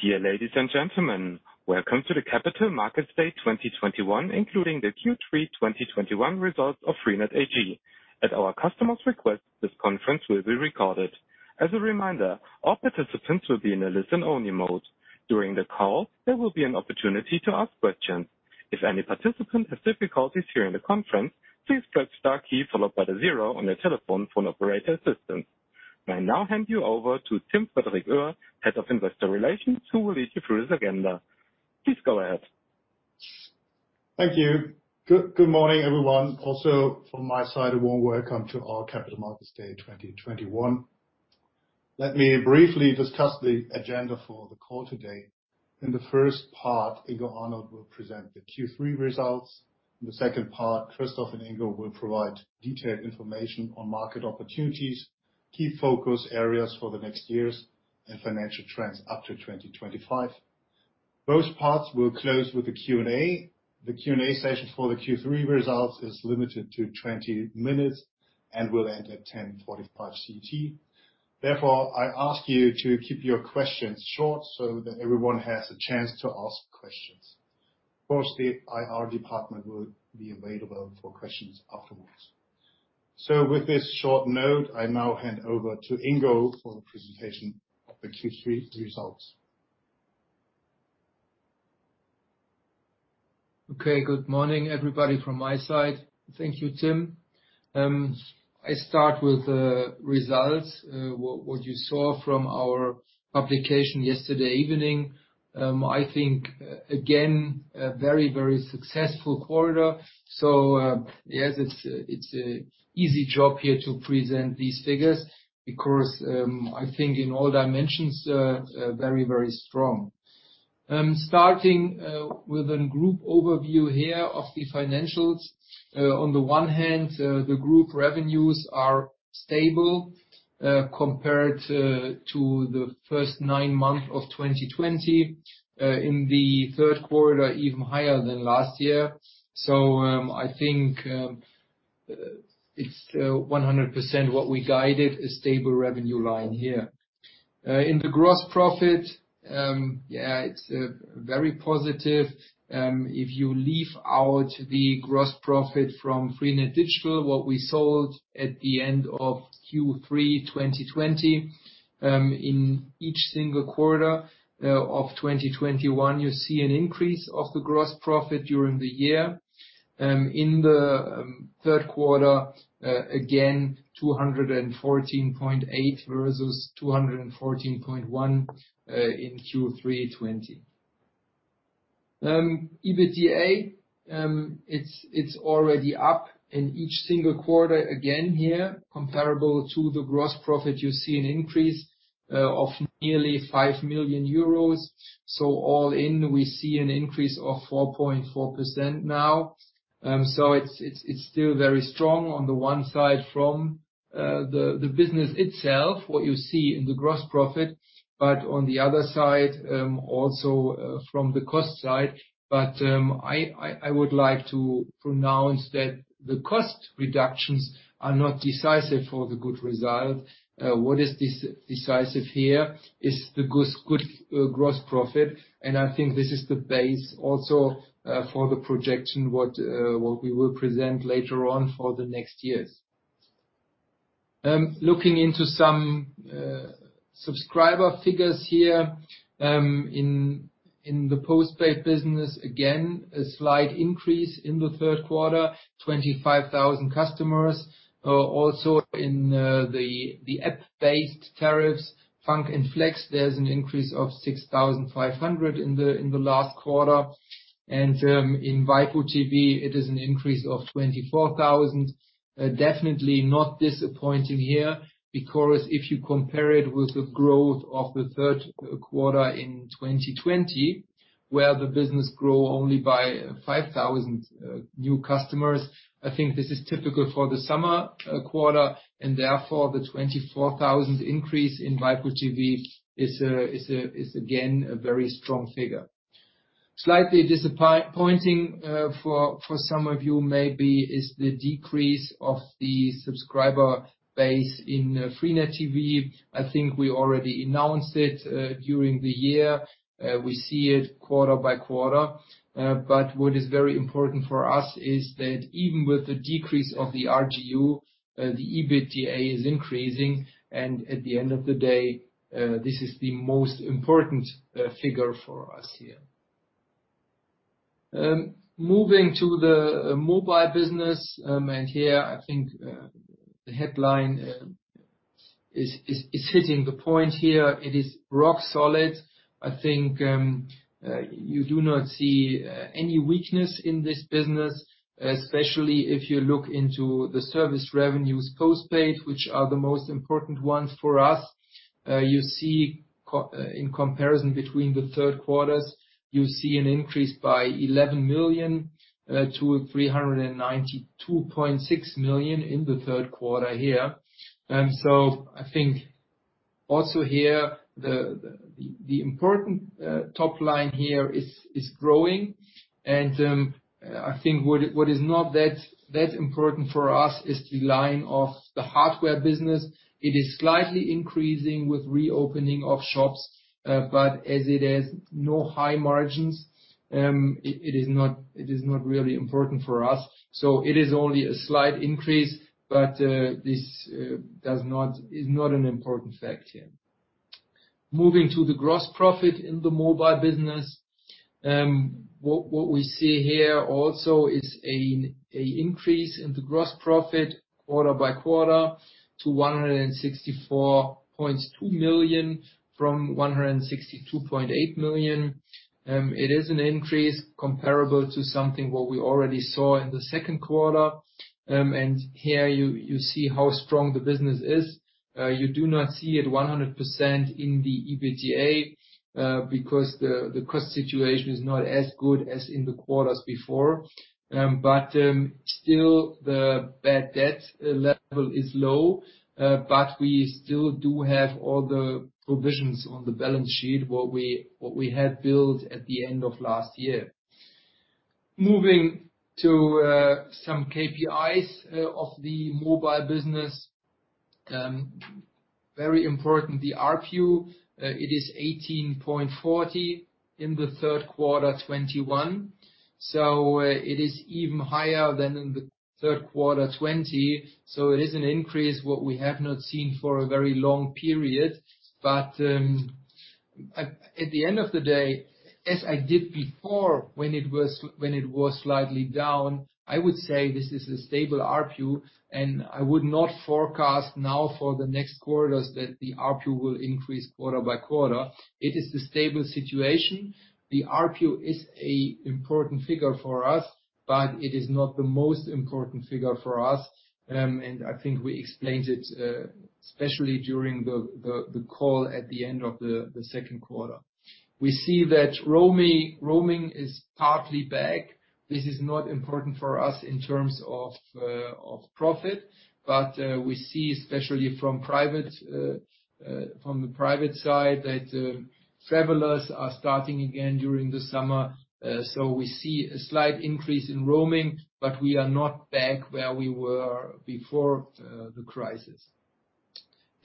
Dear ladies and gentlemen, welcome to the Capital Markets Day 2021, including the Q3 2021 results of freenet AG. At our customer's request, this conference will be recorded. As a reminder, all participants will be in a listen-only mode. During the call, there will be an opportunity to ask questions. If any participant has difficulties hearing the conference, please press star key followed by the 0 on your telephone for an operator assistant. I now hand you over to Tim-Frederik Oehr, Head of Investor Relations, who will lead you through this agenda. Please go ahead. Thank you. Good morning, everyone. From my side, a warm welcome to our Capital Markets Day 2021. Let me briefly discuss the agenda for the call today. In the first part, Ingo Arnold will present the Q3 results. In the second part, Christoph and Ingo will provide detailed information on market opportunities, key focus areas for the next years, and financial trends up to 2025. Those parts will close with the Q&A. The Q&A session for the Q3 results is limited to 20 minutes and will end at 10:45 A.M. CT. Therefore, I ask you to keep your questions short so that everyone has a chance to ask questions. Of course, the IR department will be available for questions afterwards. With this short note, I now hand over to Ingo for the presentation of the Q3 results. Okay. Good morning, everybody, from my side. Thank you, Tim. I start with the results. What you saw from our publication yesterday evening. I think, again, a very, very successful quarter. Yes, it's an easy job here to present these figures because I think in all dimensions, very, very strong. Starting with a group overview here of the financials. On the one hand, the group revenues are stable, compared to the first nine months of 2020. In the third quarter, even higher than last year. I think it's 100% what we guided: a stable revenue line here. In the gross profit, yeah, it's very positive. If you leave out the gross profit from freenet digital, what we sold at the end of Q3 2020, in each single quarter of 2021, you see an increase of the gross profit during the year. In the third quarter, again, 214.8 versus 214.1 in Q3 2020. EBITDA, it's already up in each single quarter. Again here, comparable to the gross profit, you see an increase of nearly 5 million euros. All in, we see an increase of 4.4% now. It's still very strong on the one side from the business itself, what you see in the gross profit, but on the other side, also from the cost side. I would like to emphasize that the cost reductions are not decisive for the good result. What is decisive here is the good gross profit, and I think this is the base also for the projection we will present later on for the next years. Looking into some subscriber figures here. In the post-paid business, again, a slight increase in the third quarter, 25,000 customers. Also in the app-based tariffs, Funk and Flex, there's an increase of 6,500 in the last quarter. In waipu.tv, it is an increase of 24,000. Definitely not disappointing here because if you compare it with the growth of the third quarter in 2020, where the business grew only by 5,000 new customers, I think this is typical for the summer quarter, and therefore, the 24,000 increase in waipu.tv is again a very strong figure. Slightly disappointing for some of you maybe is the decrease of the subscriber base in freenet TV. I think we already announced it during the year. We see it quarter by quarter. What is very important for us is that even with the decrease of the RGU, the EBITDA is increasing, and at the end of the day, this is the most important figure for us here. Moving to the mobile business. Here, I think the headline is hitting the point here. It is rock solid. I think you do not see any weakness in this business, especially if you look into the service revenues post-paid, which are the most important ones for us. You see in comparison between the Q3, you see an increase by 11 million to 392.6 million in the Q3 here. I think also here, the important top line here is growing. I think what is not that important for us is the line of the hardware business. It is slightly increasing with reopening of shops, but as it has no high margins, it is not really important for us. It is only a slight increase, but this is not an important fact here. Moving to the gross profit in the mobile business. What we see here also is an increase in the gross profit quarter by quarter to 164.2 million from 162.8 million. It is an increase comparable to something that we already saw in the second quarter. Here you see how strong the business is. You do not see it 100% in the EBITDA because the cost situation is not as good as in the quarters before. Still, the bad debt level is low, but we still do have all the provisions on the balance sheet, what we had built at the end of last year. Moving to some KPIs of the mobile business. Very important, the ARPU, it is 18.40 in the third quarter 2021. It is even higher than in the third quarter 2020, so it is an increase what we have not seen for a very long period. At the end of the day, as I did before when it was slightly down, I would say this is a stable ARPU, and I would not forecast now for the next quarters that the ARPU will increase quarter by quarter. It is a stable situation. The ARPU is an important figure for us, but it is not the most important figure for us. I think we explained it, especially during the call at the end of the second quarter. We see that roaming is partly back. This is not important for us in terms of profit, but we see especially from the private side that travelers are starting again during the summer. So we see a slight increase in roaming, but we are not back where we were before the crisis.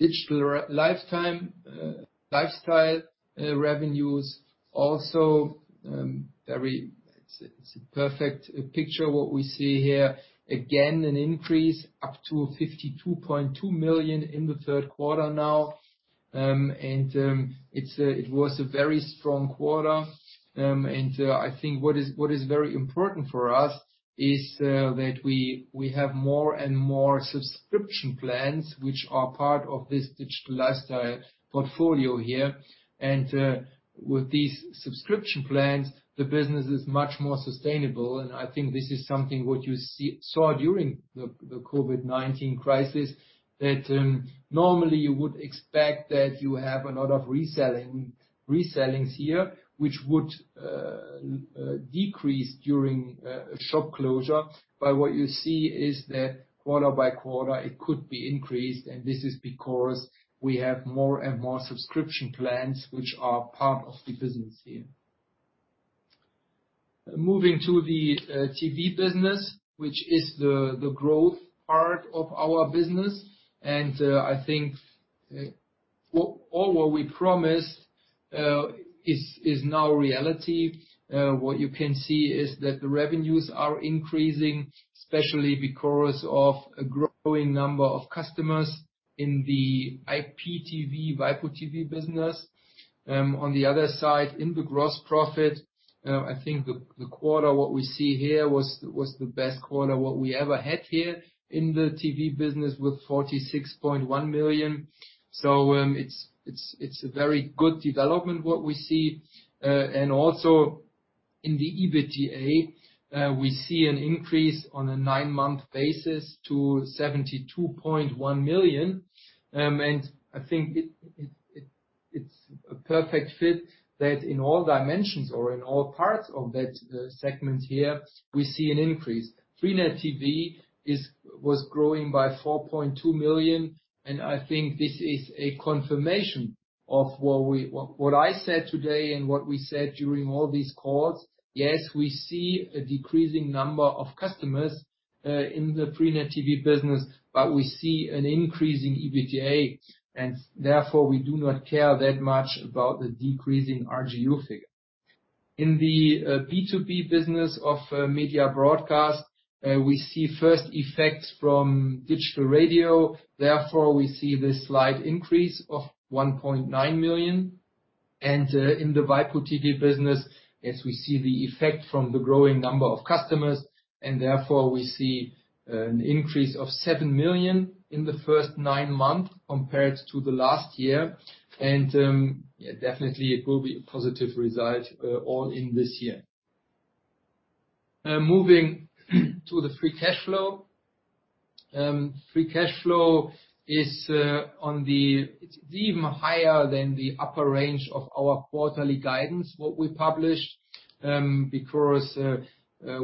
Digital lifetime lifestyle revenues also very. It's a perfect picture what we see here. Again, an increase up to 52.2 million in the third quarter now. It was a very strong quarter. I think what is very important for us is that we have more and more subscription plans which are part of this digital lifestyle portfolio here. With these subscription plans, the business is much more sustainable, and I think this is something what you saw during the COVID-19 crisis. Normally you would expect that you have a lot of reselling here, which would decrease during a shop closure. What you see is that quarter by quarter it could be increased, and this is because we have more and more subscription plans which are part of the business here. Moving to the TV business, which is the growth part of our business. I think all what we promised is now reality. What you can see is that the revenues are increasing, especially because of a growing number of customers in the IPTV, waipu.tv business. On the other side, in the gross profit, I think the quarter what we see here was the best quarter what we ever had here in the TV business with 46.1 million. It's a very good development what we see. Also in the EBITDA, we see an increase on a 9-month basis to 72.1 million. I think it's a perfect fit that in all dimensions or in all parts of that segment here, we see an increase. freenet TV was growing by 4.2 million, and I think this is a confirmation of what I said today and what we said during all these calls. Yes, we see a decreasing number of customers in the freenet TV business, but we see an increase in EBITDA, and therefore we do not care that much about the decreasing RGU figure. In the B2B business of Media Broadcast, we see first effects from digital radio. Therefore, we see this slight increase of 1.9 million. In the waipu.tv business, as we see the effect from the growing number of customers, and therefore we see an increase of 7 million in the first 9 months compared to the last year. Yeah, definitely it will be a positive result all in this year. Moving to the free cash flow. Free cash flow is even higher than the upper range of our quarterly guidance what we published because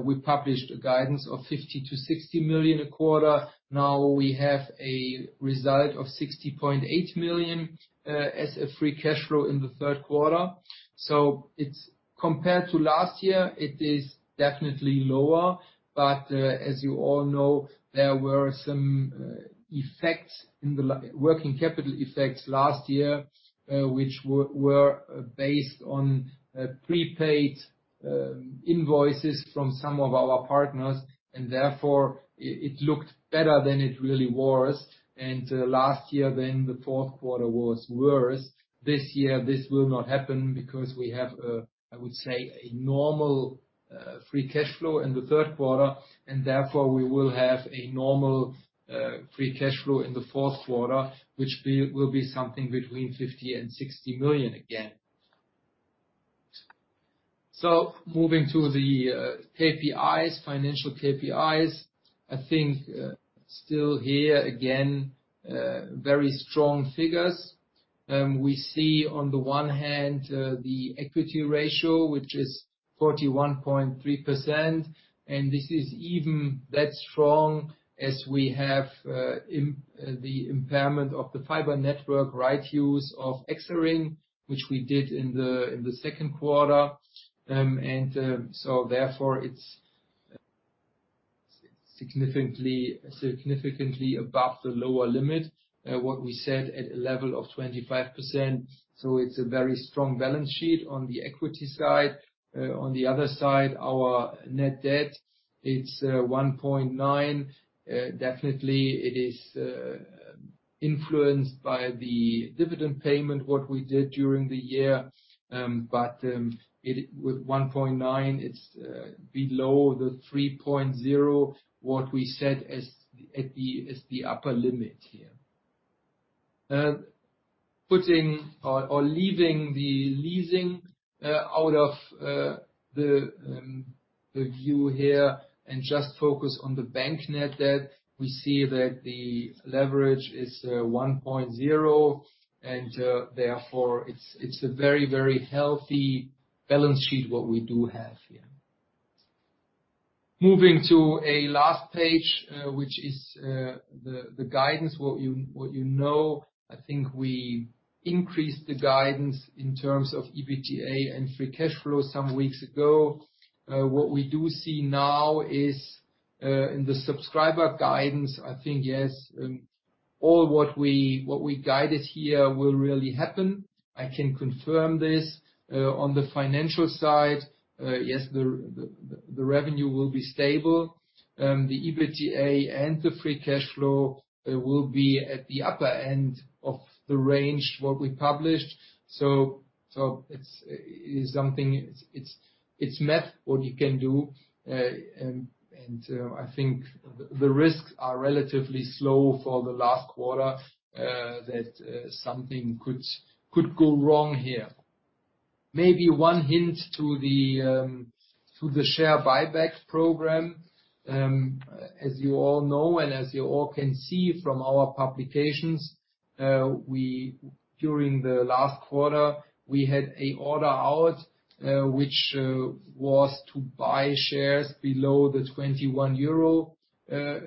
we published a guidance of 50 million-60 million a quarter. Now we have a result of 60.8 million as a free cash flow in the third quarter. Compared to last year it is definitely lower. As you all know, there were some working capital effects last year which were based on prepaid invoices from some of our partners, and therefore it looked better than it really was. Last year then the fourth quarter was worse. This year, this will not happen because we have a, I would say, a normal free cash flow in the third quarter, and therefore we will have a normal free cash flow in the fourth quarter, which will be something between 50 million and 60 million again. Moving to the KPIs, financial KPIs. I think still here again very strong figures. We see on the one hand the equity ratio, which is 41.3%, and this is even that strong as we have the impairment of the fiber network right-of-use of EXARING, which we did in the second quarter. And therefore it's significantly above the lower limit what we set at a level of 25%. It's a very strong balance sheet on the equity side. On the other side, our net debt, it's 1.9. Definitely, it is influenced by the dividend payment, what we did during the year. With 1.9, it's below the 3.0, what we set as the upper limit here. Putting or leaving the leasing out of the view here and just focus on the bank net debt, we see that the leverage is 1.0, and therefore it's a very healthy balance sheet what we do have here. Moving to a last page, which is the guidance, what you know, I think we increased the guidance in terms of EBITDA and free cash flow some weeks ago. What we do see now is in the subscriber guidance, I think, yes, all what we guided here will really happen. I can confirm this. On the financial side, yes, the revenue will be stable. The EBITDA and the free cash flow will be at the upper end of the range what we published. It's math what you can do. I think the risks are relatively low for the last quarter that something could go wrong here. Maybe one hint to the share buyback program. As you all know and as you all can see from our publications, during the last quarter, we had an order out, which was to buy shares below the 21 euro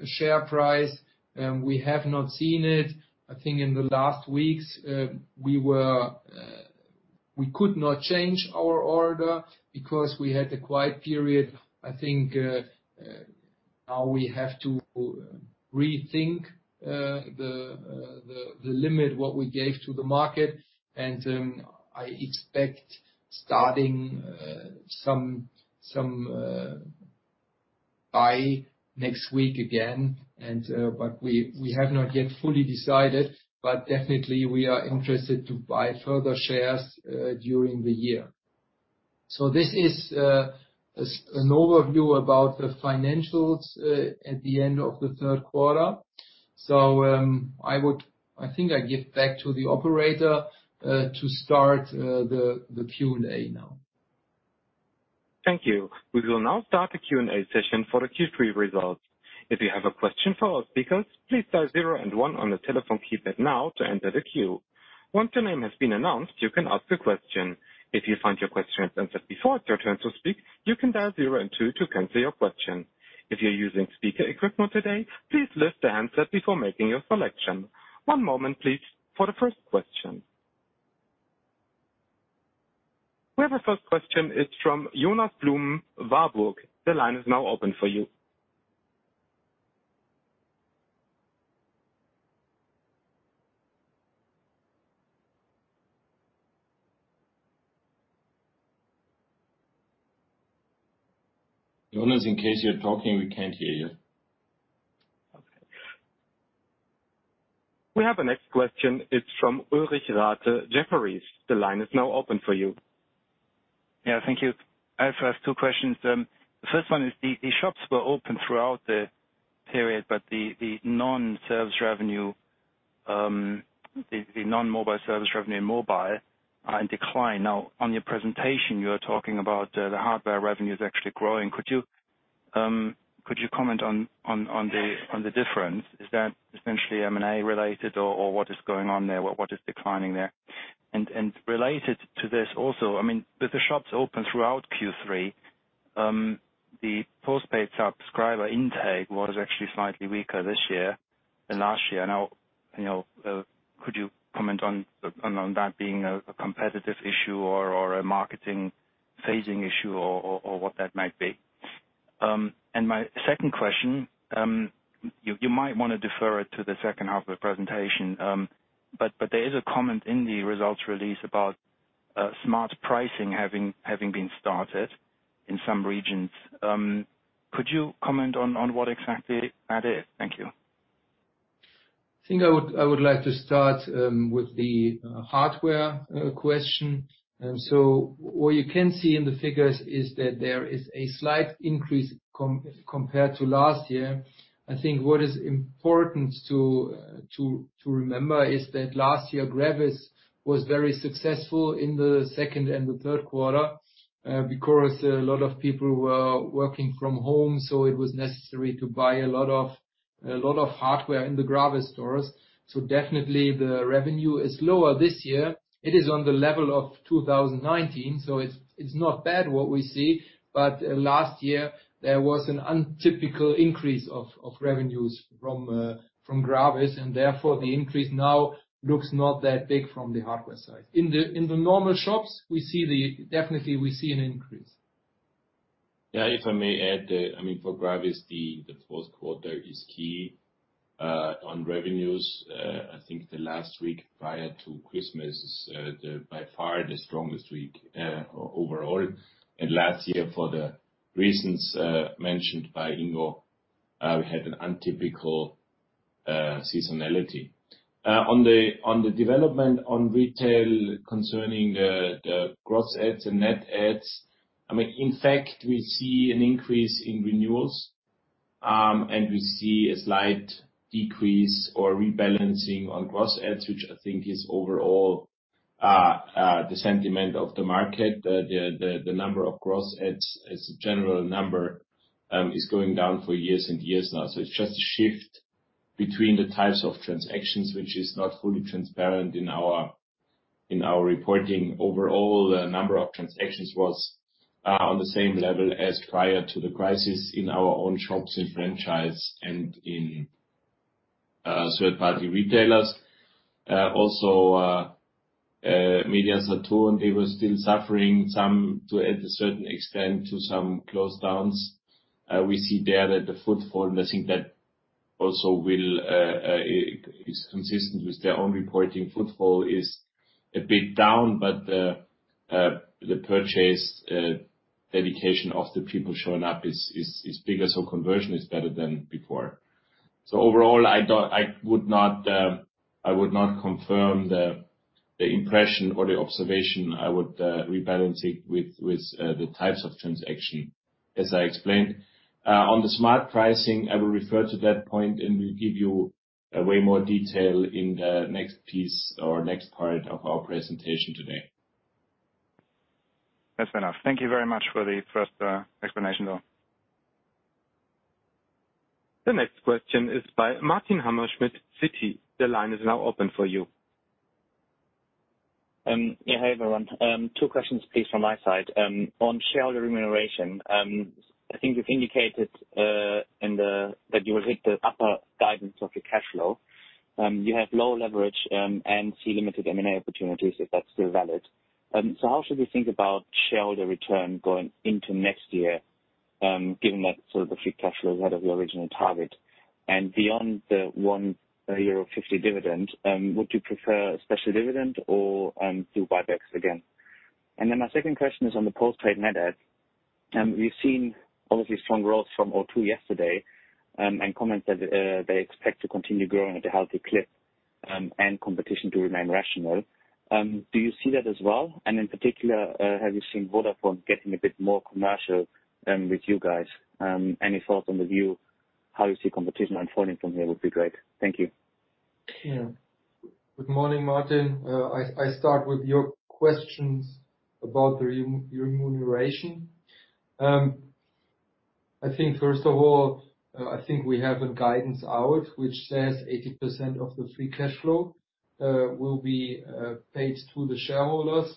share price. We have not seen it. I think in the last weeks, we could not change our order because we had a quiet period. I think now we have to rethink the limit what we gave to the market. I expect starting some buy next week again. We have not yet fully decided, but definitely we are interested to buy further shares during the year. This is an overview about the financials at the end of the Q3. I think I give back to the operator to start the Q&A now. Thank you. We will now start the Q&A session for the Q3 results. If you have a question for our speakers, please dial zero and one on the telephone keypad now to enter the queue. Once your name has been announced, you can ask a question. If you find your question answered before it's your turn to speak, you can dial zero and two to cancel your question. If you're using speaker equipment today, please lift the handset before making your selection. One moment please for the first question. We have a first question. It's from Jonas Blum, Warburg. The line is now open for you. Jonas, in case you're talking, we can't hear you. We have the next question. It's from Ulrich Rathe, Jefferies. The line is now open for you. Yeah. Thank you. I first have two questions. The first one is the shops were open throughout the period, but the non-service revenue The non-mobile service revenue in mobile are in decline. Now, on your presentation, you are talking about the hardware revenue is actually growing. Could you comment on the difference? Is that essentially M&A related or what is going on there? What is declining there? Related to this also, I mean, with the shops open throughout Q3, the postpaid subscriber intake was actually slightly weaker this year than last year. Now, you know, could you comment on that being a competitive issue or a marketing phasing issue or what that might be? My second question, you might wanna defer it to the second half of the presentation, but there is a comment in the results release about smart pricing having been started in some regions. Could you comment on what exactly that is? Thank you. I would like to start with the hardware question. What you can see in the figures is that there is a slight increase compared to last year. I think what is important to remember is that last year, Gravis was very successful in the second and the third quarter because a lot of people were working from home, so it was necessary to buy a lot of hardware in the Gravis stores. Definitely the revenue is lower this year. It is on the level of 2019, so it's not bad what we see, but last year there was an untypical increase of revenues from Gravis, and therefore the increase now looks not that big from the hardware side. In the normal shops, definitely we see an increase. Yeah, if I may add, I mean, for Gravis, the Q4 is key on revenues. I think the last week prior to Christmas is by far the strongest week overall. Last year for the reasons mentioned by Ingo, we had an untypical seasonality. On the development on retail concerning gross adds and net adds, I mean, in fact, we see an increase in renewals, and we see a slight decrease or rebalancing on gross adds, which I think is overall the sentiment of the market. The number of gross adds as a general number is going down for years and years now. It's just a shift between the types of transactions which is not fully transparent in our reporting. Overall, the number of transactions was on the same level as prior to the crisis in our own shops in franchise and in third-party retailers. MediaMarkt-Saturn, they were still suffering somewhat to a certain extent to some lockdowns. We see there that the footfall, and I think that also is consistent with their own reporting. Footfall is a bit down, but the purchase dedication of the people showing up is bigger, so conversion is better than before. Overall, I would not confirm the impression or the observation. I would rebalance it with the types of transaction, as I explained. On the smart pricing, I will refer to that point, and we'll give you way more detail in the next piece or next part of our presentation today. That's fair enough. Thank you very much for the first explanation, though. The next question is by Martin Hammerschmidt, Citi. The line is now open for you. Yeah. Hey, everyone. Two questions please from my side. On shareholder remuneration, I think you've indicated in the that you will hit the upper guidance of your cash flow. You have low leverage and see limited M&A opportunities if that's still valid. How should we think about shareholder return going into next year, given that sort of the free cash flow is ahead of your original target? Beyond the 1.50 euro dividend, would you prefer a special dividend or do buybacks again? My second question is on the postpaid net adds. We've seen obviously strong growth from O2 yesterday, and comments that they expect to continue growing at a healthy clip, and competition to remain rational. Do you see that as well? In particular, have you seen Vodafone getting a bit more commercial with you guys? Any thoughts on the view, how you see competition unfolding from here would be great. Thank you. Yeah. Good morning, Martin. I start with your questions about the remuneration. I think first of all, I think we have a guidance out which says 80% of the free cash flow will be paid to the shareholders.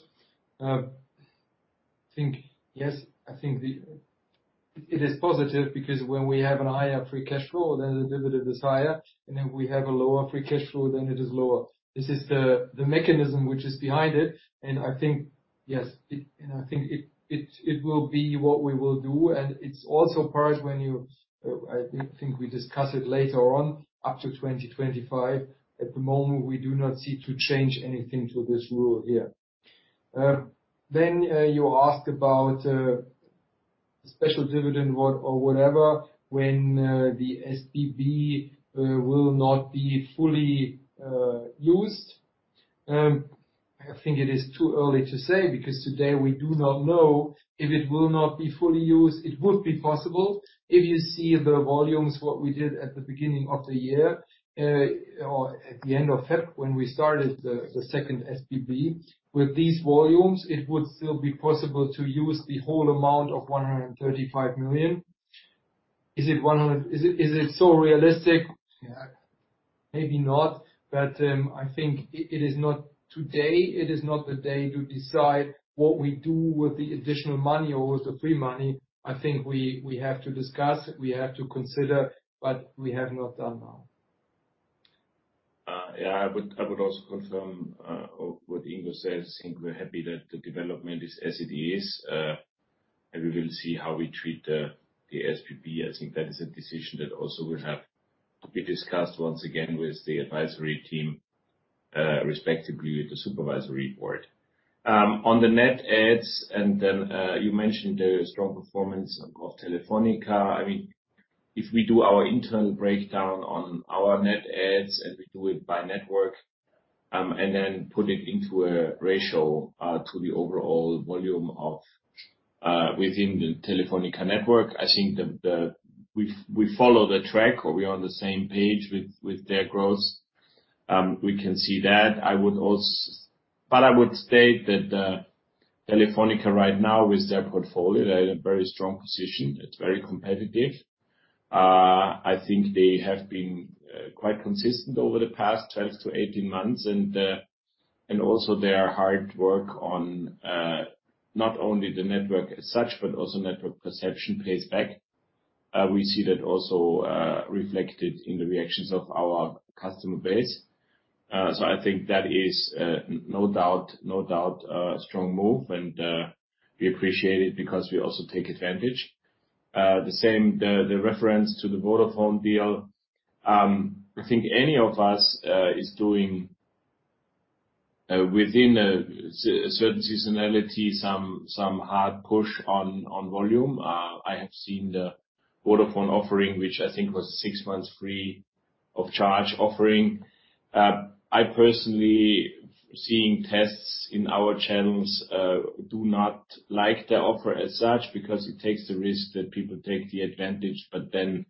I think it is positive because when we have a higher free cash flow, then the dividend is higher, and if we have a lower free cash flow, then it is lower. This is the mechanism which is behind it, and I think it will be what we will do. It's also part when you, I think we discuss it later on, up to 2025. At the moment, we do not seek to change anything to this rule here. You ask about special dividend what or whatever when the SBB will not be fully used. I think it is too early to say because today we do not know if it will not be fully used. It would be possible. If you see the volumes, what we did at the beginning of the year, or at the end of February, when we started the second SBB. With these volumes, it would still be possible to use the whole amount of 135 million. Is it so realistic? Yeah, maybe not. I think it is not today, it is not the day to decide what we do with the additional money or the free money. I think we have to discuss, we have to consider, but we have not done now. Yeah. I would also confirm what Ingo says. I think we're happy that the development is as it is. We will see how we treat the SBB. I think that is a decision that also will have to be discussed once again with the advisory team, respectively with the supervisory board. On the net adds, you mentioned the strong performance of Telefónica. I mean, if we do our internal breakdown on our net adds, and we do it by network, and then put it into a ratio to the overall volume within the Telefónica network. I think we're on track or we're on the same page with their growth. We can see that. I would state that Telefónica right now with their portfolio, they're in a very strong position. It's very competitive. I think they have been quite consistent over the past 12 to 18 months. Also their hard work on not only the network as such, but also network perception pays back. We see that also reflected in the reactions of our customer base. I think that is no doubt a strong move, and we appreciate it because we also take advantage. The same, the reference to the Vodafone deal. I think any of us is doing within a certain seasonality some hard push on volume. I have seen the Vodafone offering, which I think was a 6 months free of charge offering. I personally seeing tests in our channels do not like the offer as such because it takes the risk that people take the advantage, but then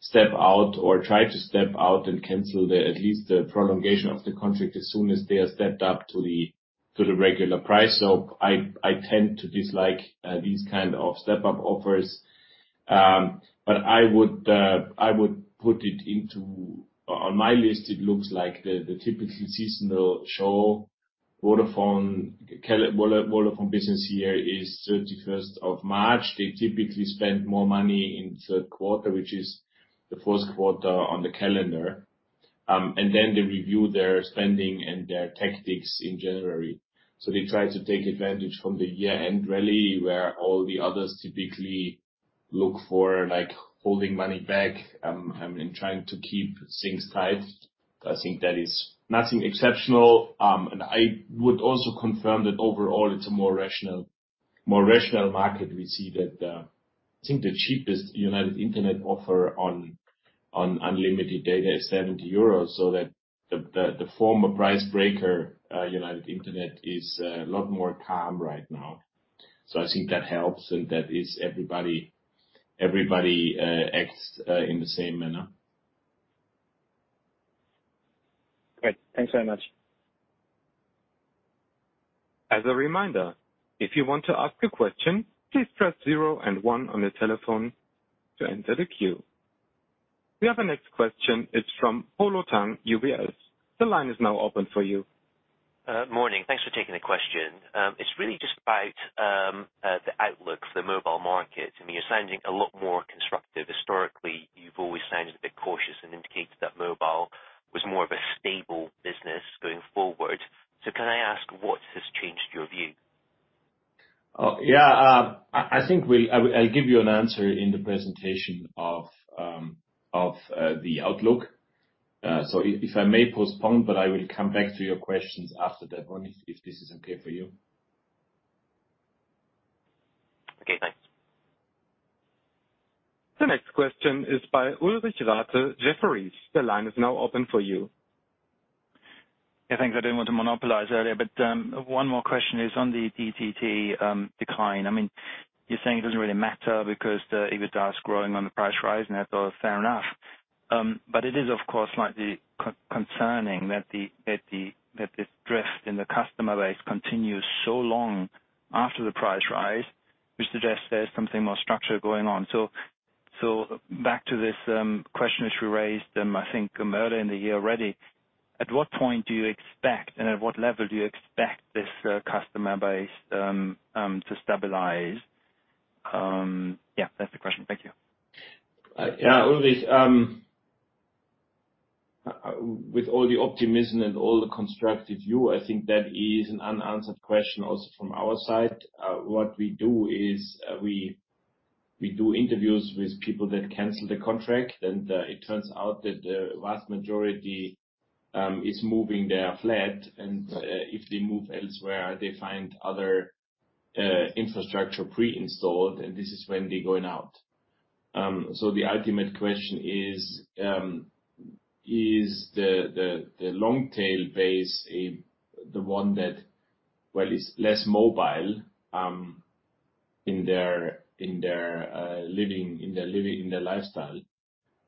step out or try to step out and cancel at least the prolongation of the contract as soon as they are stepped up to the regular price. I tend to dislike these kind of step-up offers. I would put it on my list. It looks like the typical seasonal show. Vodafone business year is thirty-first of March. They typically spend more money in third quarter, which is the first quarter on the calendar. Then they review their spending and their tactics in January. They try to take advantage from the year-end rally where all the others typically look for, like, holding money back, and trying to keep things tight. I think that is nothing exceptional. I would also confirm that overall it's a more rational market. We see that, I think the cheapest United Internet offer on unlimited data is 70 euros, so that the former price breaker, United Internet, is a lot more calm right now. I think that helps, and that is everybody acts in the same manner. Great. Thanks very much. As a reminder, if you want to ask a question, please press zero and one on your telephone to enter the queue. We have a next question. It's from Polo Tang, UBS. The line is now open for you. Morning. Thanks for taking the question. It's really just about the outlook for the mobile market. I mean, you're sounding a lot more constructive. Historically, you've always sounded a bit cautious and indicated that mobile was more of a stable business going forward. Can I ask what has changed your view? Oh, yeah. I think I'll give you an answer in the presentation of the outlook. If I may postpone, but I will come back to your questions after that one, if this is okay for you. Okay, thanks. The next question is by Ulrich Rathe, Jefferies. The line is now open for you. Yeah, thanks. I didn't want to monopolize earlier, but one more question is on the DTT decline. I mean, you're saying it doesn't really matter because the EBITDA is growing on the price rise, and I thought, fair enough. But it is, of course, slightly concerning that this drift in the customer base continues so long after the price rise, which suggests there's something more structural going on. So back to this question which we raised, I think earlier in the year already. At what point do you expect, and at what level do you expect this customer base to stabilize? Yeah, that's the question. Thank you. Yeah. Ulrich, with all the optimism and all the constructive view, I think that is an unanswered question also from our side. What we do is we do interviews with people that cancel the contract, and it turns out that the vast majority is moving their flat, and if they move elsewhere, they find other infrastructure pre-installed, and this is when they're going out. The ultimate question is the long tail base the one that well is less mobile in their living in their lifestyle,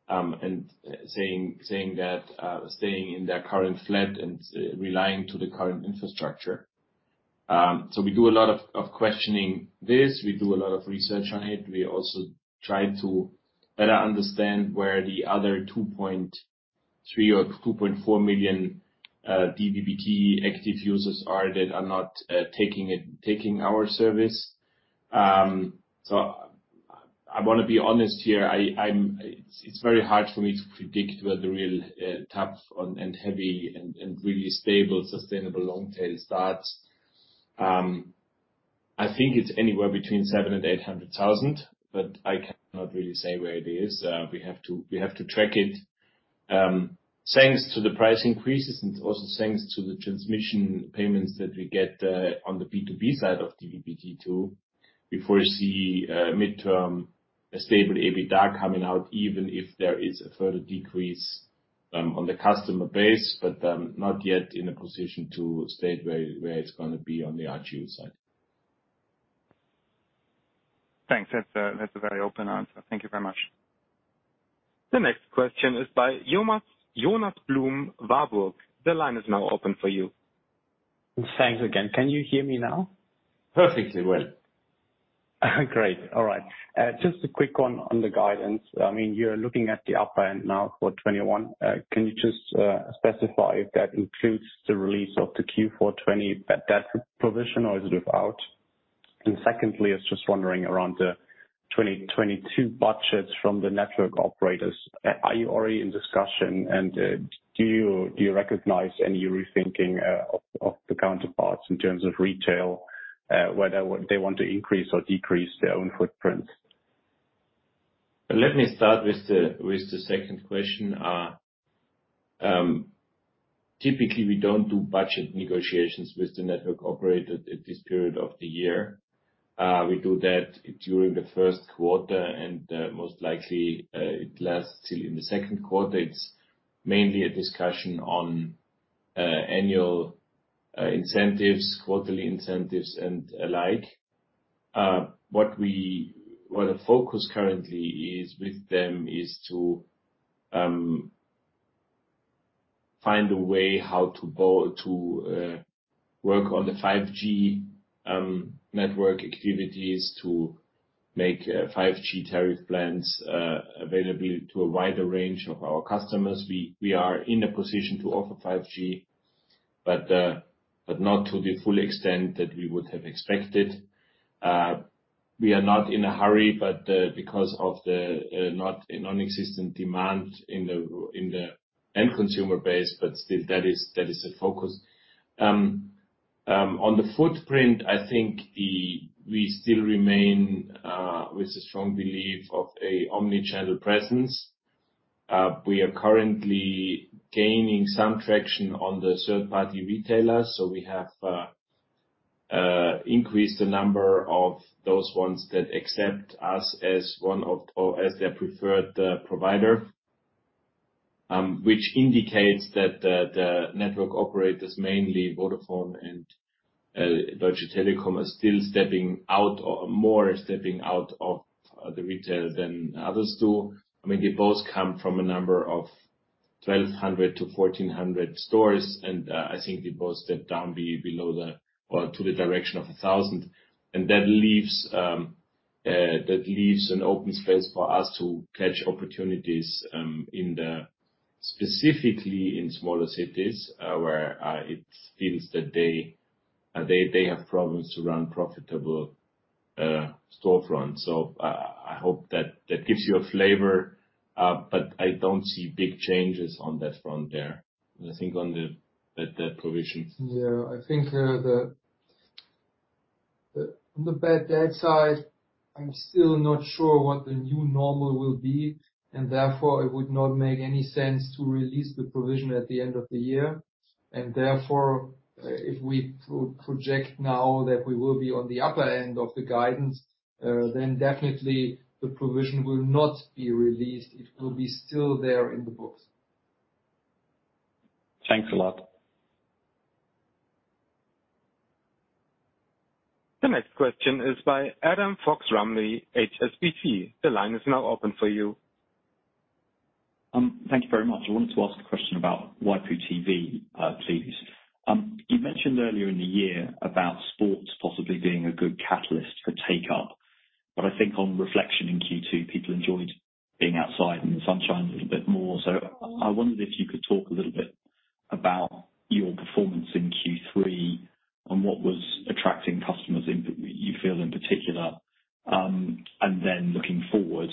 and saying that staying in their current flat and relying on the current infrastructure. We do a lot of questioning this. We do a lot of research on it. We also try to better understand where the other 2.3 or 2.4 million DVB-T active users are that are not taking our service. I wanna be honest here, I'm—it's very hard for me to predict where the real tough and heavy and really stable, sustainable long tail starts. I think it's anywhere between 700,000 and 800,000, but I cannot really say where it is. We have to track it. Thanks to the price increases and also thanks to the transmission payments that we get on the B2B side of DVB-T too, before you see mid-term a stable EBITDA coming out, even if there is a further decrease on the customer base, but not yet in a position to state where it's gonna be on the RGU side. Thanks. That's a very open answer. Thank you very much. The next question is by Jonas Blum, Warburg. The line is now open for you. Thanks again. Can you hear me now? Perfectly well. Great. All right, just a quick one on the guidance. I mean, you're looking at the upper end now for 2021. Can you just specify if that includes the release of the Q4 2020 bad debt provision or is it without? And secondly, I was just wondering about the 2022 budgets from the network operators. Are you already in discussion and do you recognize any rethinking of the counterparts in terms of retail whether they want to increase or decrease their own footprints? Let me start with the second question. Typically we don't do budget negotiations with the network operator at this period of the year. We do that during the first quarter and most likely it lasts 'til in the second quarter. It's mainly a discussion on annual incentives, quarterly incentives and alike. Where the focus currently is with them is to find a way how to work on the 5G network activities to make 5G tariff plans available to a wider range of our customers. We are in a position to offer 5G, but not to the full extent that we would have expected. We are not in a hurry, but because of a nonexistent demand in the end consumer base, but still, that is a focus. On the footprint, I think we still remain with a strong belief of a omni-channel presence. We are currently gaining some traction on the third-party retailers, so we have increased the number of those ones that accept us as one of or as their preferred provider, which indicates that the network operators, mainly Vodafone and Deutsche Telekom, are still stepping out or more stepping out of the retail than others do. I mean, they both come from a number of 1,200-1,400 stores, and I think they both step down below or to the direction of 1,000. That leaves an open space for us to catch opportunities, specifically in smaller cities, where it feels that they have problems to run profitable storefronts. I hope that gives you a flavor, but I don't see big changes on that front there. I think on the that provision. Yeah. I think, the bad debt side, I'm still not sure what the new normal will be, and therefore it would not make any sense to release the provision at the end of the year. Therefore, if we project now that we will be on the upper end of the guidance, then definitely the provision will not be released. It will be still there in the books. Thanks a lot. The next question is by Adam Fox-Rumley, HSBC. The line is now open for you. Thank you very much. I wanted to ask a question about freenet TV, please. You mentioned earlier in the year about sports possibly being a good catalyst for take-up. I think on reflection in Q2, people enjoyed being outside in the sunshine a little bit more. I wondered if you could talk a little bit about your performance in Q3 and what was attracting customers in, you feel in particular. Looking forward,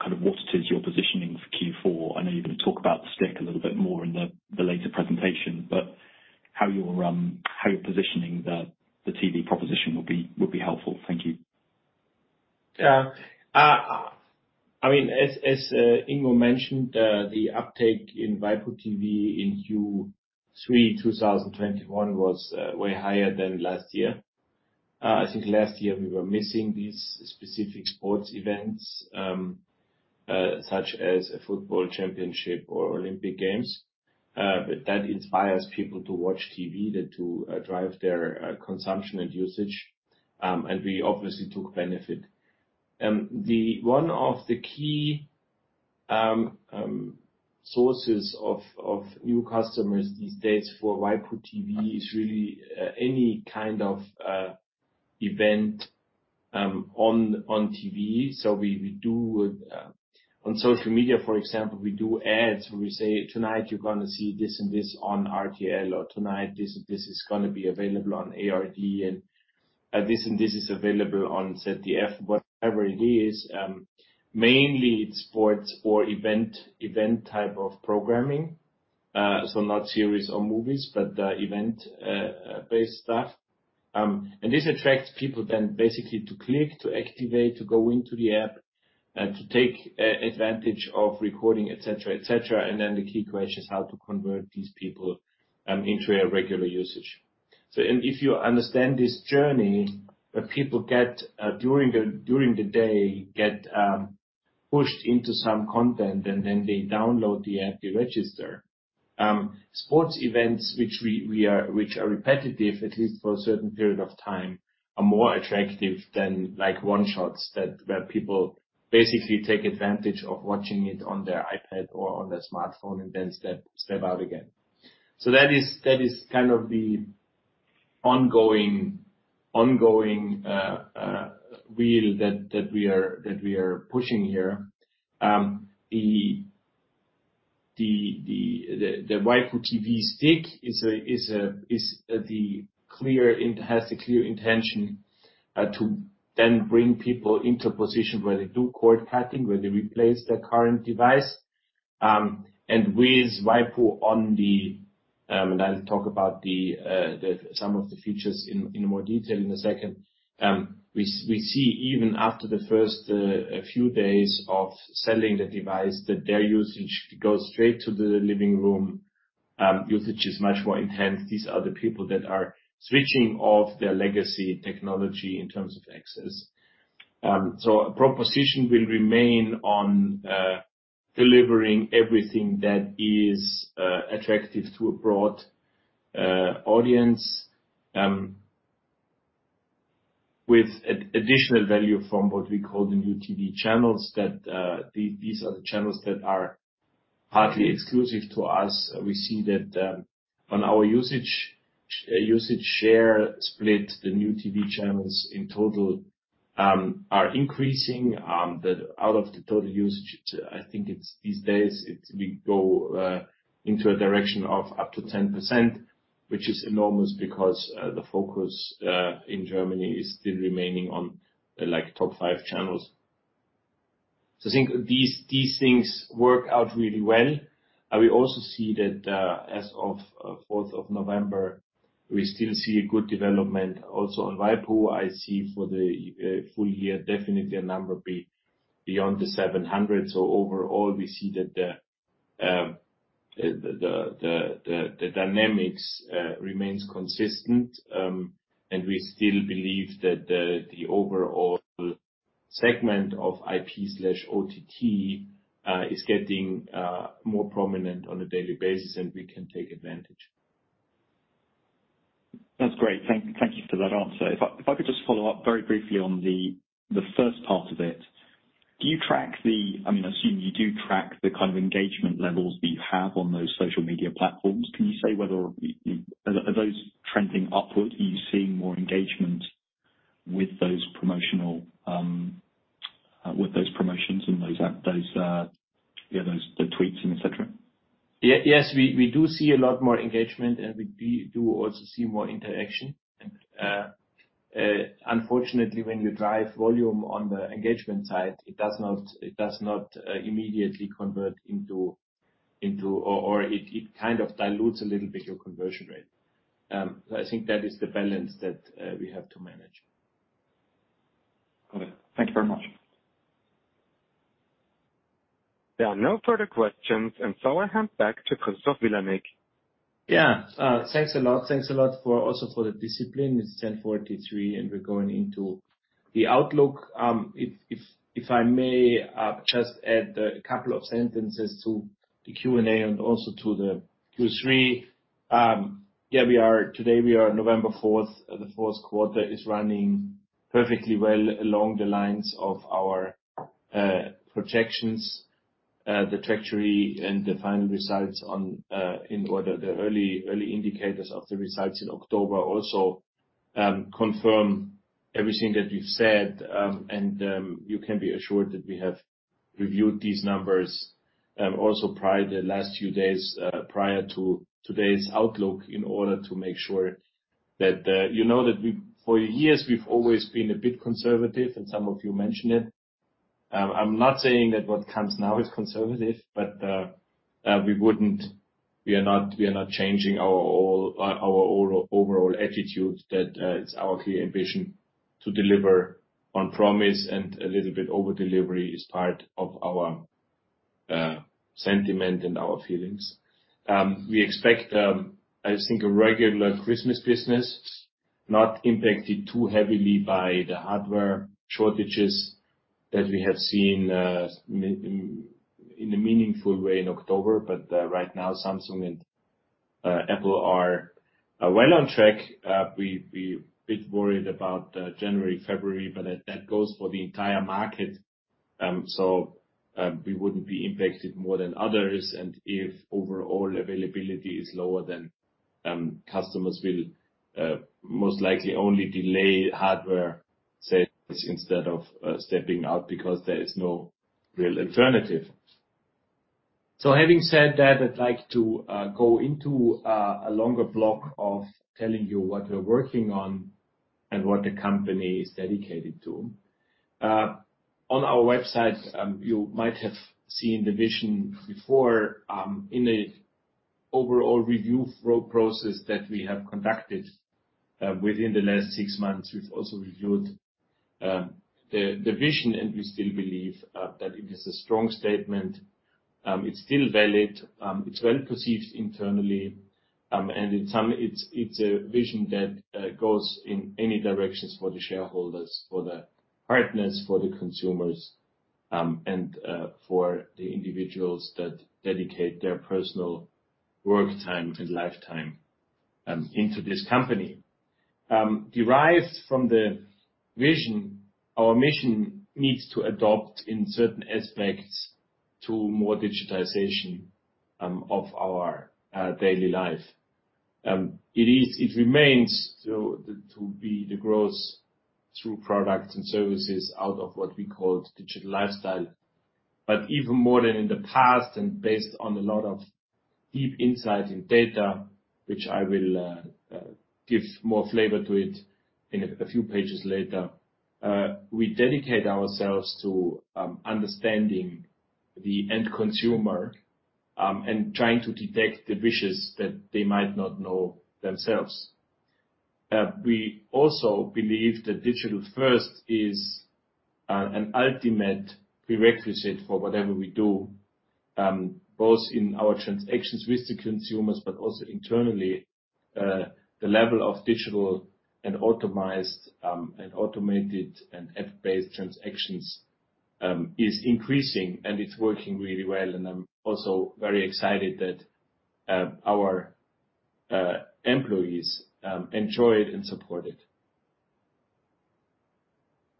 kind of what is your positioning for Q4? I know you're gonna talk about Sky a little bit more in the later presentation, but how you're positioning the TV proposition would be helpful. Thank you. I mean, as Ingo mentioned, the uptake in waipu.tv in Q3 2021 was way higher than last year. I think last year we were missing these specific sports events, such as a football championship or Olympic Games. But that inspires people to watch TV, to drive their consumption and usage. And we obviously took benefit. One of the key sources of new customers these days for waipu.tv is really any kind of event on TV. We do on social media, for example, we do ads where we say, "Tonight you're gonna see this and this on RTL," or, "Tonight this and this is gonna be available on ARD, and this and this is available on ZDF." Whatever it is, mainly it's sports or event type of programming. Not series or movies, but event-based stuff. This attracts people then basically to click, to activate, to go into the app, to take advantage of recording, et cetera. Then the key question is how to convert these people into a regular usage. If you understand this journey that people get during the day, get pushed into some content, and then they download the app, they register. Sports events, which are repetitive, at least for a certain period of time, are more attractive than like one-shots where people basically take advantage of watching it on their iPad or on their smartphone and then step out again. That is kind of the ongoing wheel that we are pushing here. The waipu.tv stick has the clear intention to then bring people into a position where they do cord cutting, where they replace their current device. With waipu.tv on the, I'll talk about some of the features in more detail in a second. We see even after the first few days of selling the device that their usage goes straight to the living room. Usage is much more intense. These are the people that are switching off their legacy technology in terms of access. Our proposition will remain on delivering everything that is attractive to a broad audience with additional value from what we call the new TV channels that these are the channels that are partly exclusive to us. We see that on our usage share split, the new TV channels in total are increasing. Out of the total usage, it's, I think it's these days, it's we go into a direction of up to 10%, which is enormous because the focus in Germany is still remaining on the, like, top five channels. I think these things work out really well. We also see that, as of fourth of November, we still see a good development also on waipu. I see for the full year, definitely a number beyond the 700. Overall, we see that the dynamics remains consistent. We still believe that the overall segment of IP/OTT is getting more prominent on a daily basis, and we can take advantage. That's great. Thank you for that answer. If I could just follow up very briefly on the first part of it. I mean, I assume you do track the kind of engagement levels that you have on those social media platforms. Can you say whether those are trending upward? Are you seeing more engagement with those promotions and those tweets and et cetera? Yes, we do see a lot more engagement, and we do also see more interaction. Unfortunately, when you drive volume on the engagement side, it does not immediately convert into or it kind of dilutes a little bit your conversion rate. So I think that is the balance that we have to manage. Got it. Thank you very much. There are no further questions, and so I hand back to Christoph Vilanek. Yeah. Thanks a lot for the discipline. It's 10:43, and we're going into the outlook. If I may just add a couple of sentences to the Q&A and also to the Q3. Today is November fourth. The Q4 is running perfectly well along the lines of our projections. The trajectory and the final results, and the early indicators of the results in October also confirm everything that we've said. You can be assured that we have reviewed these numbers also in the last few days prior to today's outlook in order to make sure that you know that we've for years always been a bit conservative, and some of you mentioned it. I'm not saying that what comes now is conservative, but we are not changing our overall attitude that it's our clear ambition to deliver on promise and a little bit over-delivery is part of our sentiment and our feelings. We expect, I think a regular Christmas business, not impacted too heavily by the hardware shortages that we have seen in a meaningful way in October. Right now, Samsung and Apple are well on track. We're a bit worried about January, February, but that goes for the entire market. We wouldn't be impacted more than others. If overall availability is lower than, customers will most likely only delay hardware sales instead of stepping out because there is no real alternative. Having said that, I'd like to go into a longer block of telling you what we're working on and what the company is dedicated to. On our website, you might have seen the vision before, in an overall review process that we have conducted within the last six months. We've also reviewed the vision, and we still believe that it is a strong statement. It's still valid. It's well-perceived internally. And it's a vision that goes in many directions for the shareholders, for the partners, for the consumers, and for the individuals that dedicate their personal work time and lifetime into this company. Derived from the vision, our mission needs to adapt in certain aspects to more digitization of our daily life. It remains though to be the growth through products and services out of what we call digital lifestyle. Even more than in the past and based on a lot of deep insights in data, which I will give more flavor to it in a few pages later, we dedicate ourselves to understanding the end consumer and trying to detect the wishes that they might not know themselves. We also believe that digital first is an ultimate prerequisite for whatever we do, both in our transactions with the consumers but also internally. The level of digital and automized and automated and app-based transactions is increasing, and it's working really well. I'm also very excited that our employees enjoy it and support it.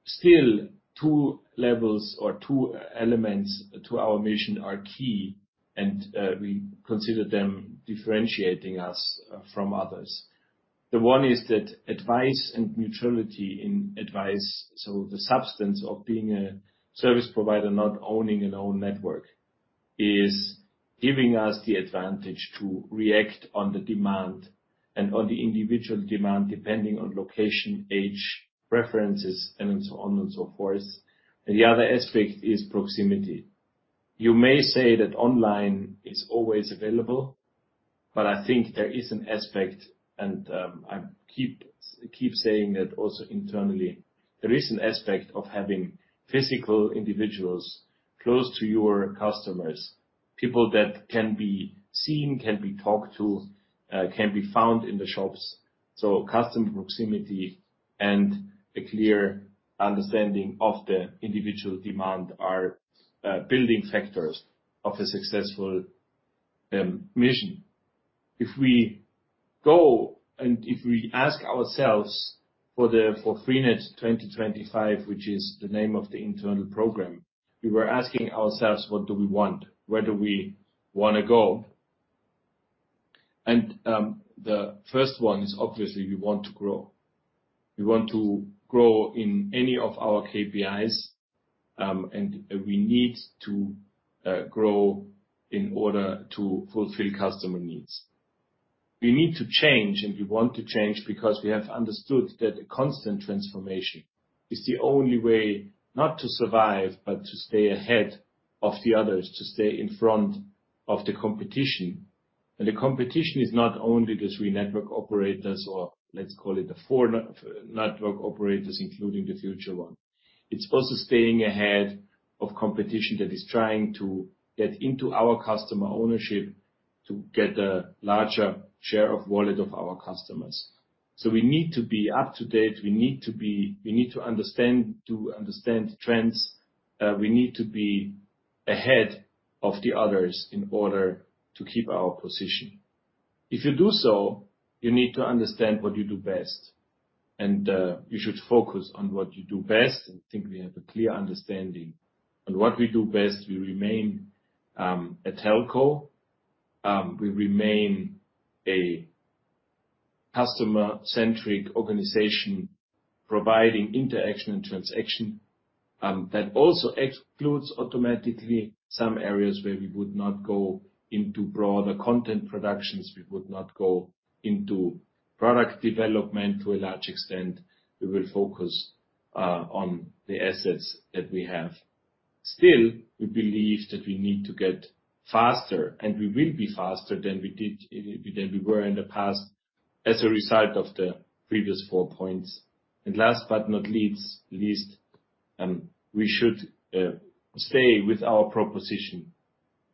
Still, two levels or two elements to our mission are key, and we consider them differentiating us from others. The one is that advice and neutrality in advice, so the substance of being a service provider, not owning an own network, is giving us the advantage to react on the demand and on the individual demand, depending on location, age, preferences, and so on and so forth. The other aspect is proximity. You may say that online is always available, but I think there is an aspect, and I keep saying that also internally, there is an aspect of having physical individuals close to your customers, people that can be seen, can be talked to, can be found in the shops. So customer proximity and a clear understanding of the individual demand are building factors of a successful mission. If we ask ourselves for freenet 2025, which is the name of the internal program, we were asking ourselves what do we want? Where do we wanna go? The first one is obviously we want to grow. We want to grow in any of our KPIs, and we need to grow in order to fulfill customer needs. We need to change, and we want to change because we have understood that constant transformation is the only way not to survive, but to stay ahead of the others, to stay in front of the competition. The competition is not only the three network operators or let's call it the four network operators, including the future one. It's also staying ahead of competition that is trying to get into our customer ownership to get a larger share of wallet of our customers. We need to be up to date. We need to understand trends. We need to be ahead of the others in order to keep our position. If you do so, you need to understand what you do best, and you should focus on what you do best. I think we have a clear understanding on what we do best. We remain a telco. We remain a customer-centric organization providing interaction and transaction. That also excludes automatically some areas where we would not go into broader content productions. We would not go into product development to a large extent. We will focus on the assets that we have. Still, we believe that we need to get faster, and we will be faster than we were in the past. As a result of the previous four points, and last but not least, we should stay with our proposition.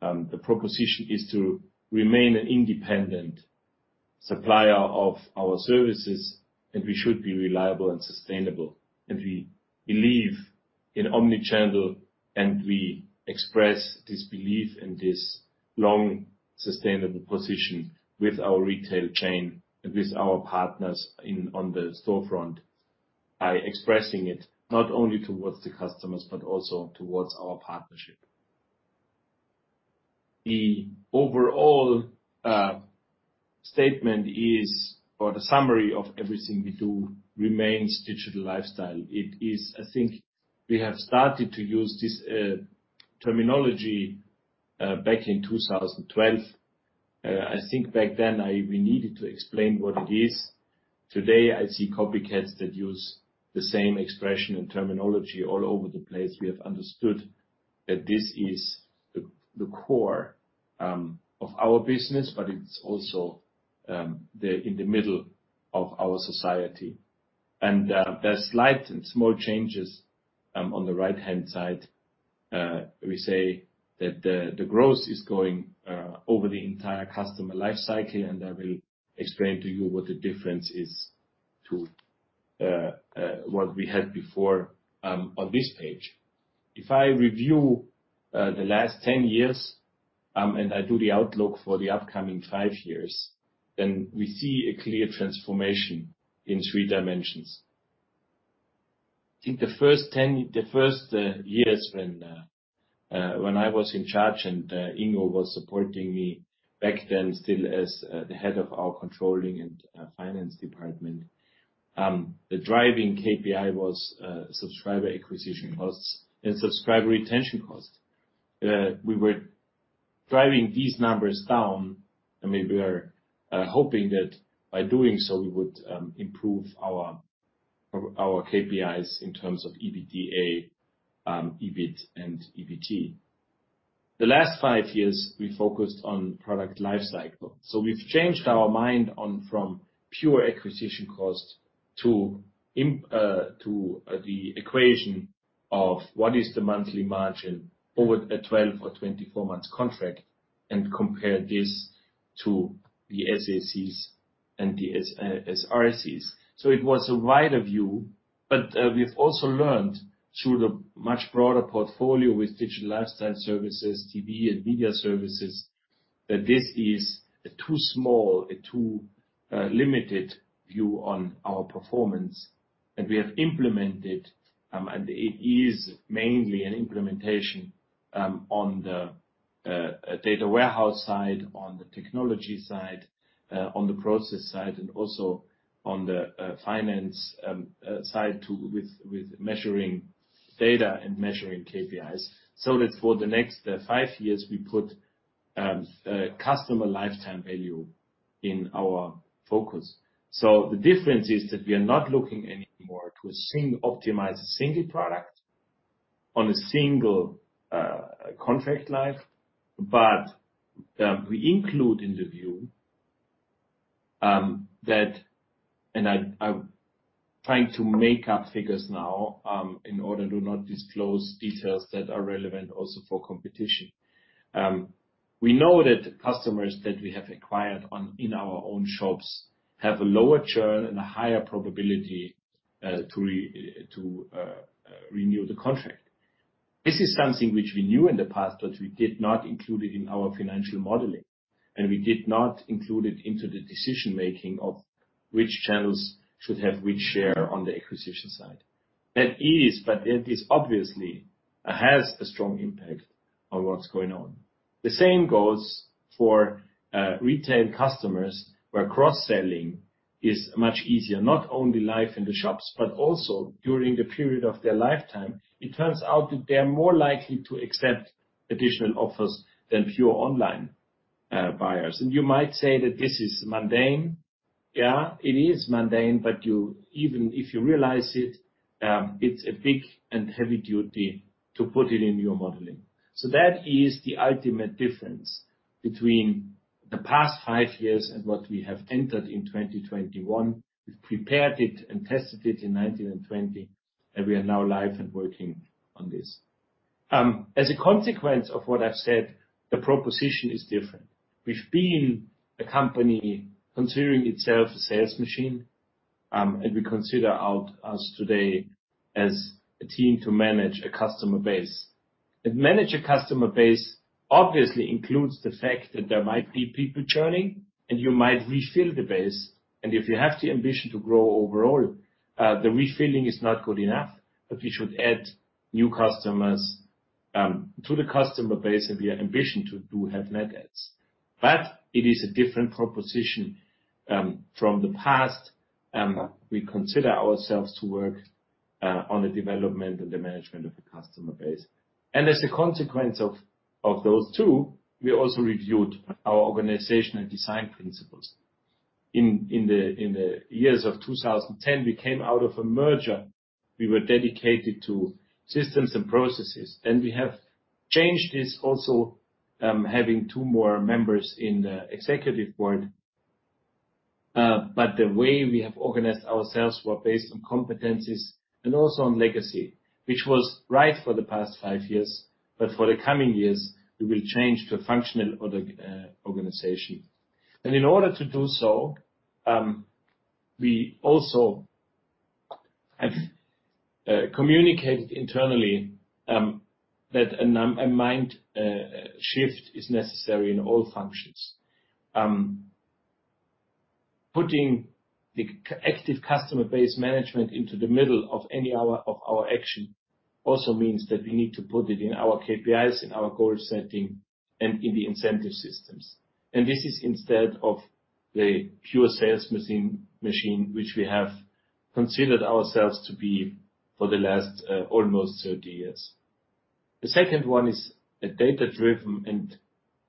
The proposition is to remain an independent supplier of our services, and we should be reliable and sustainable. We believe in omni-channel, and we express this belief in this long sustainable position with our retail chain, with our partners on the storefront, by expressing it not only towards the customers, but also towards our partnership. The overall statement is, or the summary of everything we do remains digital lifestyle. It is, I think we have started to use this terminology back in 2012. I think back then we needed to explain what it is. Today, I see copycats that use the same expression and terminology all over the place. We have understood that this is the core of our business, but it's also in the middle of our society. There's slight and small changes on the right-hand side. We say that the growth is going over the entire customer life cycle, and I will explain to you what the difference is to what we had before on this page. If I review the last 10 years and I do the outlook for the upcoming 5 years, then we see a clear transformation in three dimensions. I think the first 10 years when I was in charge and Ingo was supporting me back then, still as the head of our controlling and finance department, the driving KPI was subscriber acquisition costs and subscriber retention costs. We were driving these numbers down, and we were hoping that by doing so, we would improve our KPIs in terms of EBITDA, EBIT and EBT. The last 5 years, we focused on product life cycle. We've changed our mind from pure acquisition cost to the equation of what is the monthly margin over a 12 or 24 month contract and compare this to the SACs and the SRCs. It was a wider view, but we've also learned through the much broader portfolio with digital lifestyle services, TV and video services, that this is too small, too limited view on our performance. We have implemented, and it is mainly an implementation, on the data warehouse side, on the technology side, on the process side, and also on the finance side too, with measuring data and measuring KPIs, so that for the next five years, we put customer lifetime value in our focus. The difference is that we are not looking anymore to optimize a single product on a single contract life, but we include in the view, and I'm trying to make up figures now in order to not disclose details that are relevant also for competition. We know that customers that we have acquired in our own shops have a lower churn and a higher probability to renew the contract. This is something which we knew in the past, but we did not include it in our financial modeling, and we did not include it into the decision-making of which channels should have which share on the acquisition side. That obviously has a strong impact on what's going on. The same goes for retail customers, where cross-selling is much easier, not only live in the shops, but also during the period of their lifetime. It turns out that they are more likely to accept additional offers than pure online buyers. You might say that this is mundane. Yeah, it is mundane, but you, even if you realize it's a big and heavy duty to put it in your modeling. That is the ultimate difference between the past five years and what we have entered in 2021. We've prepared it and tested it in 2019 and 2020, and we are now live and working on this. As a consequence of what I've said, the proposition is different. We've been a company considering itself a sales machine, and we consider ourselves today as a team to manage a customer base. Manage a customer base obviously includes the fact that there might be people churning and you might refill the base. If you have the ambition to grow overall, the refilling is not good enough, but we should add new customers to the customer base, and we have ambition to have net adds. But it is a different proposition from the past, we consider ourselves to work on the development and the management of the customer base. As a consequence of those two, we also reviewed our organizational design principles. In the years of 2010, we came out of a merger. We were dedicated to systems and processes, and we have changed this also, having two more members in the executive board. The way we have organized ourselves were based on competencies and also on legacy, which was right for the past 5 years. For the coming years, we will change to a functional organization. In order to do so, we also have communicated internally, that a mind shift is necessary in all functions. Putting the active customer base management into the middle of our action also means that we need to put it in our KPIs, in our goal setting, and in the incentive systems. This is instead of the pure sales machine which we have considered ourselves to be for the last almost 30 years. The second one is a data-driven and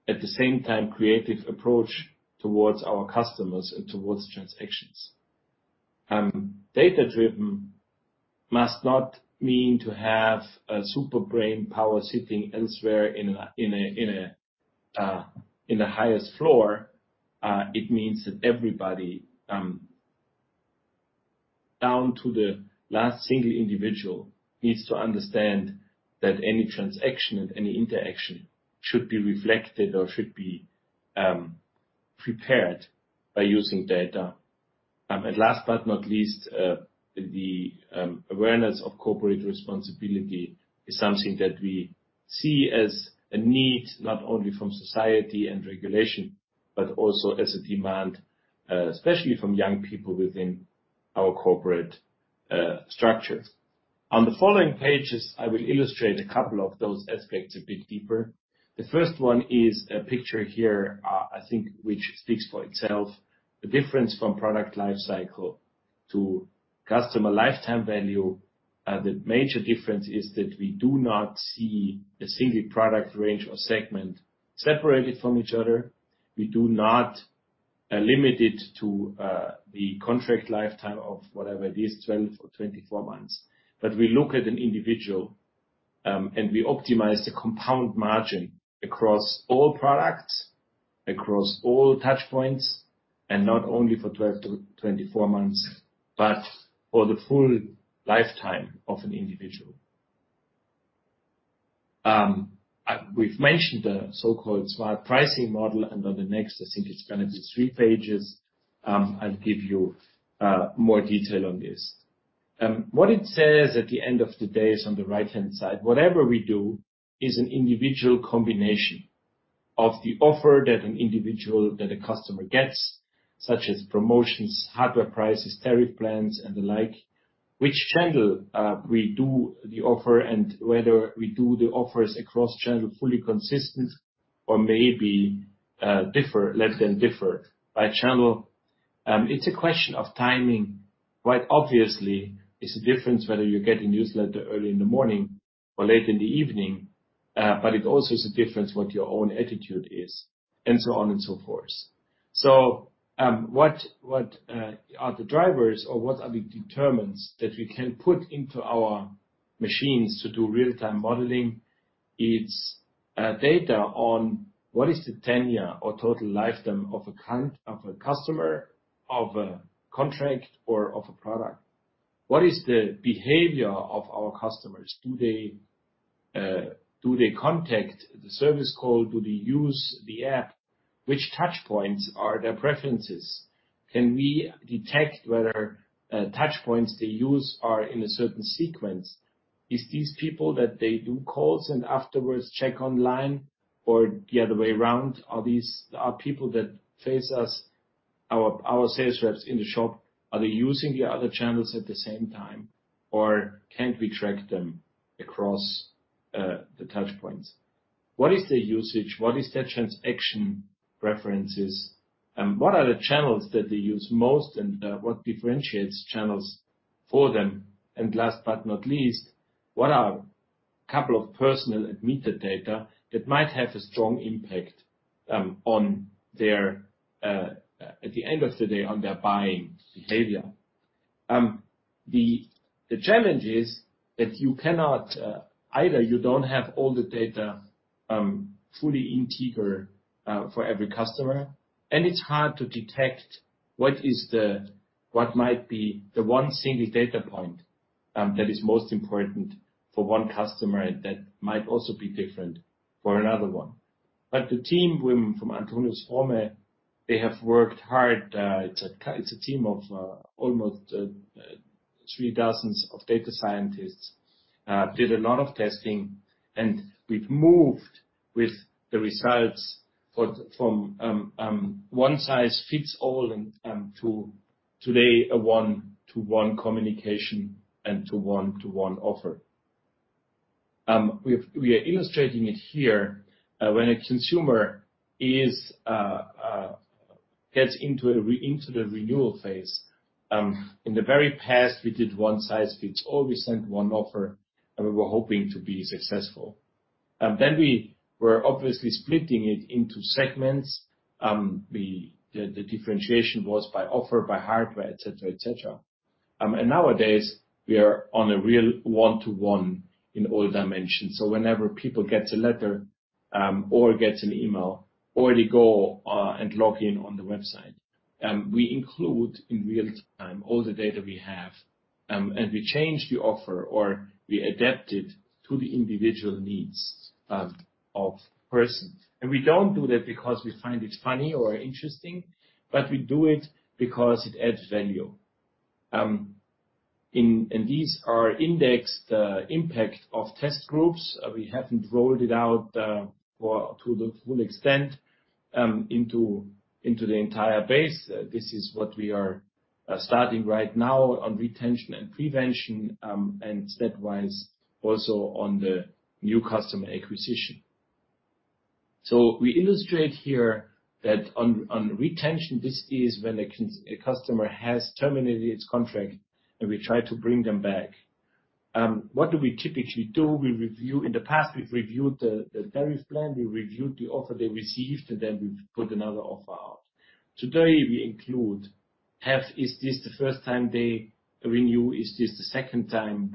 at the same time creative approach towards our customers and towards transactions. Data-driven must not mean to have a super brain power sitting elsewhere in the highest floor. It means that everybody down to the last single individual needs to understand that any transaction and any interaction should be reflected or should be prepared by using data. Last but not least, the awareness of corporate responsibility is something that we see as a need, not only from society and regulation, but also as a demand, especially from young people within our corporate structures. On the following pages, I will illustrate a couple of those aspects a bit deeper. The first one is a picture here, I think which speaks for itself, the difference from product life cycle to customer lifetime value. The major difference is that we do not see a single product range or segment separated from each other. We do not limit it to the contract lifetime of whatever it is, 12 or 24 months. We look at an individual, and we optimize the compound margin across all products, across all touchpoints, and not only for 12-24 months, but for the full lifetime of an individual. We've mentioned the so-called smart pricing model, and on the next three pages on synergy benefits, I'll give you more detail on this. What it says at the end of the day is on the right-hand side. Whatever we do is an individual combination of the offer that a customer gets, such as promotions, hardware prices, tariff plans, and the like. Which channel we do the offer and whether we do the offers across channel fully consistent or maybe differ by channel. It's a question of timing. Quite obviously, it's a difference whether you get a newsletter early in the morning or late in the evening, but it also is a difference what your own attitude is and so on and so forth. What are the drivers or what are the determinants that we can put into our machines to do real-time modeling? It's data on what is the tenure or total lifetime of a client, of a customer, of a contract, or of a product. What is the behavior of our customers? Do they contact the service call? Do they use the app? Which touchpoints are their preferences? Can we detect whether touchpoints they use are in a certain sequence? Is these people that they do calls and afterwards check online or the other way around? Are these people that face us, our sales reps in the shop, are they using the other channels at the same time, or can we track them across the touchpoints? What is the usage? What is the transaction preferences? What are the channels that they use most, and what differentiates channels for them? And last but not least, what are couple of personal admitted data that might have a strong impact on their at the end of the day on their buying behavior? The challenge is that you cannot either you don't have all the data fully integrated for every customer, and it's hard to detect what might be the one single data point that is most important for one customer that might also be different for another one. The team from Antonius Fromme, they have worked hard. It's a team of almost three dozen data scientists. Did a lot of testing, and we've moved with the results from one size fits all and to today, a one-to-one communication and to one-to-one offer. We are illustrating it here. When a consumer gets into the renewal phase, in the very past, we did one size fits all. We sent one offer, and we were hoping to be successful. Then we were obviously splitting it into segments. The differentiation was by offer, by hardware, et cetera, et cetera. Nowadays we are on a real one-to-one in all dimensions. Whenever people get a letter, or get an email, or they go and log in on the website, we include in real time all the data we have, and we change the offer, or we adapt it to the individual needs of person. We don't do that because we find it funny or interesting, but we do it because it adds value. These are indexed impact of test groups. We haven't rolled it out to the full extent into the entire base. This is what we are starting right now on retention and prevention, and stepwise also on the new customer acquisition. We illustrate here that on retention, this is when a customer has terminated its contract, and we try to bring them back. What do we typically do? We review. In the past, we've reviewed the tariff plan, we reviewed the offer they received, and then we've put another offer out. Today, is this the first time they renew? Is this the second time?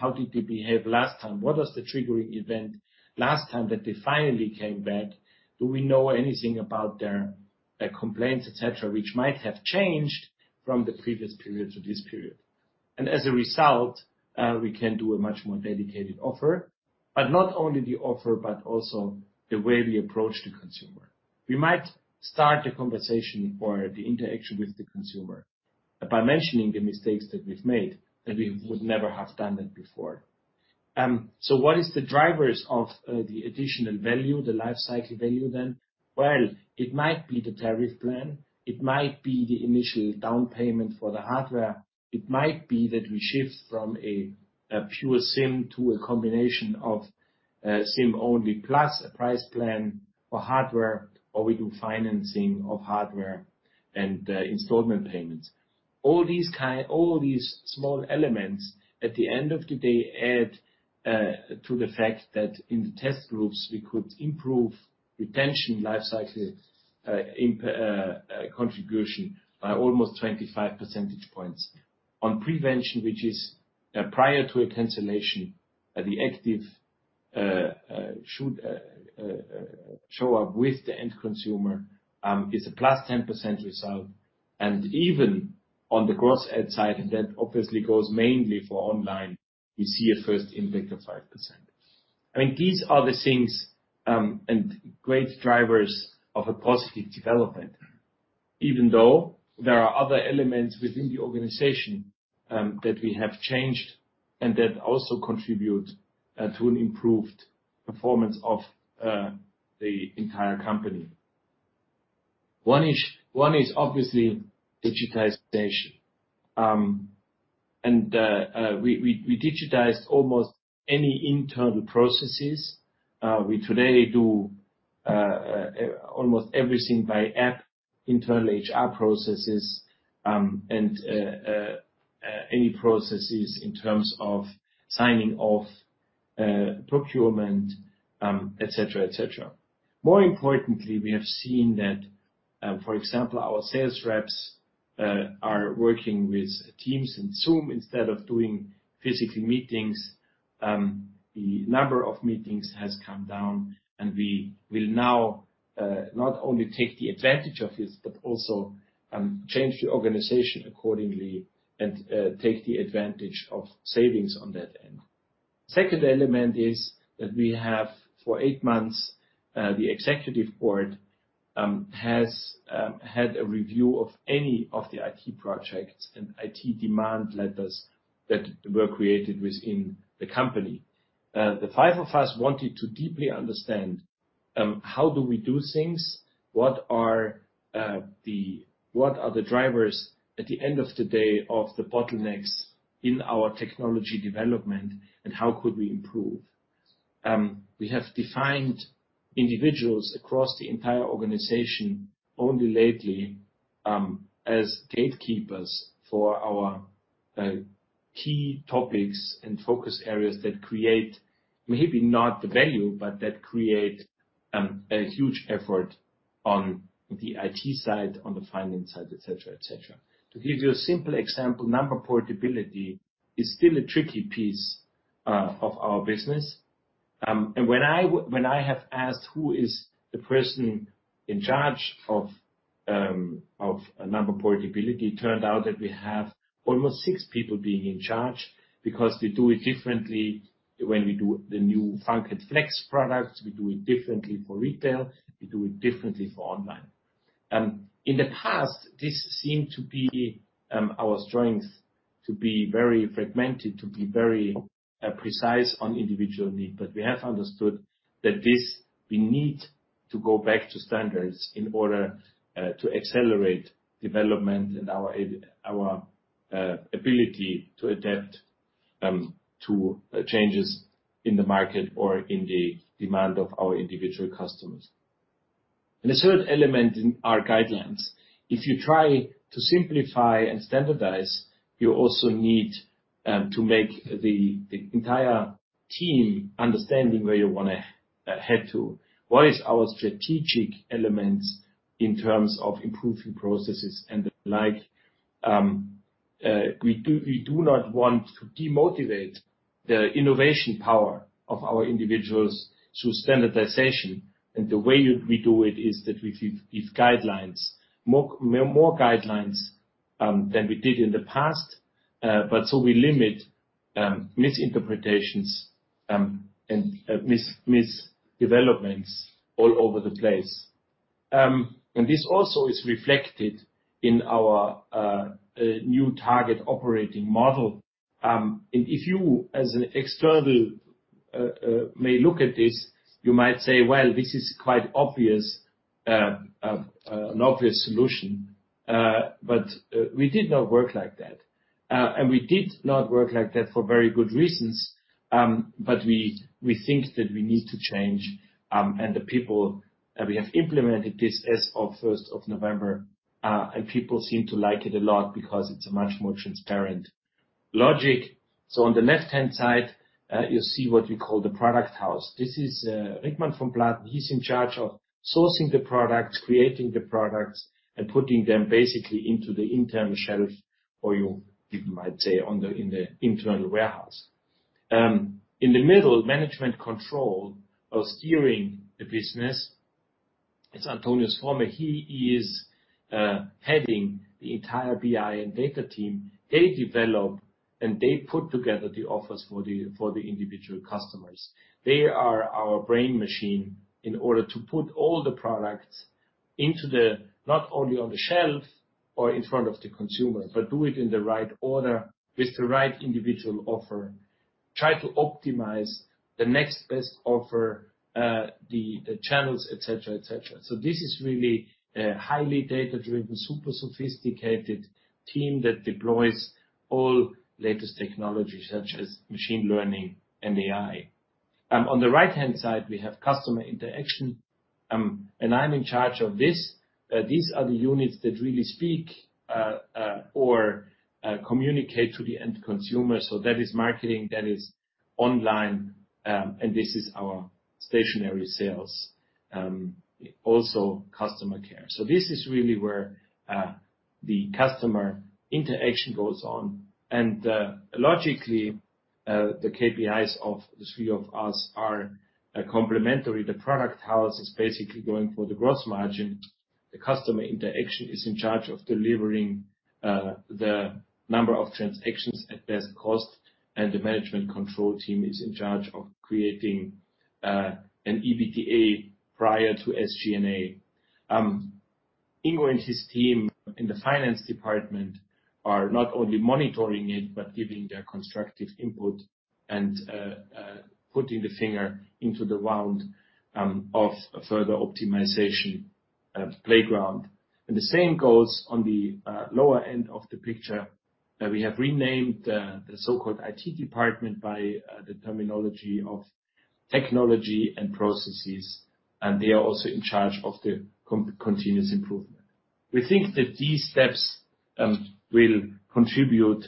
How did they behave last time? What was the triggering event last time that they finally came back? Do we know anything about their complaints, et cetera, which might have changed from the previous period to this period? As a result, we can do a much more dedicated offer, but not only the offer, but also the way we approach the consumer. We might start a conversation or the interaction with the consumer by mentioning the mistakes that we've made, and we would never have done that before. So what is the drivers of the additional value, the life cycle value then? Well, it might be the tariff plan. It might be the initial down payment for the hardware. It might be that we shift from a pure SIM to a combination of SIM-only plus a price plan for hardware, or we do financing of hardware and installment payments. All these small elements, at the end of the day, add to the fact that in the test groups, we could improve retention life cycle contribution by almost 25 percentage points. On prevention, which is prior to a cancellation, the active should show up with the end consumer, is a +10% result. Even on the gross add side, and that obviously goes mainly for online, we see a first impact of 5%. I mean, these are the things and great drivers of a positive development, even though there are other elements within the organization that we have changed and that also contribute to an improved performance of the entire company. One is obviously digitization. We digitized almost any internal processes. We today do almost everything by app, internal HR processes, and any processes in terms of signing off, procurement, et cetera, et cetera. More importantly, we have seen that, for example, our sales reps are working with Teams and Zoom instead of doing physical meetings. The number of meetings has come down, and we will now not only take the advantage of this, but also change the organization accordingly and take the advantage of savings on that end. Second element is that we have for eight months the Executive Board has had a review of any of the IT projects and IT demand letters that were created within the company. The five of us wanted to deeply understand how do we do things? What are the drivers at the end of the day of the bottlenecks in our technology development, and how could we improve? We have defined individuals across the entire organization only lately as gatekeepers for our key topics and focus areas that create maybe not the value, but that create a huge effort on the IT side, on the finance side, et cetera, et cetera. To give you a simple example, number portability is still a tricky piece of our business. When I have asked who is the person in charge of number portability, it turned out that we have almost six people being in charge because they do it differently when we do the new FUNK and FLEX products. We do it differently for retail. We do it differently for online. In the past, this seemed to be our strength, to be very fragmented, to be very precise on individual need. We have understood that this we need to go back to standards in order to accelerate development and our ability to adapt to changes in the market or in the demand of our individual customers. The third element in our guidelines, if you try to simplify and standardize, you also need to make the entire team understanding where you wanna head to. What is our strategic elements in terms of improving processes and the like? We do not want to demotivate the innovation power of our individuals through standardization. The way we do it is that we give guidelines. More guidelines than we did in the past. We limit misinterpretations and misdevelopments all over the place. This also is reflected in our new target operating model. If you as an external may look at this, you might say, "Well, this is quite obvious, an obvious solution." We did not work like that. We did not work like that for very good reasons. We think that we need to change. We have implemented this as of first of November, and people seem to like it a lot because it's a much more transparent logic. On the left-hand side, you see what we call the product house. This is Rickmann von Platen. He's in charge of sourcing the products, creating the products, and putting them basically into the internal shelf, or you even might say in the internal warehouse. In the middle, management control of steering the business is Antonius Fromme. He is heading the entire BI and data team. They develop, and they put together the offers for the individual customers. They are our brain machine in order to put all the products into the not only on the shelf or in front of the consumer, but do it in the right order with the right individual offer, try to optimize the next best offer, the channels, et cetera, et cetera. This is really a highly data-driven, super sophisticated team that deploys all latest technology such as machine learning and AI. On the right-hand side, we have customer interaction. I'm in charge of this. These are the units that really speak or communicate to the end consumer. That is marketing, that is online, and this is our stationary sales, also customer care. This is really where the customer interaction goes on. Logically, the KPIs of the three of us are complementary. The product house is basically going for the gross margin. The customer interaction is in charge of delivering the number of transactions at best cost, and the management control team is in charge of creating an EBITDA prior to SG&A. Ingo and his team in the finance department are not only monitoring it, but giving their constructive input and putting the finger into the wound of further optimization, playground. The same goes on the lower end of the picture. We have renamed the so-called IT department by the terminology of technology and processes, and they are also in charge of the continuous improvement. We think that these steps will contribute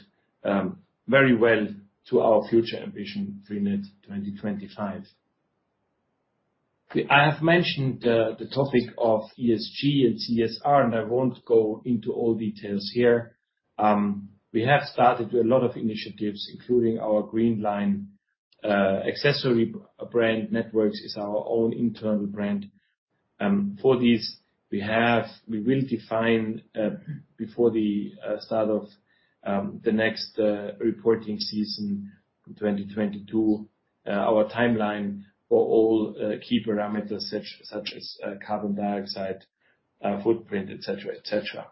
very well to our future ambition, freenet 2025. I have mentioned the topic of ESG and CSR, and I won't go into all details here. We have started a lot of initiatives, including our green line accessory brand Networx is our own internal brand. For these, we will define before the start of the next reporting season in 2022 our timeline for all key parameters such as carbon dioxide footprint, et cetera, et cetera.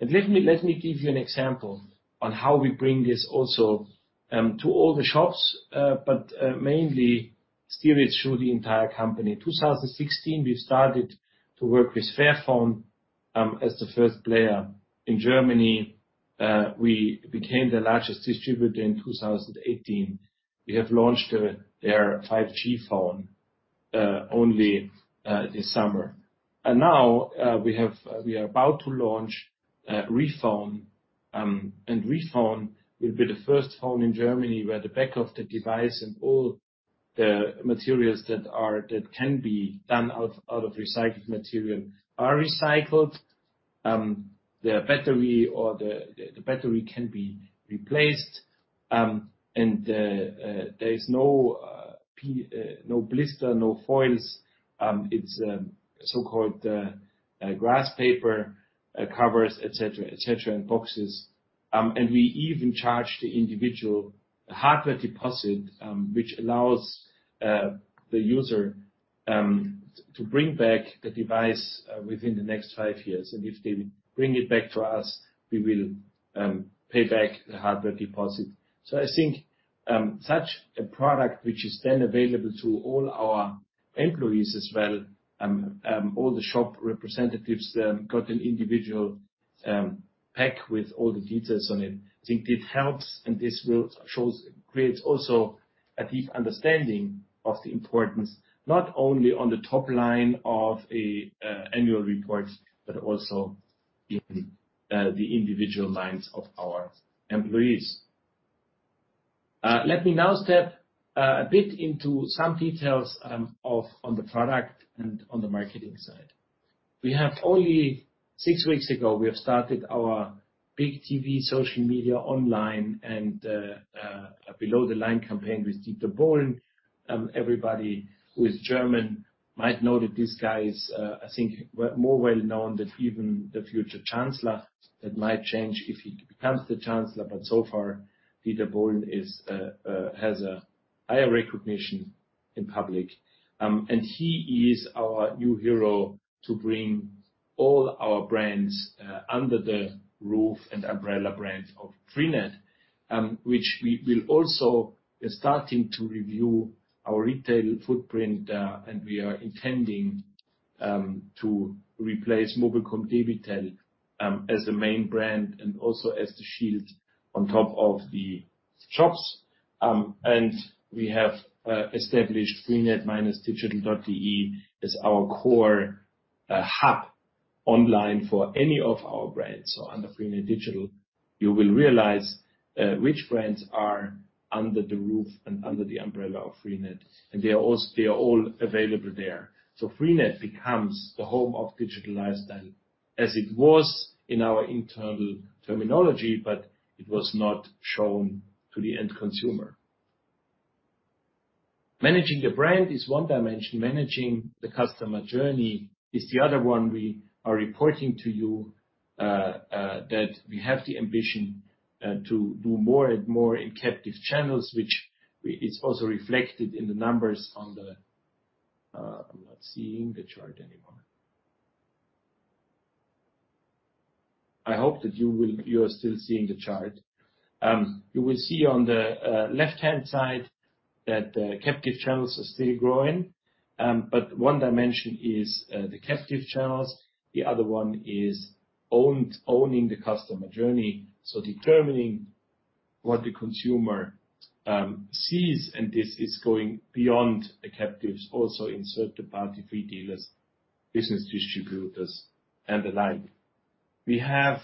Let me give you an example on how we bring this also to all the shops, but mainly steer it through the entire company. 2016, we started to work with Fairphone as the first player in Germany. We became the largest distributor in 2018. We have launched their 5G phone only this summer. Now we are about to launch Fairphone. Fairphone will be the first phone in Germany where the back of the device and all the materials that can be done out of recycled material are recycled. The battery can be replaced. There is no blister, no foils. It's so-called grass paper covers, et cetera, et cetera, and boxes. We even charge the individual a hardware deposit, which allows the user to bring back the device within the next five years. If they bring it back to us, we will pay back the hardware deposit. I think such a product which is then available to all our employees as well, all the shop representatives got an individual pack with all the details on it. I think it helps. This also creates a deep understanding of the importance, not only on the top line of an annual report, but also in the individual minds of our employees. Let me now step a bit into some details on the product and on the marketing side. Only six weeks ago, we started our big TV, social media, online, and below the line campaign with Dieter Bohlen. Everybody who is German might know that this guy is, I think, well, more well known than even the future chancellor. That might change if he becomes the chancellor, but so far, Dieter Bohlen has a higher recognition in public. He is our new hero to bring all our brands under the roof and umbrella brand of freenet, which we will also be starting to review our retail footprint, and we are intending to replace mobilcom-debitel as a main brand and also as the shield on top of the shops. We have established freenet-digital.de as our core hub online for any of our brands. Under Freenet Digital, you will realize which brands are under the roof and under the umbrella of freenet, and they are all available there. Freenet becomes the home of digital lifestyle, as it was in our internal terminology, but it was not shown to the end consumer. Managing the brand is one dimension. Managing the customer journey is the other one. We are reporting to you that we have the ambition to do more and more in captive channels, which is also reflected in the numbers on the. I'm not seeing the chart anymore. I hope that you are still seeing the chart. You will see on the left-hand side that the captive channels are still growing. One dimension is the captive channels. The other one is owning the customer journey, so determining what the consumer sees, and this is going beyond the captives, also in third-party free dealers, business distributors, and the like. We have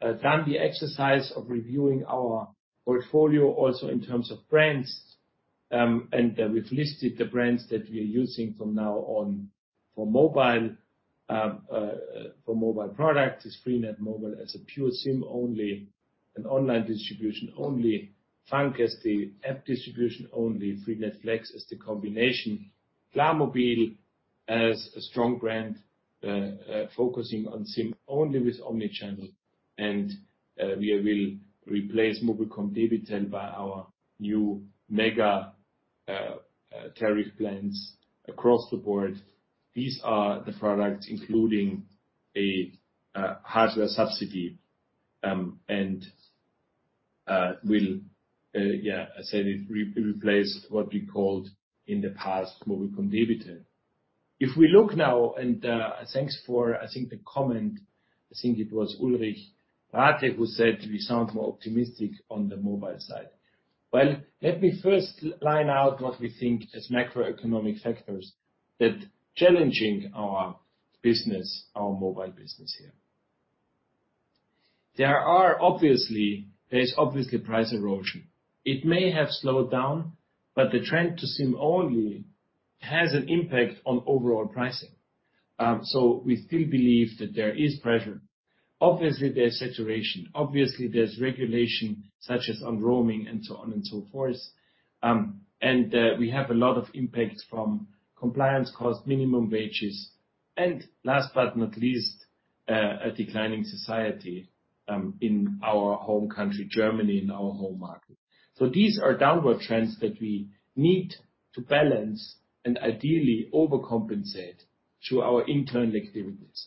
done the exercise of reviewing our portfolio also in terms of brands, and we've listed the brands that we are using from now on for mobile. For mobile product is freenet Mobile as a pure SIM-only and online distribution only. FUNK as the app distribution only. freenet FLEX as the combination. Sparmobil as a strong brand focusing on SIM-only with omni-channel. We will replace mobilcom-debitel by our new MegaTarife across the board. These are the products including a hardware subsidy and will replace what we called in the past mobilcom-debitel. If we look now, thanks for the comment, I think it was Ulrich Rathe who said we sound more optimistic on the mobile side. Well, let me first line out what we think as macroeconomic factors that challenging our business, our mobile business here. There is obviously price erosion. It may have slowed down, but the trend to SIM-only has an impact on overall pricing. We still believe that there is pressure. There's saturation. There's regulation, such as on roaming and so on and so forth. We have a lot of impacts from compliance costs, minimum wages, and last but not least, a declining subsidy in our home country, Germany, in our home market. These are downward trends that we need to balance and ideally overcompensate through our internal activities.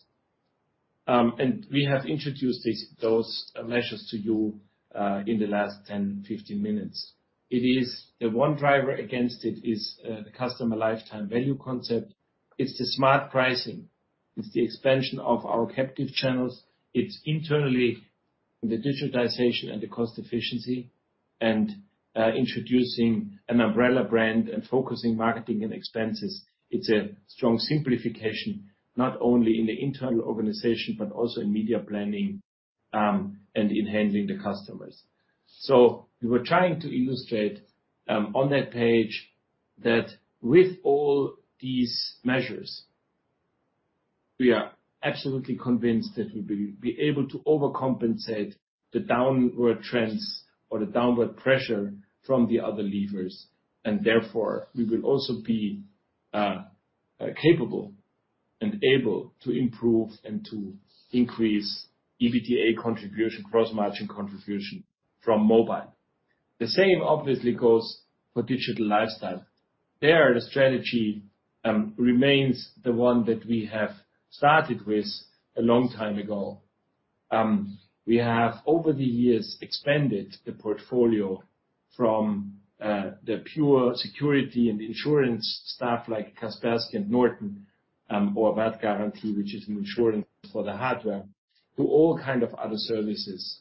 We have introduced those measures to you in the last 10-15 minutes. The one driver against it is the customer lifetime value concept. It's the smart pricing. It's the expansion of our captive channels. It's internally the digitization and the cost efficiency and introducing an umbrella brand and focusing marketing and expenses. It's a strong simplification, not only in the internal organization, but also in media planning and in handling the customers. We were trying to illustrate on that page that with all these measures, we are absolutely convinced that we'll be able to overcompensate the downward trends or the downward pressure from the other levers. Therefore, we will also be capable and able to improve and to increase EBITDA contribution, gross-margin contribution from mobile. The same obviously goes for digital lifestyle. There, the strategy remains the one that we have started with a long time ago. We have over the years expanded the portfolio from the pure security and insurance stuff like Kaspersky and Norton, or a bad guarantee, which is an insurance for the hardware, to all kinds of other services.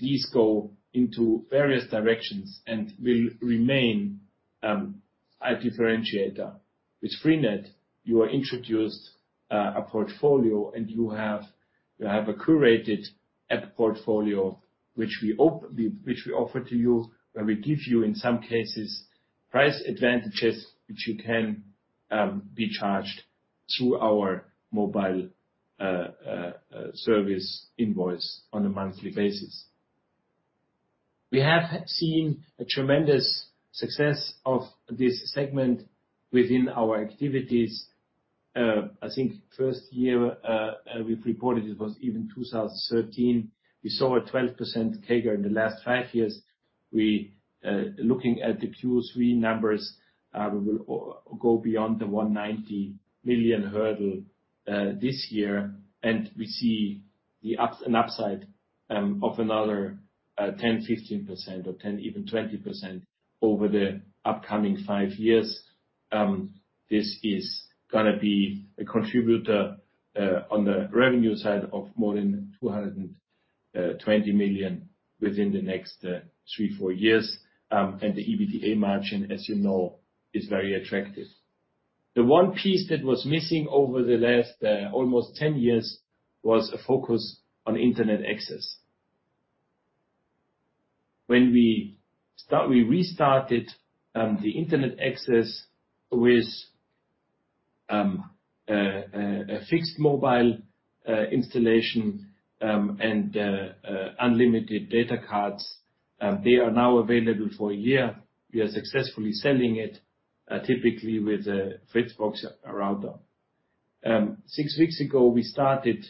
These go into various directions and will remain a differentiator. With freenet, you are introduced a portfolio, and you have a curated app portfolio which we offer to you, where we give you, in some cases, price advantages, which you can be charged through our mobile service invoice on a monthly basis. We have seen a tremendous success of this segment within our activities. I think first year we've reported it was even 2013. We saw a 12% CAGR in the last five years. Looking at the Q3 numbers, we will go beyond the 190 million hurdle this year. We see an upside of another 10%-15% or 10%, even 20% over the upcoming five years. This is gonna be a contributor on the revenue side of more than 220 million within the next three, four years. The EBITDA margin, as you know, is very attractive. The one piece that was missing over the last almost 10 years was a focus on internet access. We restarted the internet access with a fixed mobile installation and unlimited data cards. They are now available for a year. We are successfully selling it, typically with a FRITZ! Box router. Six weeks ago, we started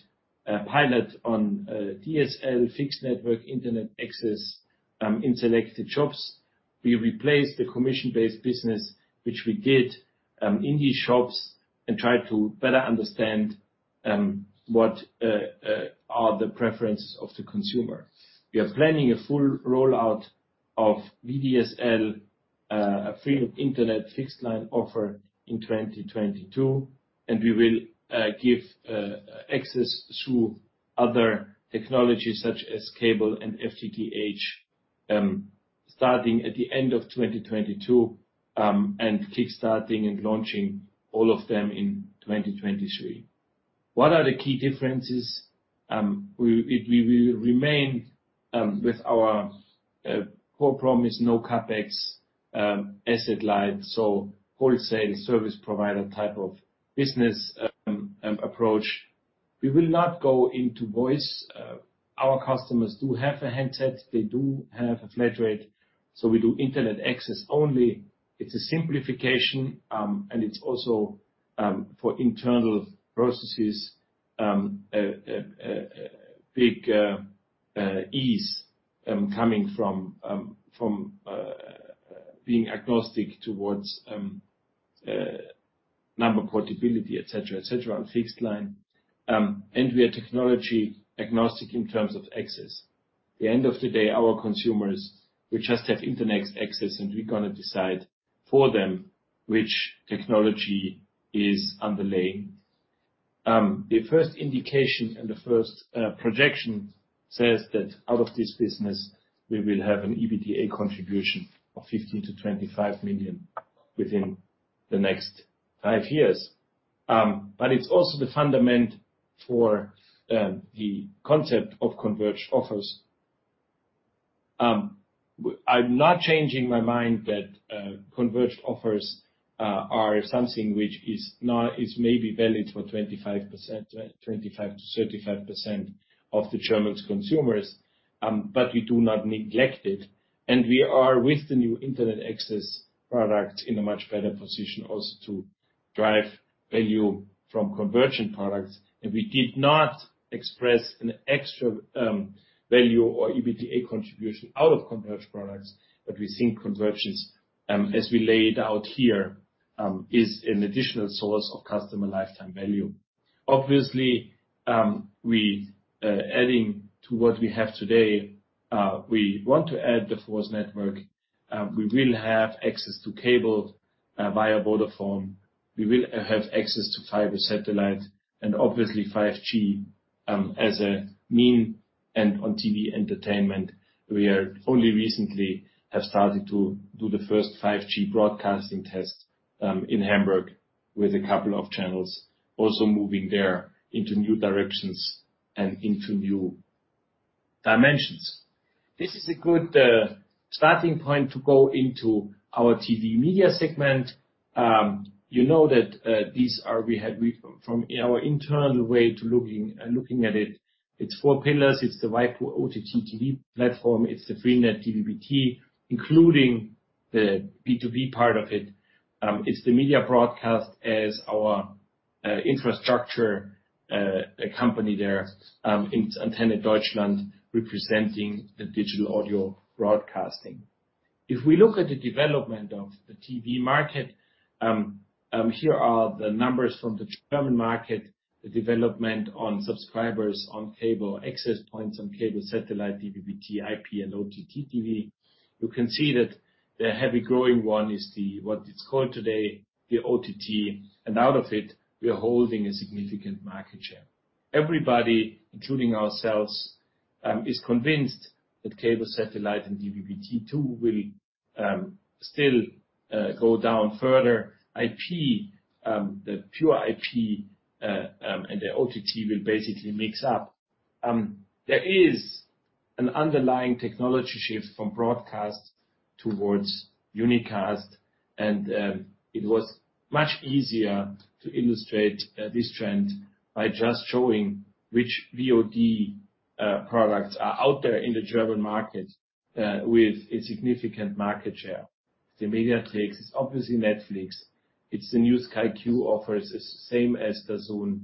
a pilot on DSL fixed network internet access in selected shops. We replaced the commission-based business which we did in these shops, and tried to better understand what are the preferences of the consumer. We are planning a full rollout of VDSL, a free internet fixed line offer in 2022, and we will give access through other technologies such as cable and FTTH, starting at the end of 2022, and kickstarting and launching all of them in 2023. What are the key differences? We will remain with our core promise, no CapEx, asset light, so wholesale service provider type of business approach. We will not go into voice. Our customers do have a handset. They do have a flat rate, so we do internet access only. It's a simplification, and it's also for internal processes, a big ease coming from being agnostic towards number portability, et cetera, et cetera, on fixed line. We are technology agnostic in terms of access. At the end of the day, our consumers will just have internet access, and we're gonna decide for them which technology is underlying. The first indication and the first projection says that out of this business, we will have an EBITDA contribution of 15 million-25 million within the next five years. But it's also the fundament for the concept of converged offers. I'm not changing my mind that converged offers are something which is maybe valid for 25%, 25%-35% of the German consumers, but we do not neglect it. We are, with the new internet access product, in a much better position also to drive value from convergent products. We did not express an extra value or EBITDA contribution out of converged products, but we think convergence as we lay it out here is an additional source of customer lifetime value. Obviously, adding to what we have today, we want to add the fixed network. We will have access to cable via Vodafone. We will have access to fiber, satellite, and obviously 5G as a means and OTT entertainment. We have only recently started to do the first 5G broadcasting tests in Hamburg with a couple of channels also moving there into new directions and into new dimensions. This is a good starting point to go into our TV media segment. You know that these are. From our internal way of looking at it is four pillars. It's the waipu.tv OTT TV platform. It's the freenet DVB-T, including the B2B part of it. It's the Media Broadcast as our infrastructure company there in Antenne Deutschland, representing the digital audio broadcasting. If we look at the development of the TV market, here are the numbers from the German market. The development on subscribers on cable access points, on cable satellite, DVB-T, IP, and OTT TV. You can see that the heavy growing one is the, what it's called today, the OTT, and out of it, we are holding a significant market share. Everybody, including ourselves, is convinced that cable, satellite, and DVB-T too will still go down further. IP, the pure IP, and the OTT will basically mix up. There is an underlying technology shift from broadcast towards unicast, and it was much easier to illustrate this trend by just showing which VOD products are out there in the German market with a significant market share. The Mediatheken, it's obviously Netflix, it's the new Sky Q offer as well as DAZN.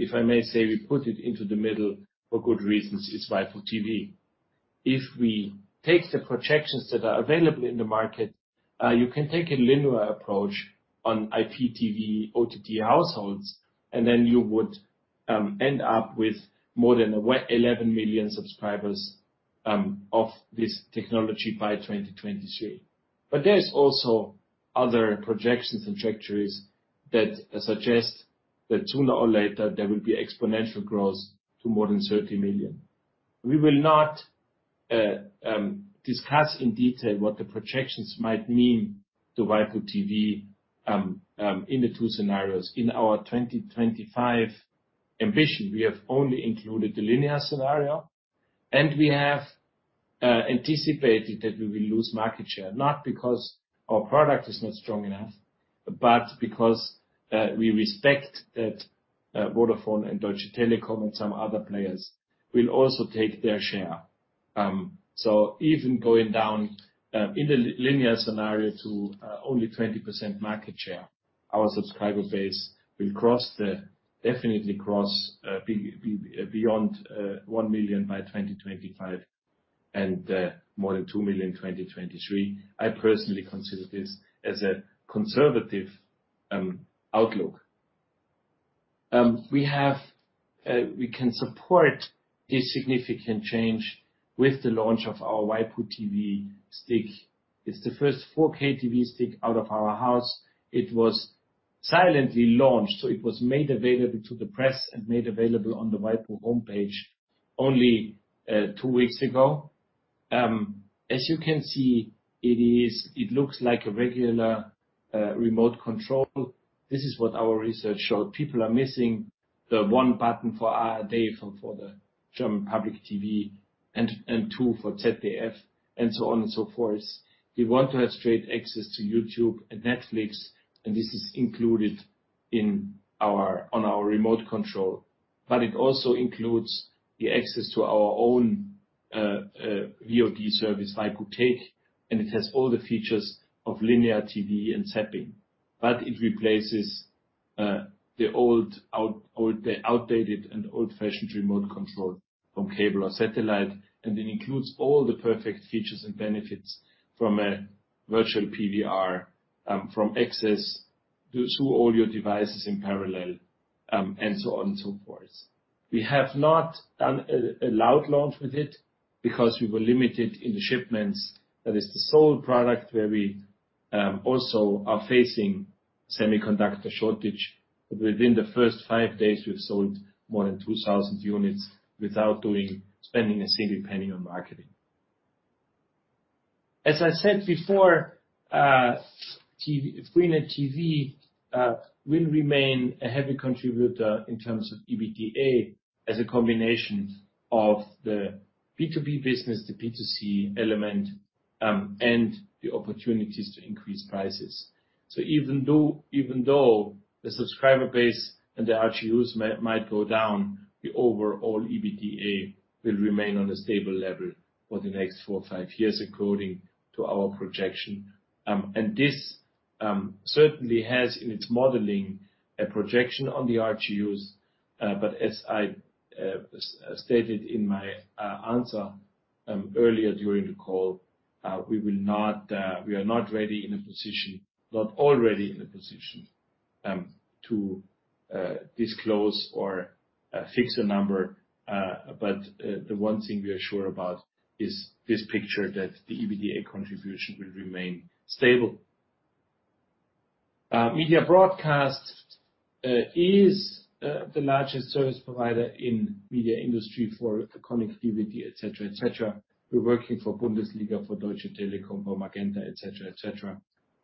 If I may say, we put it into the middle for good reasons, it's waipu.tv. If we take the projections that are available in the market, you can take a linear approach on IPTV, OTT households, and then you would end up with more than 11 million subscribers of this technology by 2023. There is also other projections and trajectories that suggest that sooner or later there will be exponential growth to more than 30 million. We will not discuss in detail what the projections might mean to waipu.tv in the two scenarios. In our 2025 ambition, we have only included the linear scenario, and we have anticipated that we will lose market share, not because our product is not strong enough, but because we respect that Vodafone and Deutsche Telekom and some other players will also take their share. Even going down in the linear scenario to only 20% market share, our subscriber base will definitely cross beyond 1 million by 2025, and more than 2 million 2023. I personally consider this as a conservative outlook. We can support this significant change with the launch of our waipu.tv stick. It's the first 4K TV stick out of our house. It was silently launched, so it was made available to the press and made available on the waipu.tv homepage only 2 weeks ago. As you can see, it looks like a regular remote control. This is what our research showed. People are missing the 1 button for ARD and for the German public TV, and 2 for ZDF, and so on and so forth. We want to have straight access to YouTube and Netflix, and this is included on our remote control. It also includes the access to our own VOD service, waipu.tv, and it has all the features of linear TV and zapping. It replaces the old outdated and old-fashioned remote control from cable or satellite, and it includes all the perfect features and benefits from a virtual PVR, from access to all your devices in parallel, and so on and so forth. We have not done a loud launch with it because we were limited in the shipments. That is the sole product where we also are facing semiconductor shortage. Within the first 5 days, we've sold more than 2,000 units without spending a single penny on marketing. As I said before, freenet TV will remain a heavy contributor in terms of EBITDA as a combination of the B2B business, the B2C element, and the opportunities to increase prices. Even though the subscriber base and the RGUs might go down, the overall EBITDA will remain on a stable level for the next four, five years, according to our projection. This certainly has in its modeling a projection on the RGUs. As I stated in my answer earlier during the call, we are not in a position to disclose or fix a number. The one thing we are sure about is this picture that the EBITDA contribution will remain stable. Media Broadcast is the largest service provider in the media industry for connectivity, et cetera, et cetera. We're working for Bundesliga, for Deutsche Telekom, for Magenta, et cetera, et cetera.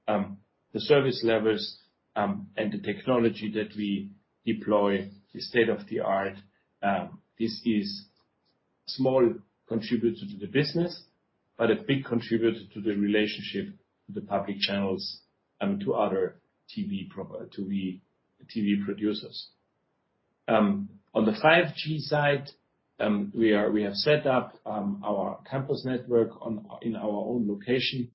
The service levels and the technology that we deploy is state-of-the-art. This is small contributor to the business, but a big contributor to the relationship with the public channels and to other TV producers. On the 5G side, we have set up our campus network in our own location.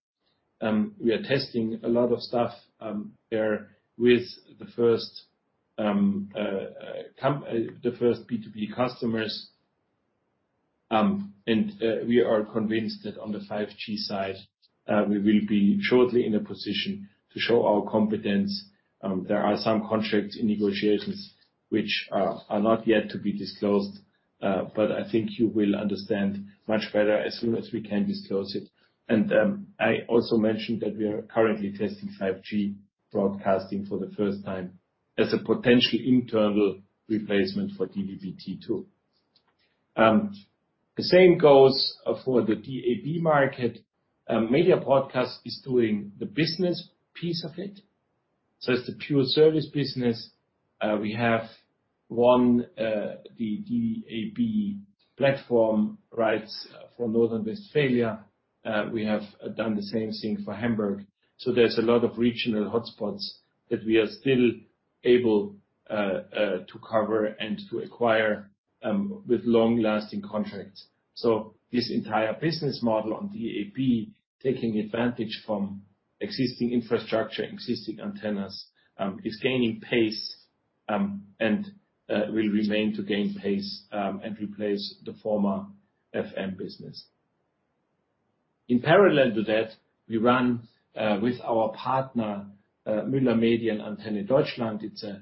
We are testing a lot of stuff there with the first B2B customers. We are convinced that on the 5G side, we will be shortly in a position to show our competence. There are some contracts in negotiations which are not yet to be disclosed, but I think you will understand much better as soon as we can disclose it. I also mentioned that we are currently testing 5G broadcasting for the first time as a potential internal replacement for DVB-T2. The same goes for the DAB market. Media Broadcast is doing the business piece of it. It's the pure service business. We have one, the DAB platform rights for North Rhine-Westphalia. We have done the same thing for Hamburg. There's a lot of regional hotspots that we are still able to cover and to acquire with long-lasting contracts. This entire business model on DAB, taking advantage of existing infrastructure, existing antennas, is gaining pace, and will remain to gain pace, and replace the former FM business. In parallel to that, we run with our partner, Müller Medien and Antenne Deutschland. It's a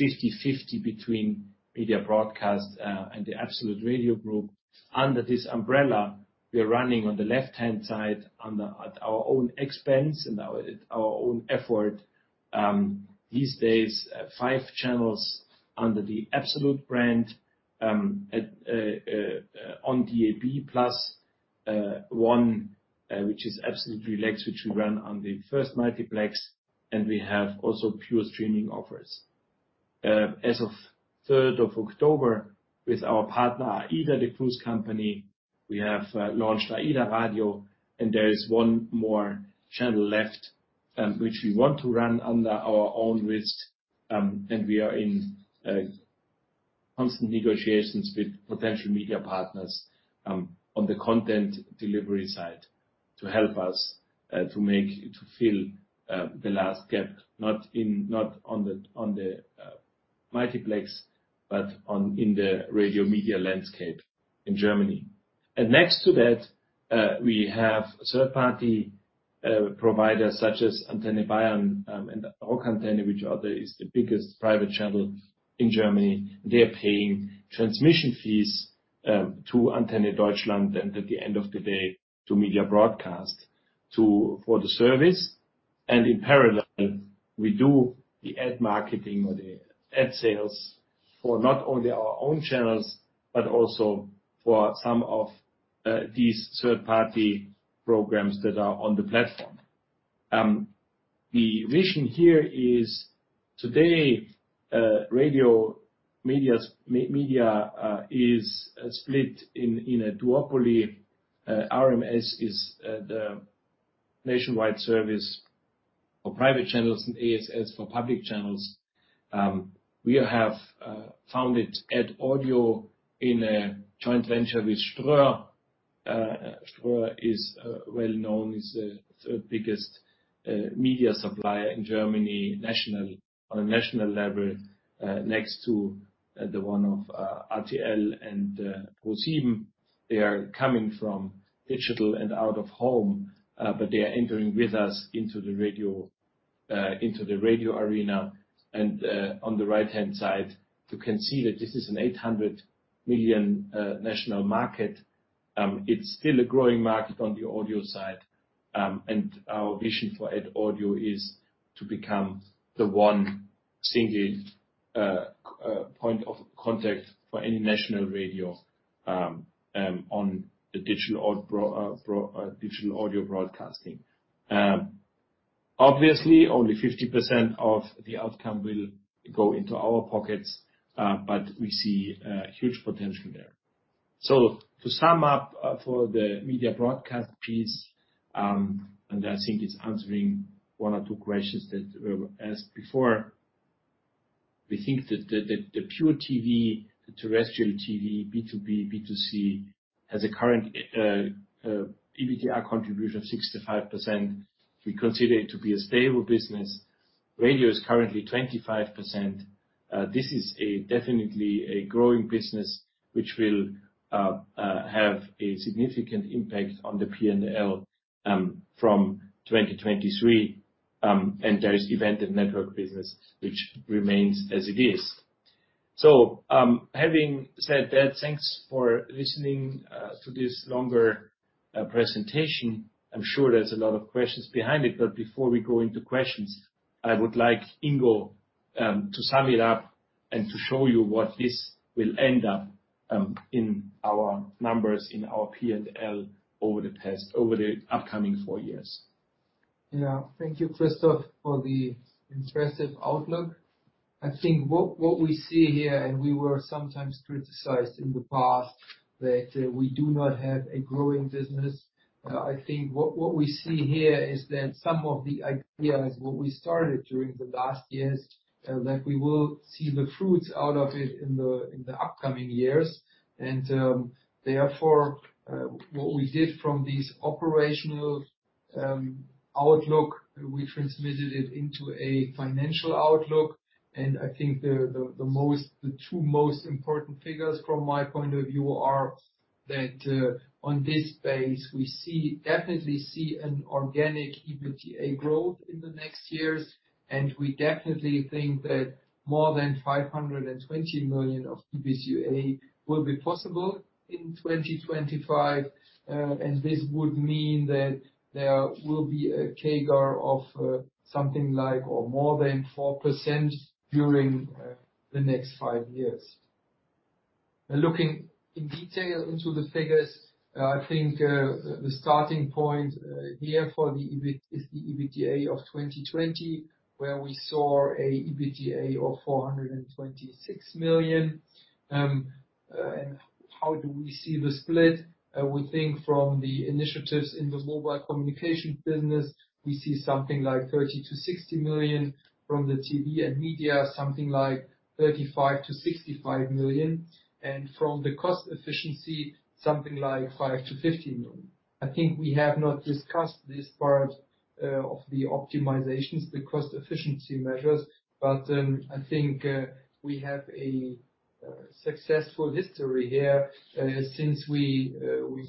50/50 between Media Broadcast and the Absolut Radio Group. Under this umbrella, we are running on the left-hand side at our own expense and our own effort. These days, five channels under the Absolut brand on DAB+, one which is Absolut Relax, which we run on the first multiplex, and we have also pure streaming offers. As of the third of October, with our partner, AIDA, the cruise company, we have launched AIDAradio, and there is one more channel left, which we want to run at our own risk. We are in constant negotiations with potential media partners on the content delivery side to help us to fill the last gap, not on the multiplex, but in the radio media landscape in Germany. Next to that, we have third-party providers such as Antenne Bayern and Rock Antenne, which is the biggest private channel in Germany. They're paying transmission fees to Antenne Deutschland and at the end of the day, to Media Broadcast for the service. In parallel, we do the ad marketing or the ad sales for not only our own channels, but also for some of these third-party programs that are on the platform. The vision here is today, radio media is split in a duopoly. RMS is the nationwide service for private channels and AS&S for public channels. We have founded ad.audio in a joint venture with Ströer. Ströer is well known as the third biggest media supplier in Germany, on a national level, next to the one of RTL and ProSieben. They are coming from digital and out-of-home, but they are entering with us into the radio arena. On the right-hand side, you can see that this is an 800 million national market. It's still a growing market on the audio side. Our vision for ad.audio is to become the one single point of contact for any national radio on the digital audio broadcasting. Obviously, only 50% of the outcome will go into our pockets, but we see huge potential there. To sum up, for the Media Broadcast piece, and I think it's answering one or two questions that were asked before. We think that the pure TV, the terrestrial TV, B2B, B2C has a current EBITDA contribution of 65%. We consider it to be a stable business. Radio is currently 25%. This is definitely a growing business which will have a significant impact on the P&L from 2023. There is event and network business which remains as it is. Having said that, thanks for listening to this longer presentation. I'm sure there's a lot of questions behind it, but before we go into questions, I would like Ingo to sum it up and to show you what this will end up in our numbers, in our P&L over the upcoming four years. Yeah. Thank you, Christoph, for the impressive outlook. I think what we see here, and we were sometimes criticized in the past that we do not have a growing business. I think what we see here is that some of the ideas what we started during the last years that we will see the fruits out of it in the upcoming years. Therefore, what we did from this operational outlook, we transmitted it into a financial outlook. I think the two most important figures from my point of view are that on this base, we definitely see an organic EBITDA growth in the next years, and we definitely think that more than 520 million of EBITDA will be possible in 2025. This would mean that there will be a CAGR of something like or more than 4% during the next five years. Looking in detail into the figures, I think the starting point here for the EBITDA is the EBITDA of 2020, where we saw an EBITDA of 426 million. How do we see the split? We think from the initiatives in the mobile communication business, we see something like 30 million-60 million. From the TV and media, something like 35 million-65 million. From the cost efficiency, something like 5 million-15 million. I think we have not discussed this part of the optimizations, the cost efficiency measures, but I think we have a successful history here. Since we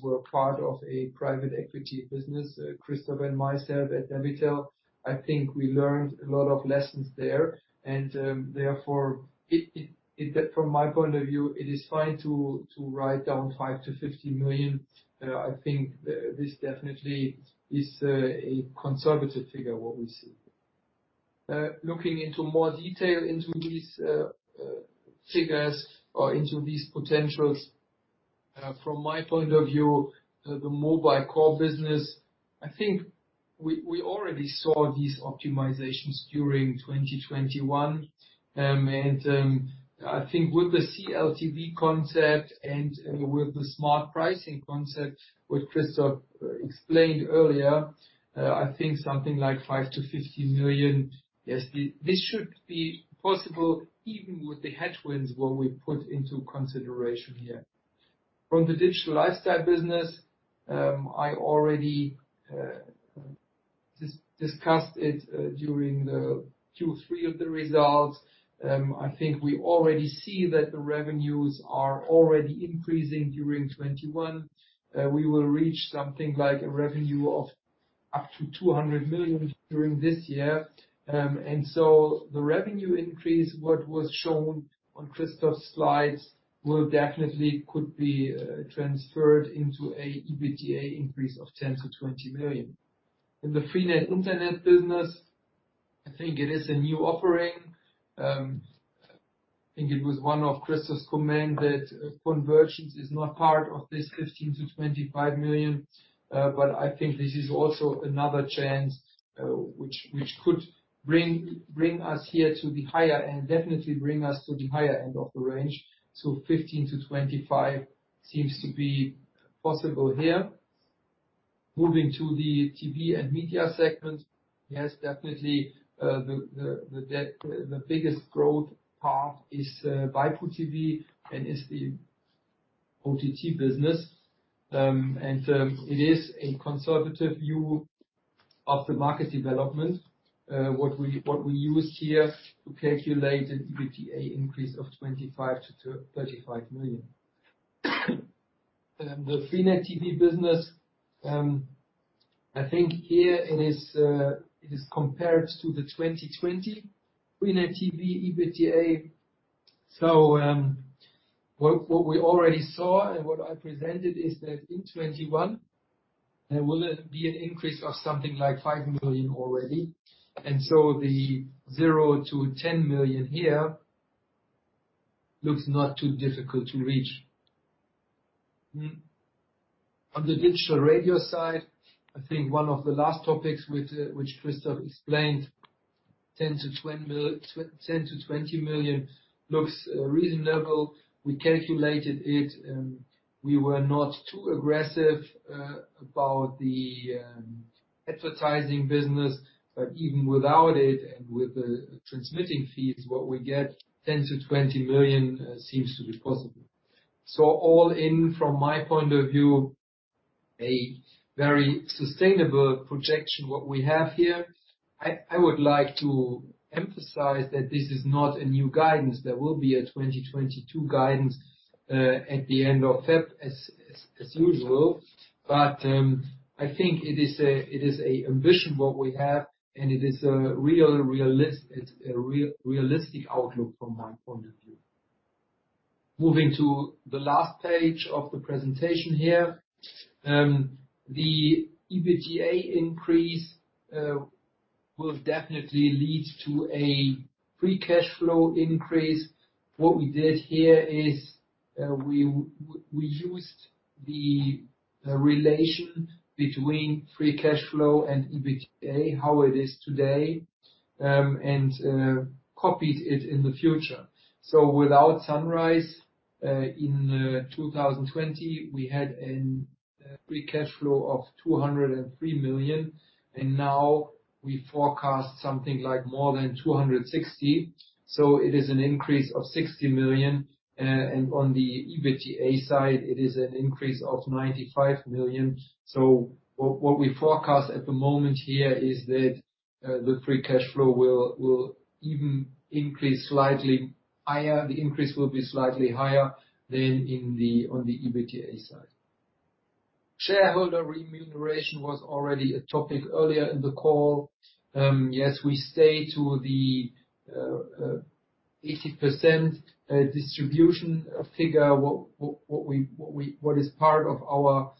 were part of a private equity business, Christoph and myself at debitel, I think we learned a lot of lessons there, and therefore. From my point of view, it is fine to write down 5 million-15 million. I think this definitely is a conservative figure, what we see. Looking into more detail into these figures or into these potentials, from my point of view, the mobile core business, I think we already saw these optimizations during 2021. I think with the CLTV concept and with the smart pricing concept, what Christoph explained earlier, I think something like 5 million-15 million is this should be possible even with the headwinds what we put into consideration here. From the Digital Lifestyle business, I already discussed it during the Q3 of the results. I think we already see that the revenues are already increasing during 2021. We will reach something like a revenue of up to 200 million during this year. The revenue increase, what was shown on Christoph's slides, will definitely could be transferred into an EBITDA increase of 10 million-20 million. In the freenet Internet business, I think it is a new offering. I think it was one of Christoph's comment that convergence is not part of this 15 million-25 million. I think this is also another chance, which could bring us here to the higher end, definitely bring us to the higher end of the range. 15-25 seems to be possible here. Moving to the TV and Media segment. Yes, definitely, the biggest growth path is waipu.tv and is the OTT business. It is a conservative view of the market development, what we use here to calculate an EBITDA increase of 25 million-35 million. The freenet TV business, I think here it is compared to the 2020 freenet TV EBITDA. What we already saw and what I presented is that in 2021, there will be an increase of something like 5 million already. The 0 million-10 million here looks not too difficult to reach. On the Digital Radio side, I think one of the last topics which Christoph explained, 10 million-20 million looks reasonable. We calculated it. We were not too aggressive about the advertising business, but even without it and with the transmitting fees, what we get, 10 million-20 million, seems to be possible. All in, from my point of view, a very sustainable projection, what we have here. I would like to emphasize that this is not a new guidance. There will be a 2022 guidance at the end of February, as usual. I think it is a ambition, what we have, and it is a realistic outlook from my point of view. Moving to the last page of the presentation here. The EBITDA increase will definitely lead to a free cash flow increase. What we did here is, we used the relation between free cash flow and EBITDA, how it is today, and copied it in the future. Without Sunrise, in 2020, we had a free cash flow of 203 million, and now we forecast something like more than 260 million. It is an increase of 60 million. On the EBITDA side, it is an increase of 95 million. What we forecast at the moment here is that The free cash flow will even increase slightly higher. The increase will be slightly higher than on the EBITDA side. Shareholder remuneration was already a topic earlier in the call. Yes, we stick to the 80% distribution figure, what is part of our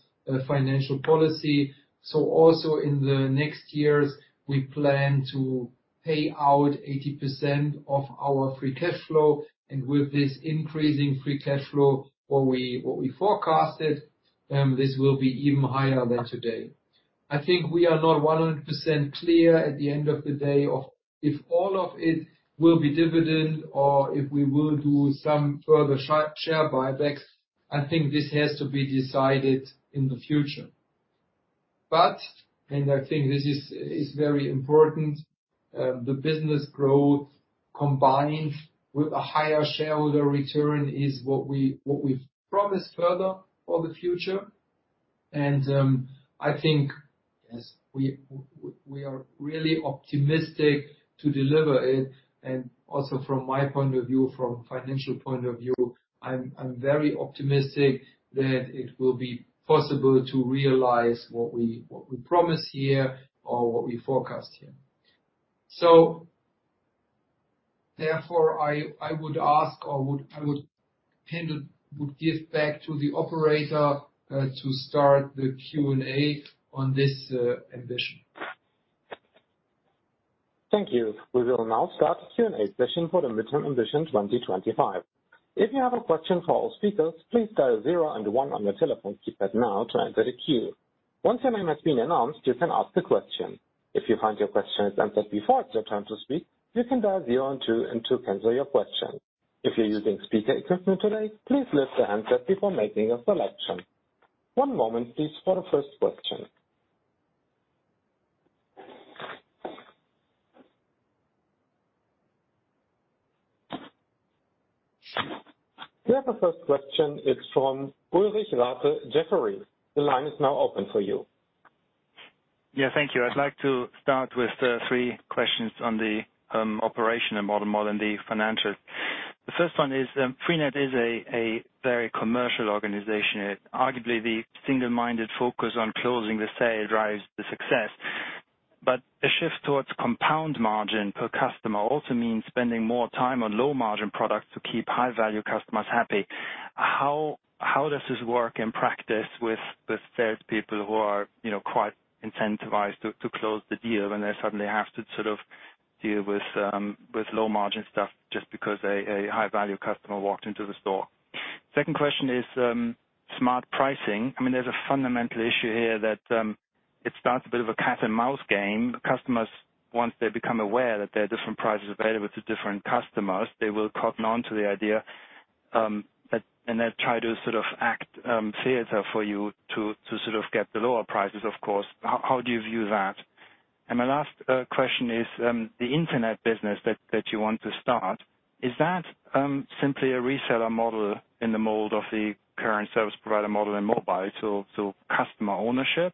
financial policy. Also in the next years, we plan to pay out 80% of our free cash flow. With this increasing free cash flow, what we forecasted, this will be even higher than today. I think we are not 100% clear at the end of the day of if all of it will be dividend or if we will do some further share buybacks. I think this has to be decided in the future. I think this is very important, the business growth combined with a higher shareholder return is what we've promised further for the future. I think we are really optimistic to deliver it. Also from my point of view, from financial point of view, I'm very optimistic that it will be possible to realize what we promise here or what we forecast here. Therefore, I would give back to the operator to start the Q&A on this ambition. Thank you. We will now start the Q&A session for the Mid-term Ambition 2025. If you have a question for our speakers, please dial 0 and one on your telephone keypad now to enter the queue. Once your name has been announced, you can ask the question. If you find your question is answered before it's your turn to speak, you can dial 0 and two to cancel your question. If you're using speaker equipment today, please lift the handset before making a selection. One moment please for the first question. We have the first question. It's from Ulrich Rathe, Jefferies. The line is now open for you. Yeah. Thank you. I'd like to start with three questions on the operational model more than the financial. The first one is freenet is a very commercial organization. Arguably, the single-minded focus on closing the sale drives the success. A shift towards compound margin per customer also means spending more time on low-margin products to keep high-value customers happy. How does this work in practice with the salespeople who are, you know, quite incentivized to close the deal when they suddenly have to sort of deal with low-margin stuff just because a high-value customer walked into the store? Second question is smart pricing. I mean, there's a fundamental issue here that it starts a bit of a cat-and-mouse game. Customers, once they become aware that there are different prices available to different customers, they will cotton on to the idea. They will try to sort of get the lower prices, of course. How do you view that? My last question is the internet business that you want to start. Is that simply a reseller model in the mold of the current service provider model in mobile, so customer ownership,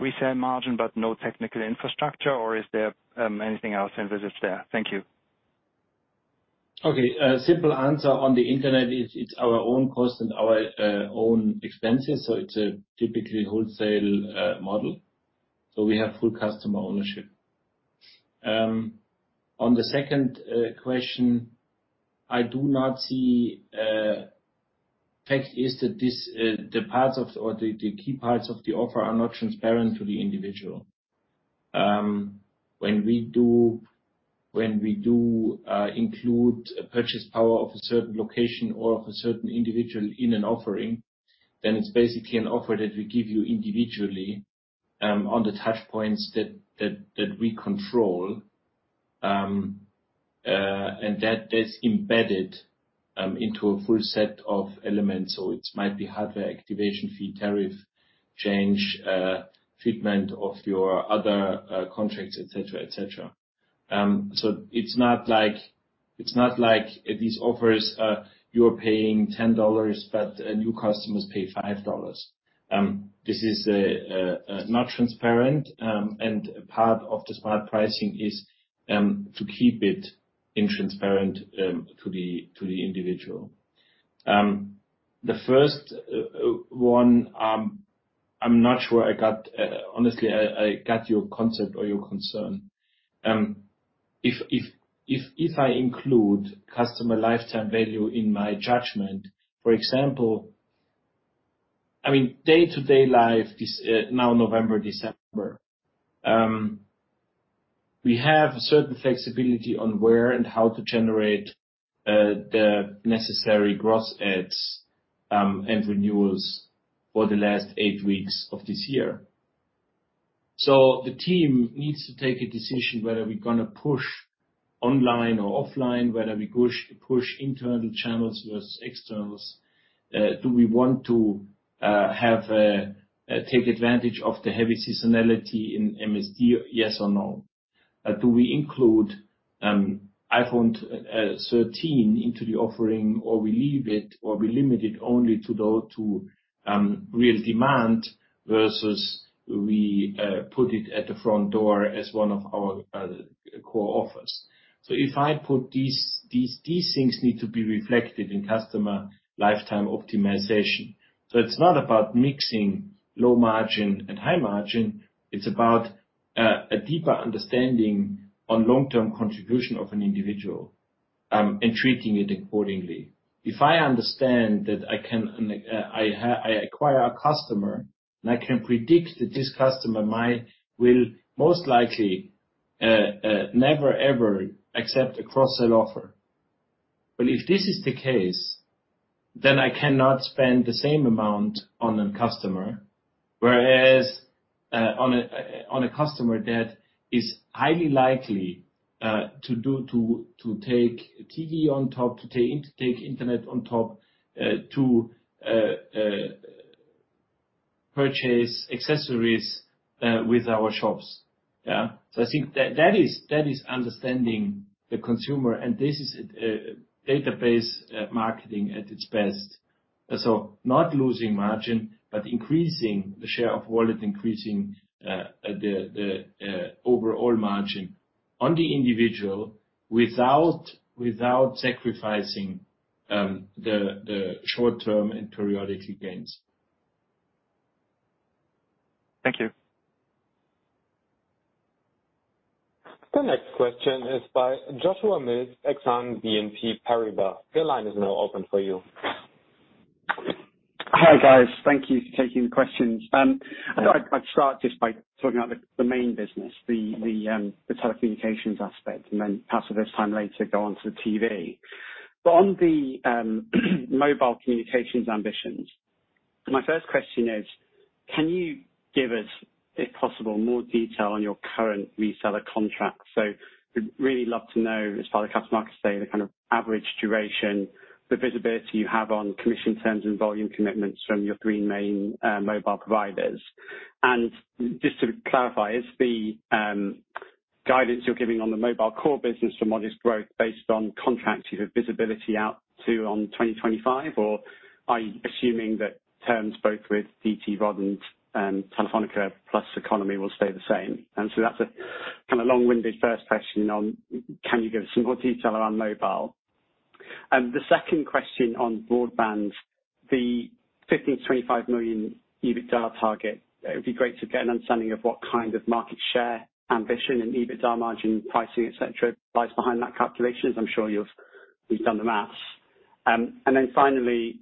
resale margin, but no technical infrastructure, or is there anything else in business there? Thank you. Okay. A simple answer on the internet, it's our own cost and our own expenses, so it's a typically wholesale model. So we have full customer ownership. On the second question, I do not see. Fact is that this, the key parts of the offer are not transparent to the individual. When we do include a purchasing power of a certain location or of a certain individual in an offering, then it's basically an offer that we give you individually on the touch points that we control. And that is embedded into a full set of elements. So it might be hardware activation fee, tariff change, treatment of your other contracts, et cetera. It's not like these offers are, you're paying $10, but new customers pay $5. This is not transparent, and part of the smart pricing is to keep it intransparent to the individual. The first one, I'm not sure I got, honestly, I got your concept or your concern. If I include customer lifetime value in my judgment, for example. I mean, day-to-day life this, now November, December, we have a certain flexibility on where and how to generate the necessary gross adds and renewals for the last eight weeks of this year. The team needs to take a decision whether we're gonna push online or offline, whether we push internal channels versus externals. Do we want to take advantage of the heavy seasonality in MSD, yes or no? Do we include iPhone 13 into the offering or we leave it or we limit it only to go to real demand versus we put it at the front door as one of our core offers. If I put these things need to be reflected in customer lifetime optimization. It's not about mixing low margin and high margin, it's about a deeper understanding on long-term contribution of an individual and treating it accordingly. If I understand that I acquire a customer, and I can predict that this customer will most likely never, ever accept a cross-sell offer. If this is the case, then I cannot spend the same amount on a customer, whereas on a customer that is highly likely to take TV on top, to take internet on top, to purchase accessories with our shops. Yeah. I think that is understanding the consumer, and this is database marketing at its best. Not losing margin, but increasing the share of wallet, increasing the overall margin on the individual without sacrificing the short-term and periodically gains. Thank you. The next question is by Joshua Mills, BNP Paribas Exane. Your line is now open for you. Hi, guys. Thank you for taking the questions. I thought I'd start just by talking about the main business, the telecommunications aspect, and then perhaps if there's time later, go on to the TV. On the mobile communications ambitions, my first question is can you give us, if possible, more detail on your current reseller contract? We'd really love to know, as part of the customer acquisition, the kind of average duration, the visibility you have on commission terms and volume commitments from your three main mobile providers. Just to clarify, is the guidance you're giving on the mobile core business for modest growth based on contracts you have visibility out to on 2025 or are you assuming that terms both with DT, Vodafone and Telefónica plus economy will stay the same? That's a kinda long-winded first question on, can you give us some more detail around mobile. The second question on broadband, the 15 million-25 million EBITDA target. It'd be great to get an understanding of what kind of market share ambition and EBITDA margin pricing, et cetera, et cetera, lies behind that calculation, as I'm sure you've done the math. Then finally,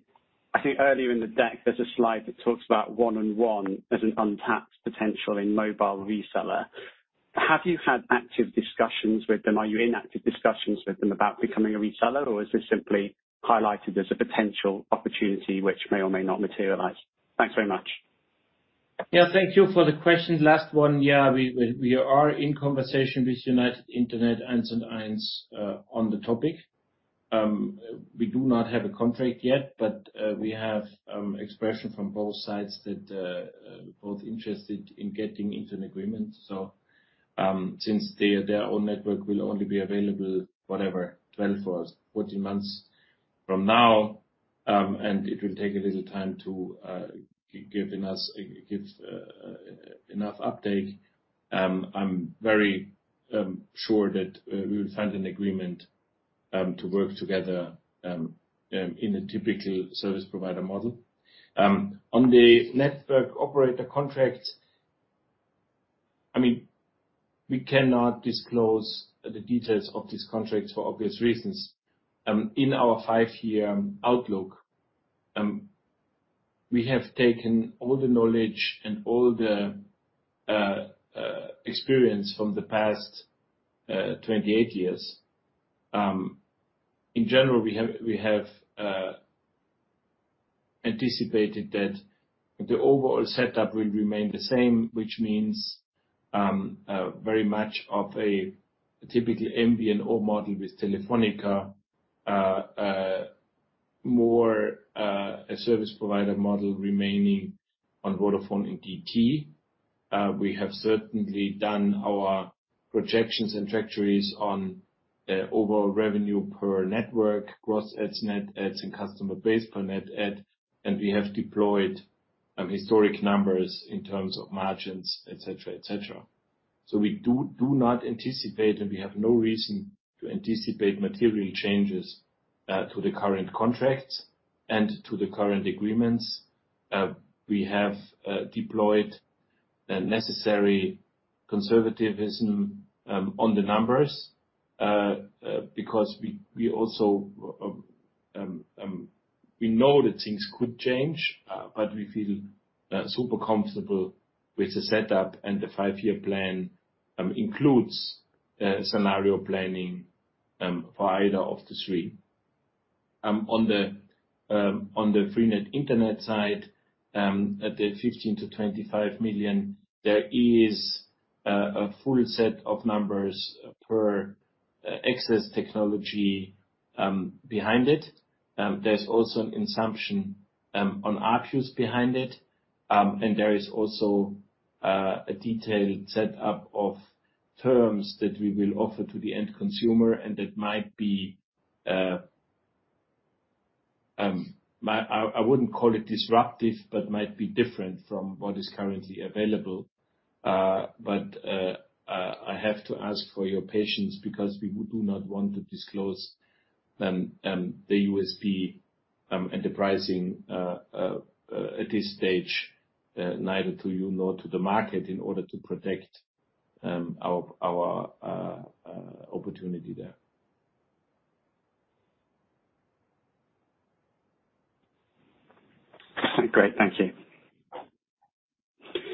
I think earlier in the deck, there's a slide that talks about 1&1 as an untapped potential in mobile reseller. Have you had active discussions with them? Are you in active discussions with them about becoming a reseller? Or is this simply highlighted as a potential opportunity which may or may not materialize? Thanks very much. Yeah, thank you for the question. Last one, we are in conversation with United Internet, 1&1, on the topic. We do not have a contract yet, but we have expression from both sides that both interested in getting into an agreement. Since their own network will only be available, whatever, 12 or 14 months from now, and it will take a little time to give us enough uptake. I'm very sure that we will find an agreement to work together in a typical service provider model. On the network operator contracts, I mean, we cannot disclose the details of these contracts for obvious reasons. In our five-year outlook, we have taken all the knowledge and all the experience from the past 28 years. In general, we have anticipated that the overall setup will remain the same, which means very much of a typical MVNO model with Telefónica, more a service provider model remaining on Vodafone and DT. We have certainly done our projections and trajectories on overall revenue per network, gross adds, net adds, and customer base per net add, and we have deployed historic numbers in terms of margins, et cetera. We do not anticipate, and we have no reason to anticipate material changes to the current contracts and to the current agreements. We have deployed the necessary conservatism on the numbers because we also know that things could change, but we feel super comfortable with the setup, and the five-year plan includes scenario planning for either of the three. On the freenet Internet side, at the 15 million-25 million, there is a full set of numbers per access technology behind it. There's also an assumption on ARPUs behind it. There is also a detailed setup of terms that we will offer to the end consumer, and that might be. I wouldn't call it disruptive, but might be different from what is currently available. I have to ask for your patience because we do not want to disclose the USP and the pricing at this stage, neither to you nor to the market in order to protect our opportunity there. Great. Thank you.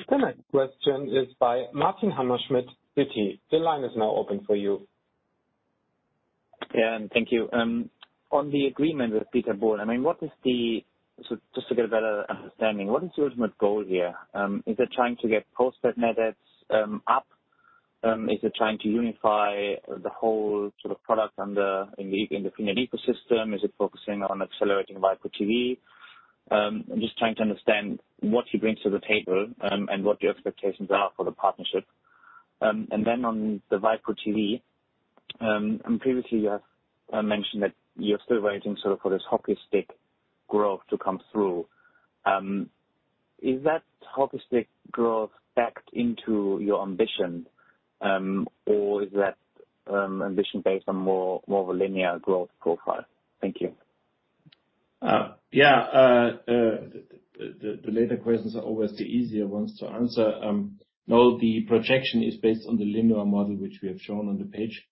The next question is by Martin Hammerschmidt, Citi. The line is now open for you. Yeah, thank you. On the agreement with Dieter Bohlen, I mean, just to get a better understanding, what is your ultimate goal here? Is it trying to get postpaid net adds up? Is it trying to unify the whole sort of product under in the freenet ecosystem? Is it focusing on accelerating waipu.tv? I'm just trying to understand what he brings to the table, and what your expectations are for the partnership. On the waipu.tv, and previously you have mentioned that you're still waiting sort of for this hockey stick growth to come through. Is that hockey stick growth backed into your ambition, or is that ambition based on more of a linear growth profile? Thank you. Yeah, the later questions are always the easier ones to answer. No, the projection is based on the linear model which we have shown on the page,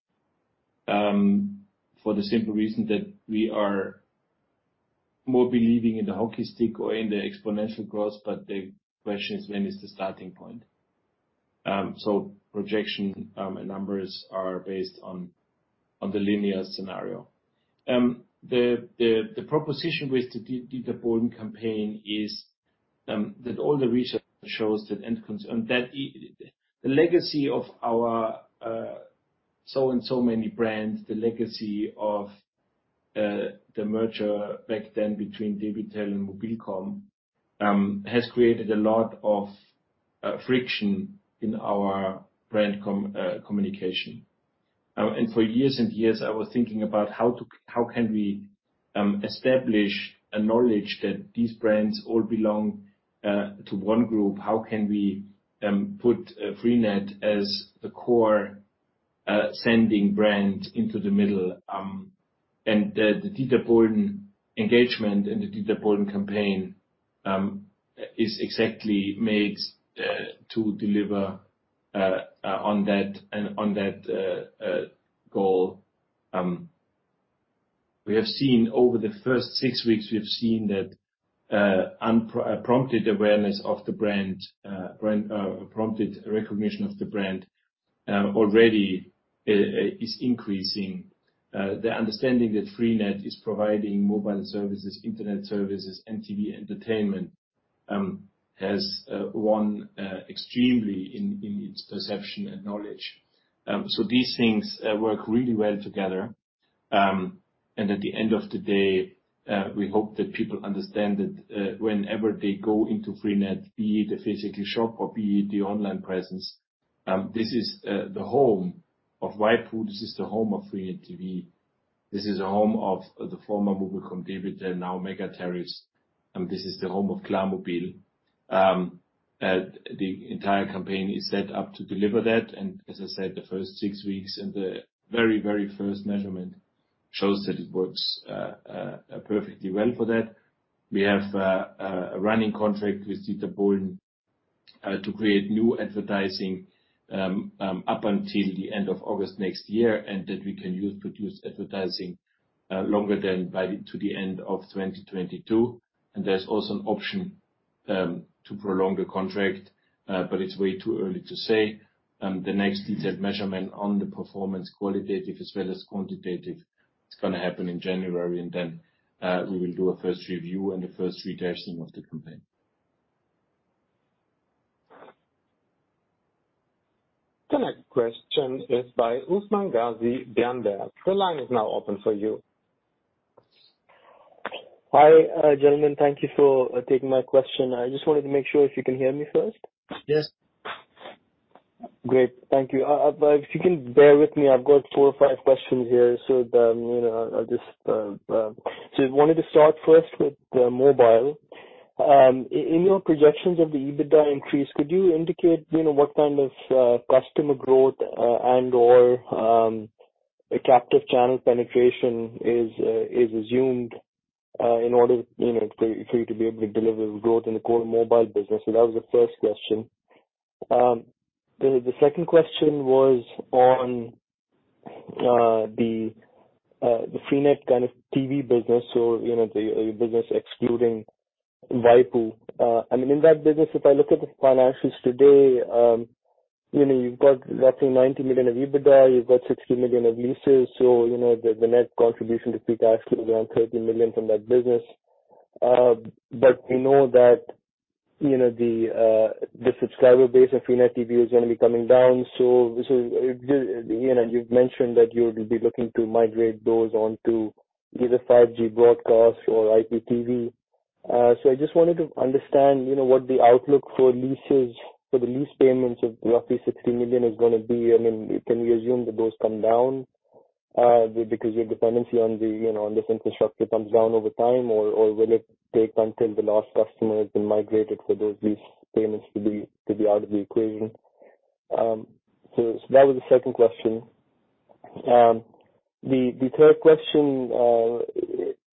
for the simple reason that we are more believing in the hockey stick or in the exponential growth, but the question is when is the starting point? Projection numbers are based on the linear scenario. The proposition with the Dieter Bohlen campaign is that all the research shows that the legacy of our so and so many brands, the legacy of the merger back then between debitel and mobilcom, has created a lot of friction in our brand communication. For years and years, I was thinking about how to, how can we establish a knowledge that these brands all belong to one group? How can we put freenet as the core sending brand into the middle? The Dieter Bohlen engagement and the Dieter Bohlen campaign is exactly made to deliver on that goal. We have seen over the first six weeks, we've seen that unprompted awareness of the brand, prompted recognition of the brand already is increasing. The understanding that freenet is providing mobile services, internet services, and TV entertainment has grown extremely in its perception and knowledge. These things work really well together. At the end of the day, we hope that people understand that, whenever they go into freenet, be it a physical shop or be it the online presence, this is the home of waipu, this is the home of freenet TV, this is the home of the former mobilcom-debitel, now MegaTarife, and this is the home of klarmobil. The entire campaign is set up to deliver that, and as I said, the first six weeks and the very, very first measurement shows that it works perfectly well for that. We have a running contract with Dieter Bohlen to create new advertising up until the end of August next year, and that we can use produced advertising longer, up to the end of 2022. There's also an option to prolong the contract, but it's way too early to say. The next detailed measurement on the performance, qualitative as well as quantitative, it's gonna happen in January, and then we will do a first review and the first reiteration of the campaign. The next question is by Usman Ghazi, Berenberg. The line is now open for you. Hi, gentlemen. Thank you for taking my question. I just wanted to make sure if you can hear me first. Yes. Great. Thank you. If you can bear with me, I've got four or five questions here, so, you know, I'll just... I wanted to start first with mobile. In your projections of the EBITDA increase, could you indicate, you know, what kind of customer growth and/or captive channel penetration is assumed in order, you know, for you to be able to deliver growth in the core mobile business? That was the first question. The second question was on the freenet kind of TV business, so you know, your business excluding waipu. I mean, in that business, if I look at the financials today, you know, you've got roughly 90 million of EBITDA, you've got 16 million of leases, so you know, the net contribution to EBIT actually is around 30 million from that business. But we know that, you know, the subscriber base of freenet TV is gonna be coming down, so this is, you know, you've mentioned that you'll be looking to migrate those onto either 5G broadcast or IPTV. So I just wanted to understand, you know, what the outlook for the lease payments of roughly 60 million is gonna be. I mean, can we assume that those come down, because your dependency on, you know, on this infrastructure comes down over time? Will it take until the last customer has been migrated for those lease payments to be out of the equation? That was the second question. The third question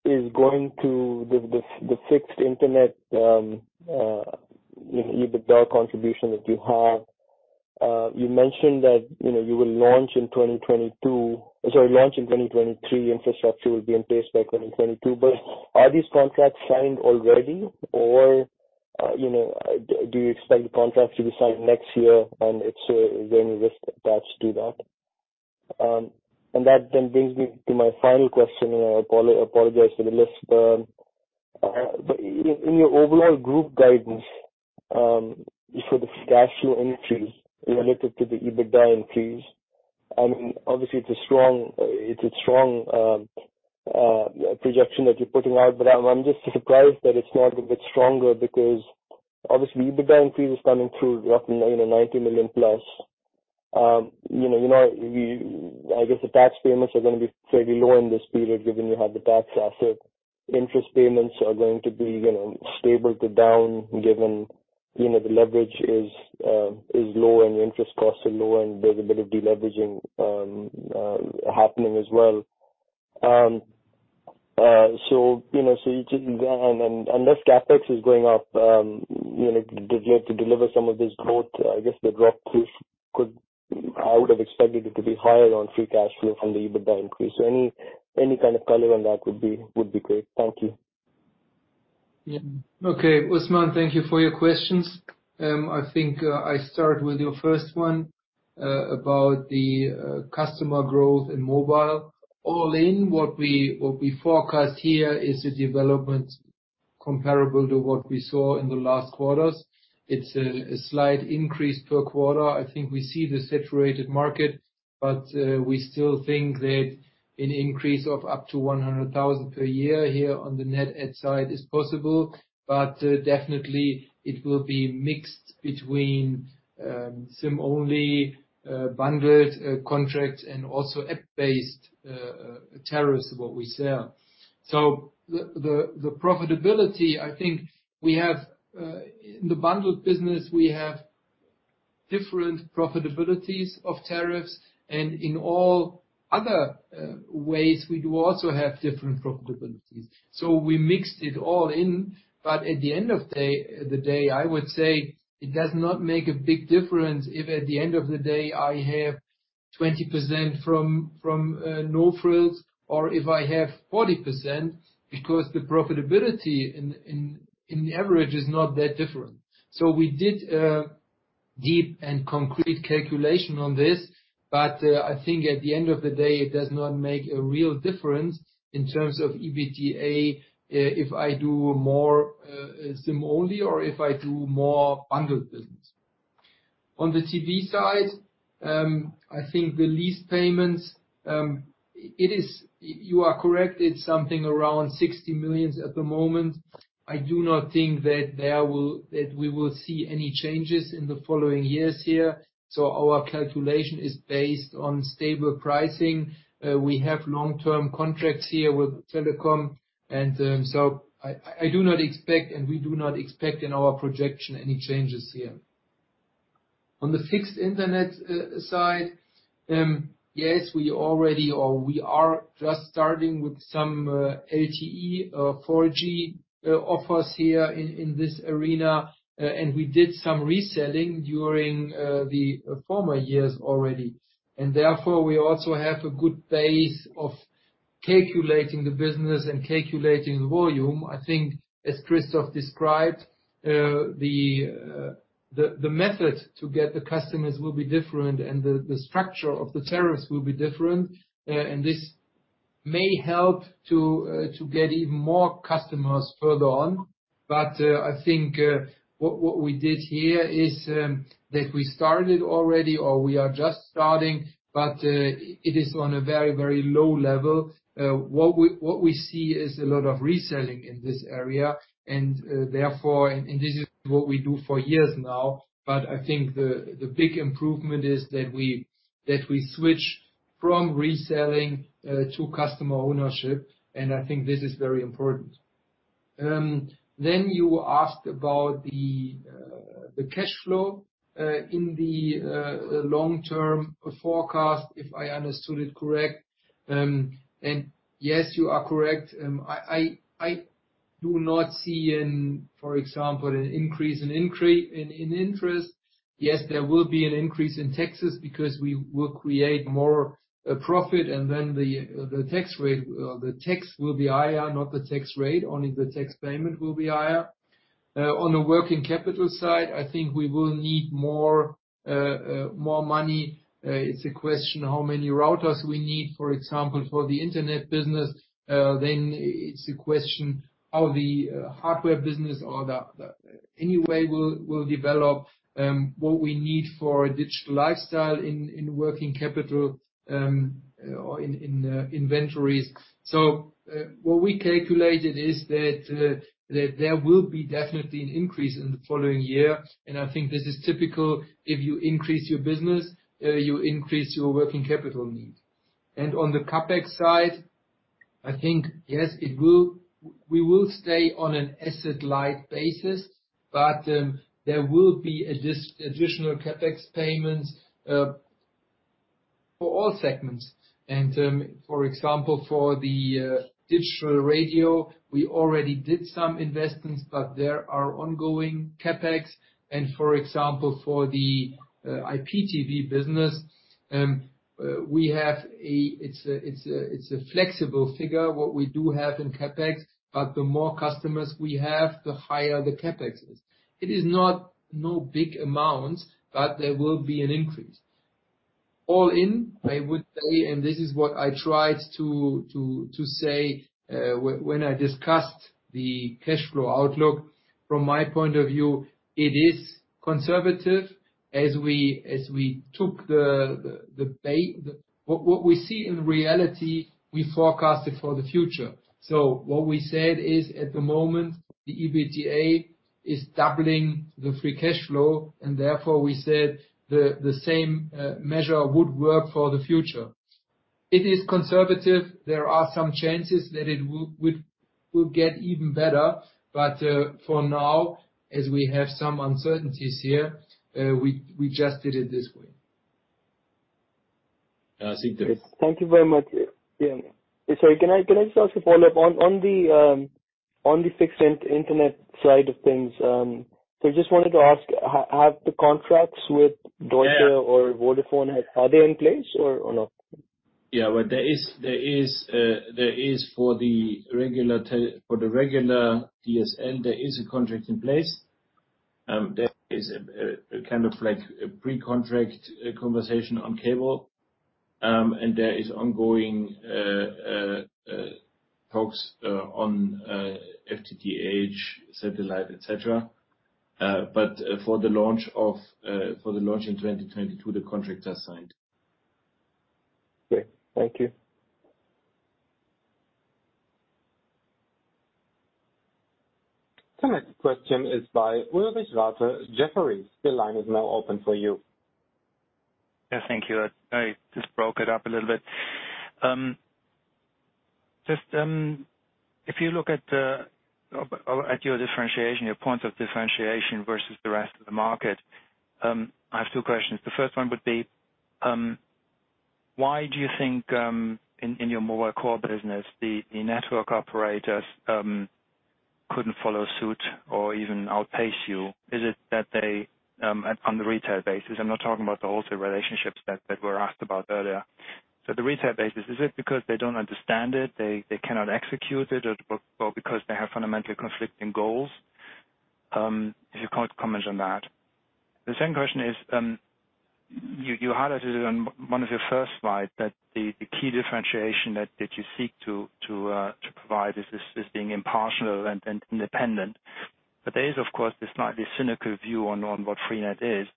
is going to the fixed internet EBITDA contribution that you have. You mentioned that, you know, you will launch in 2022. Sorry, launch in 2023. Infrastructure will be in place by 2022. But are these contracts signed already or, you know, do you expect the contracts to be signed next year, and if so, is there any risk attached to that? That brings me to my final question, and I apologize to the listener. In your overall group guidance, for the cash flow increase related to the EBITDA increase, I mean, obviously, it's a strong projection that you're putting out, but I'm just surprised that it's not a bit stronger because obviously EBITDA increase is coming through roughly, you know, 90 million plus. You know, I guess the tax payments are gonna be fairly low in this period, given you have the tax asset. Interest payments are going to be, you know, stable to down, given, you know, the leverage is low and your interest costs are low and there's a bit of deleveraging happening as well. Less CapEx is going up, you know, to deliver some of this growth. I guess the drop. I would have expected it to be higher on free cash flow from the EBITDA increase. Any kind of color on that would be great. Thank you. Yeah. Okay. Usman, thank you for your questions. I think I start with your first one about the customer growth in mobile. All in, what we forecast here is a development comparable to what we saw in the last quarters. It's a slight increase per quarter. I think we see the saturated market, but we still think that an increase of up to 100,000 per year here on the net add side is possible. Definitely it will be mixed between SIM-only, bundled contracts and also app-based tariffs are what we sell. The profitability, I think we have in the bundled business, we have different profitabilities of tariffs, and in all other ways, we do also have different profitabilities. We mixed it all in, but at the end of the day, I would say it does not make a big difference if at the end of the day I have 20% from no-frills or if I have 40%, because the profitability in the average is not that different. We did a deep and concrete calculation on this. I think at the end of the day, it does not make a real difference in terms of EBITDA if I do more SIM-only or if I do more bundled business. On the TV side, I think the lease payments, you are correct. It's something around 60 million at the moment. I do not think that we will see any changes in the following years here. Our calculation is based on stable pricing. We have long-term contracts here with telecom, and I do not expect, and we do not expect in our projection any changes here. On the fixed Internet side, yes, we already or we are just starting with some LTE 4G offers here in this arena. We did some reselling during the former years already. Therefore, we also have a good base of calculating the business and calculating volume. I think as Christoph described, the method to get the customers will be different and the structure of the tariffs will be different. This may help to get even more customers further on. I think what we did here is that we started already or we are just starting, but it is on a very, very low level. What we see is a lot of reselling in this area and therefore, and this is what we do for years now, but I think the big improvement is that we switch from reselling to customer ownership, and I think this is very important. You asked about the cash flow in the long-term forecast, if I understood it correct. Yes, you are correct. I do not see, for example, an increase in interest. Yes, there will be an increase in taxes because we will create more profit and then the tax rate, the tax will be higher, not the tax rate, only the tax payment will be higher. On the working capital side, I think we will need more money. It's a question of how many routers we need, for example, for the internet business. Then it's a question how the hardware business or the. Anyway we'll develop what we need for a digital lifestyle in working capital or in inventories. What we calculated is that there will be definitely an increase in the following year. I think this is typical. If you increase your business, you increase your working capital need. On the CapEx side- I think, yes, it will. We will stay on an asset light basis, but there will be additional CapEx payments for all segments. For example, for the digital radio, we already did some investments, but there are ongoing CapEx. For example, for the IPTV business, we have. It's a flexible figure, what we do have in CapEx, but the more customers we have, the higher the CapEx is. It is not a big amount, but there will be an increase. All in, I would say, and this is what I tried to say when I discussed the cash flow outlook. From my point of view, it is conservative as we took the base. What we see in reality, we forecast it for the future. What we said is, at the moment, the EBITDA is doubling the free cash flow, and therefore we said the same measure would work for the future. It is conservative. There are some chances that it would get even better. For now, as we have some uncertainties here, we just did it this way. Uh, Thank you very much. Yeah. Sorry, can I just ask a follow-up? On the fixed internet side of things, so just wanted to ask, have the contracts with Deutsche- Yeah. Vodafone, are they in place or not? Yeah. Well, there is for the regular DSL a contract in place. There is a kind of like a pre-contract conversation on cable, and there is ongoing talks on FTTH, satellite, et cetera. But for the launch in 2022, the contract are signed. Okay. Thank you. The next question is by Ulrich Rathe, Jefferies. The line is now open for you. Yeah, thank you. I just broke it up a little bit. Just if you look at your differentiation, your point of differentiation versus the rest of the market, I have two questions. The first one would be, why do you think in your mobile core business, the network operators couldn't follow suit or even outpace you? Is it that they on the retail basis, I'm not talking about the wholesale relationships that were asked about earlier. So the retail basis, is it because they don't understand it, they cannot execute it or because they have fundamentally conflicting goals? If you can't comment on that. The second question is, you highlighted on one of your first slides that the key differentiation that you seek to provide is being impartial and independent. But there is, of course, this slightly cynical view on what freenet is,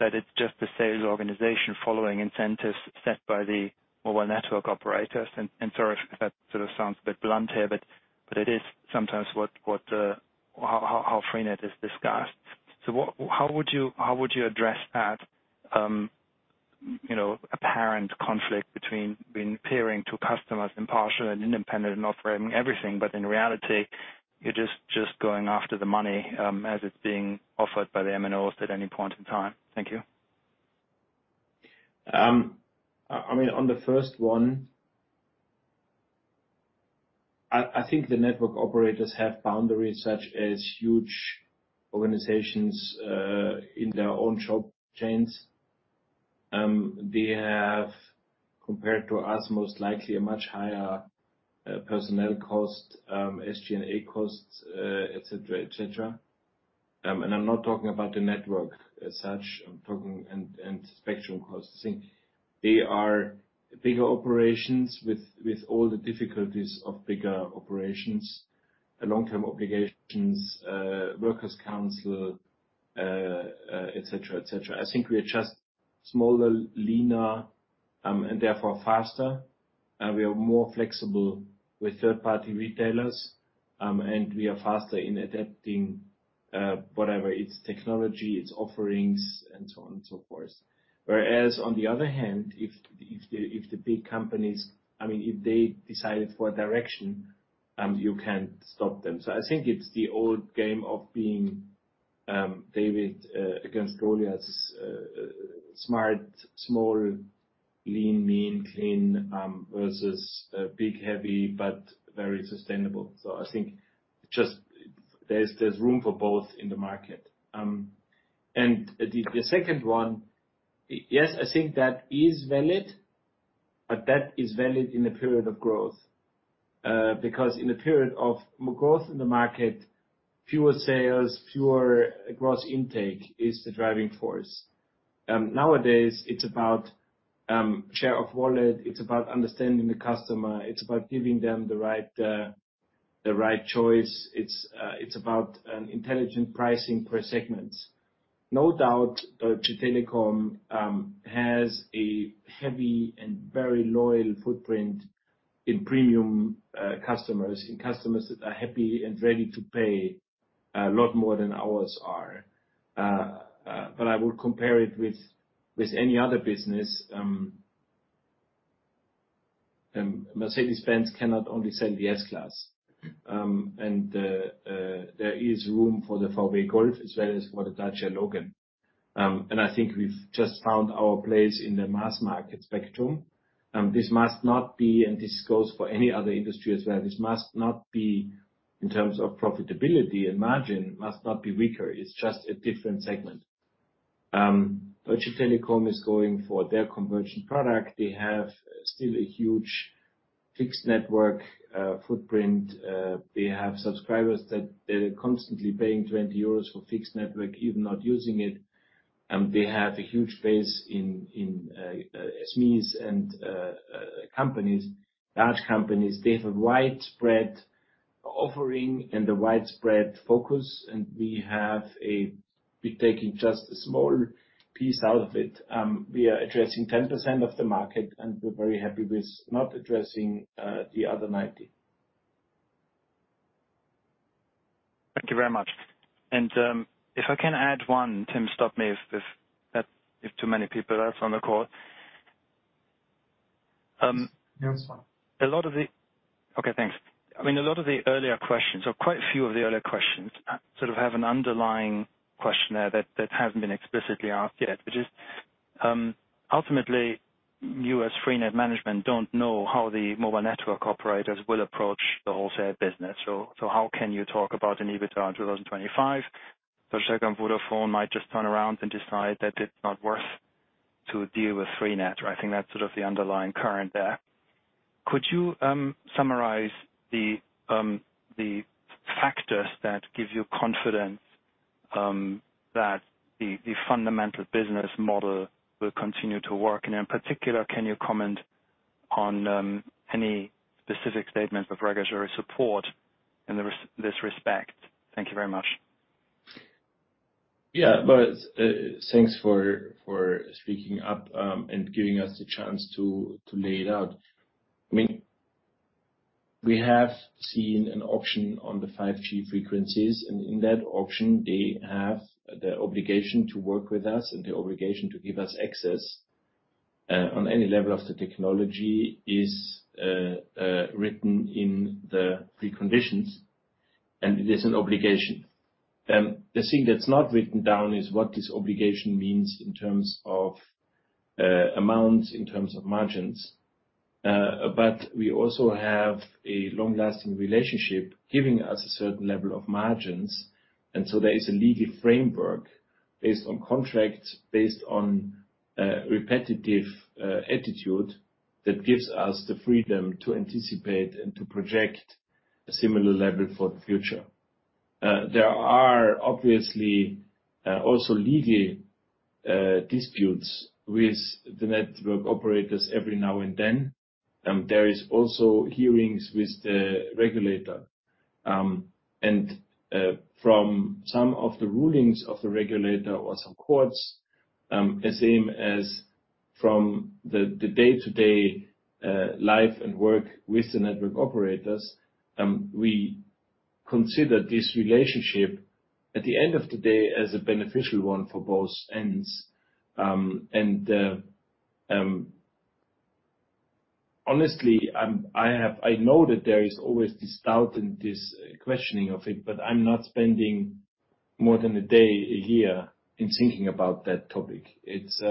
that it's just a sales organization following incentives set by the mobile network operators. Sorry if that sort of sounds a bit blunt here, but it is sometimes how freenet is discussed. How would you address that, you know, apparent conflict between appearing to customers impartial and independent and offering everything, but in reality, you're just going after the money as it's being offered by the MNOs at any point in time? Thank you. I mean, on the first one, I think the network operators have boundaries such as huge organizations in their own shop chains. They have, compared to us, most likely a much higher personnel cost, SG&A costs, et cetera. I'm not talking about the network as such. I'm talking and spectrum costs. I think they are bigger operations with all the difficulties of bigger operations, long-term obligations, works council, et cetera. I think we are just smaller, leaner, and therefore faster. We are more flexible with third-party retailers, and we are faster in adapting, whatever its technology, its offerings, and so on and so forth. Whereas on the other hand, if the big companies, I mean, if they decided for a direction, you can't stop them. I think it's the old game of being David against Goliaths. Smart, small, lean, mean, clean versus big, heavy, but very sustainable. I think just there's room for both in the market. The second one, yes, I think that is valid, but that is valid in a period of growth. Because in a period of more growth in the market, fewer sales, fewer gross intake is the driving force. Nowadays it's about share of wallet, it's about understanding the customer, it's about giving them the right choice. It's about an intelligent pricing per segment. No doubt, Telecom has a heavy and very loyal footprint in premium customers, in customers that are happy and ready to pay a lot more than ours are. I would compare it with any other business. Mercedes-Benz cannot only sell the S-Class. There is room for the VW Golf as well as for the Dacia Logan. I think we've just found our place in the mass market spectrum, and this must not be, and this goes for any other industry as well, this must not be, in terms of profitability and margin, must not be weaker. It's just a different segment. Deutsche Telekom is going for their conversion product. They have still a huge fixed network footprint. They have subscribers that they're constantly paying 20 euros for fixed network, even not using it. They have a huge base in SMEs and companies, large companies. They have a widespread offering and a widespread focus, and we're taking just a small piece out of it. We are addressing 10% of the market, and we're very happy with not addressing the other 90. Thank you very much. If I can add one. Tim, stop me if that. If too many people are on the call. No, it's fine. A lot of the earlier questions, or quite a few of the earlier questions, sort of have an underlying question there that hasn't been explicitly asked yet, which is, ultimately, you as freenet management don't know how the mobile network operators will approach the wholesale business. So how can you talk about an EBITDA in 2025? Deutsche Telekom, Vodafone might just turn around and decide that it's not worth to deal with freenet. I think that's sort of the underlying undercurrent there. Could you summarize the factors that give you confidence that the fundamental business model will continue to work? And in particular, can you comment on any specific statements of regulatory support in this respect? Thank you very much. Yeah. Thanks for speaking up and giving us the chance to lay it out. I mean, we have seen an auction on the 5G frequencies, and in that auction, they have the obligation to work with us and the obligation to give us access on any level of the technology is written in the preconditions, and it is an obligation. The thing that's not written down is what this obligation means in terms of amounts, in terms of margins. We also have a long-lasting relationship giving us a certain level of margins. There is a legal framework based on contracts, based on repetitive attitude that gives us the freedom to anticipate and to project a similar level for the future. There are obviously also legal disputes with the network operators every now and then. There is also hearings with the regulator. From some of the rulings of the regulator or some courts, the same as from the day-to-day life and work with the network operators, we consider this relationship, at the end of the day, as a beneficial one for both ends. Honestly, I know that there is always this doubt and this questioning of it, but I'm not spending more than a day a year in thinking about that topic. It's...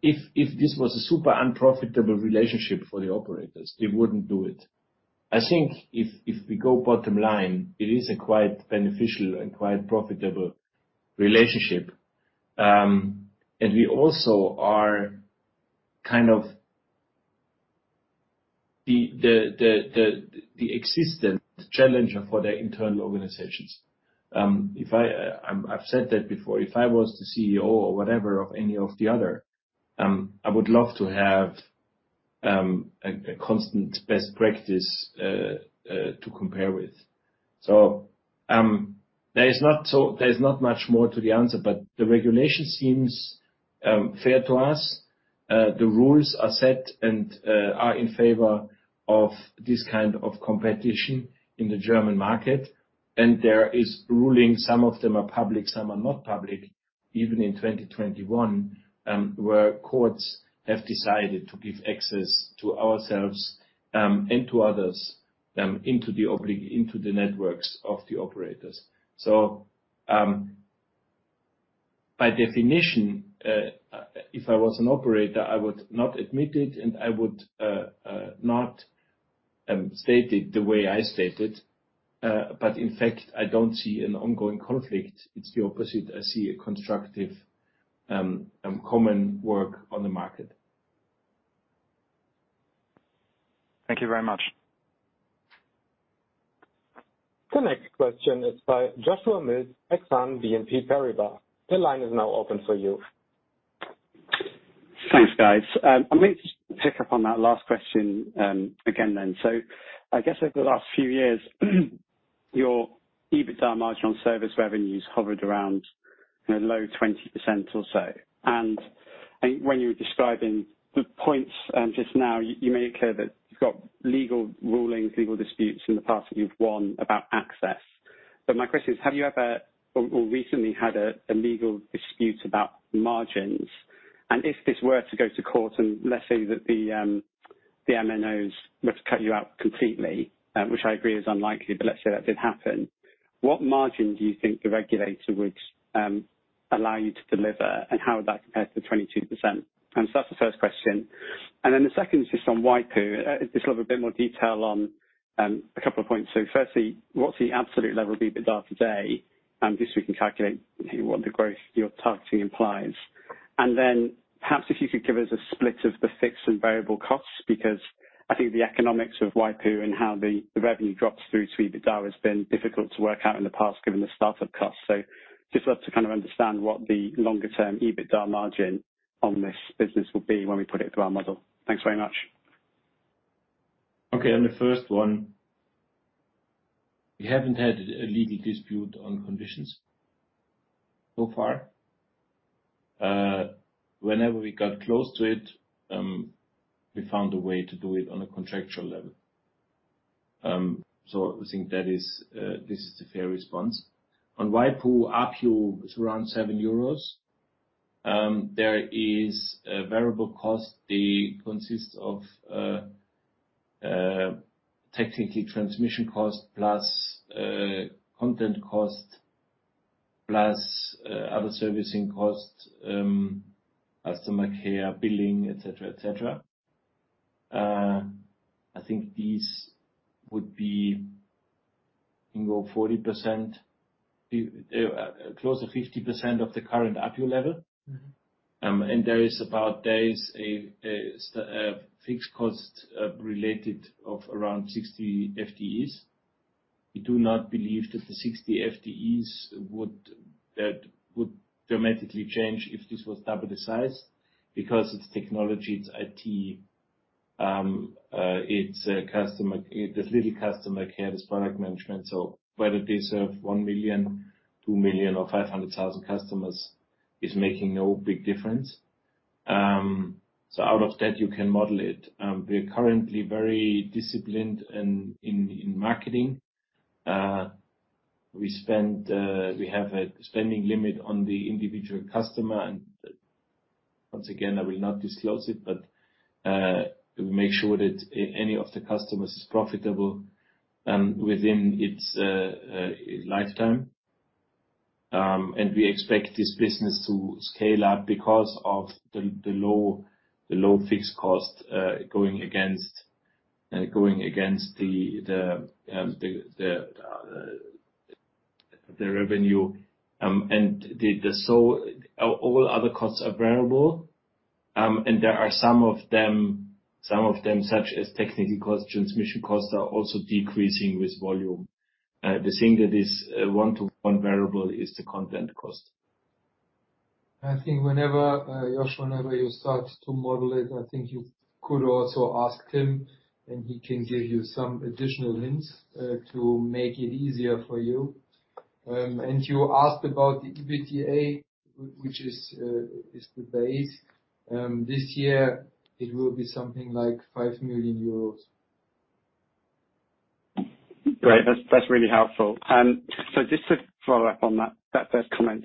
If this was a super unprofitable relationship for the operators, they wouldn't do it. I think if we go bottom line, it is a quite beneficial and quite profitable relationship. We also are kind of the existing challenger for their internal organizations. I've said that before. If I was the CEO or whatever of any of the other, I would love to have a constant best practice to compare with. There is not much more to the answer, but the regulation seems fair to us. The rules are set and are in favor of this kind of competition in the German market. There are rulings, some of them are public, some are not public, even in 2021, where courts have decided to give access to ourselves and to others into the networks of the operators. By definition, if I was an operator, I would not admit it, and I would not state it the way I state it. In fact, I don't see an ongoing conflict. It's the opposite. I see a constructive, common work on the market. Thank you very much. The next question is by Joshua Mills, BNP Paribas Exane. The line is now open for you. Thanks, guys. I'm going to just pick up on that last question, again then. I guess over the last few years, your EBITDA margin on service revenues hovered around in the low 20% or so. I think when you were describing the points, just now, you made it clear that you've got legal rulings, legal disputes in the past that you've won about access. My question is, have you ever or recently had a legal dispute about margins? If this were to go to court, and let's say that the MNOs were to cut you out completely, which I agree is unlikely, but let's say that did happen, what margin do you think the regulator would allow you to deliver, and how would that compare to the 22%? That's the first question. The second is just on waipu.tv. Just love a bit more detail on a couple of points. Firstly, what is the absolute level of EBITDA today? Just so we can calculate what the growth you are targeting implies. Perhaps if you could give us a split of the fixed and variable costs, because I think the economics of waipu.tv and how the revenue drops through to EBITDA has been difficult to work out in the past given the start-up costs. Just love to kind of understand what the longer term EBITDA margin on this business will be when we put it through our model. Thanks very much. Okay, on the first one, we haven't had a legal dispute on conditions so far. Whenever we got close to it, we found a way to do it on a contractual level. I think this is a fair response. On waipu.tv, ARPU is around 7 euros. There is a variable cost. They consist of technically transmission cost plus content cost, plus other servicing costs, customer care, billing, et cetera. I think these would be around 40%, closer 50% of the current ARPU level. Mm-hmm. There is about a fixed cost related to around 60 FTEs. We do not believe that the 60 FTEs would dramatically change if this was double the size because it's technology, it's IT, it's customer care. There's little customer care, there's product management. Whether they serve 1 million, 2 million or 500,000 customers is making no big difference. Out of that, you can model it. We are currently very disciplined in marketing. We spend. We have a spending limit on the individual customer. Once again, I will not disclose it, but we make sure that any of the customers is profitable within its lifetime. We expect this business to scale up because of the low fixed cost going against the revenue. All other costs are variable. There are some of them, such as technical costs, transmission costs, are also decreasing with volume. The thing that is one-to-one variable is the content cost. I think whenever, Josh, you start to model it, I think you could also ask him, and he can give you some additional hints to make it easier for you. You asked about the EBITDA, which is the base. This year it will be something like 5 million euros. That's really helpful. Just to follow up on that first comment.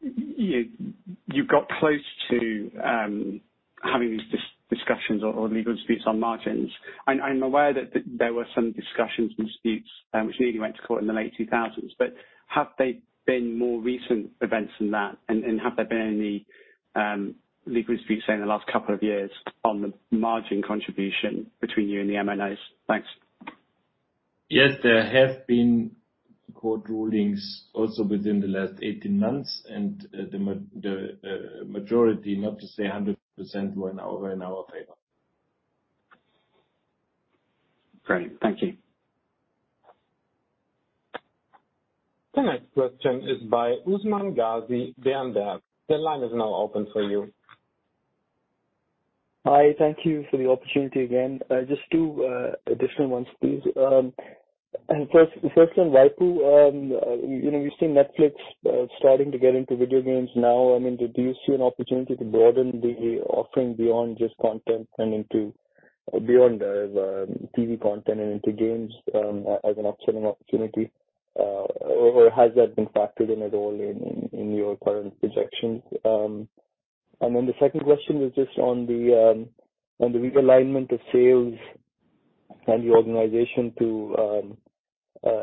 You got close to having these discussions or legal disputes on margins. I'm aware that there were some discussions and disputes which nearly went to court in the late 2000s. Have there been more recent events than that? Have there been any legal disputes say in the last couple of years on the margin contribution between you and the MNOs? Thanks. Yes, there have been court rulings also within the last 18 months. The majority, not to say 100%, were in our favor. Great. Thank you. The next question is by Usman Ghazi. The line is now open for you. Hi, thank you for the opportunity again. Just two additional ones, please. First on waipu.tv. You know, we've seen Netflix starting to get into video games now. I mean, does this give you an opportunity to broaden the offering beyond just content and into beyond the TV content and into games as an upselling opportunity? Or has that been factored in at all in your current projections? The second question is just on the realignment of sales and the organization to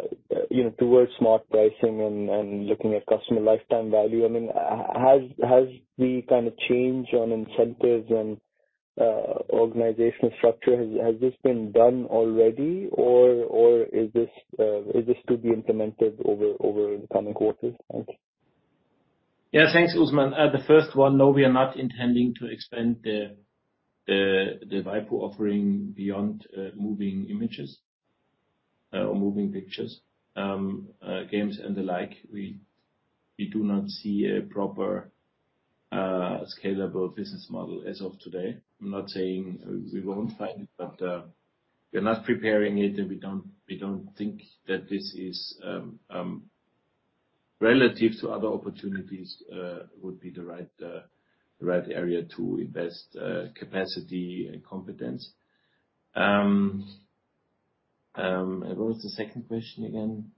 you know, towards smart pricing and looking at customer lifetime value. I mean, has the kind of change on incentives and organizational structure, has this been done already or is this to be implemented over the coming quarters? Thanks. Yeah. Thanks, Usman. The first one, no, we are not intending to expand the waipu.tv offering beyond moving images or moving pictures, games and the like. We do not see a proper scalable business model as of today. I'm not saying we won't find it, but we are not preparing it, and we don't think that this is, relative to other opportunities, would be the right area to invest capacity and competence. What was the second question again?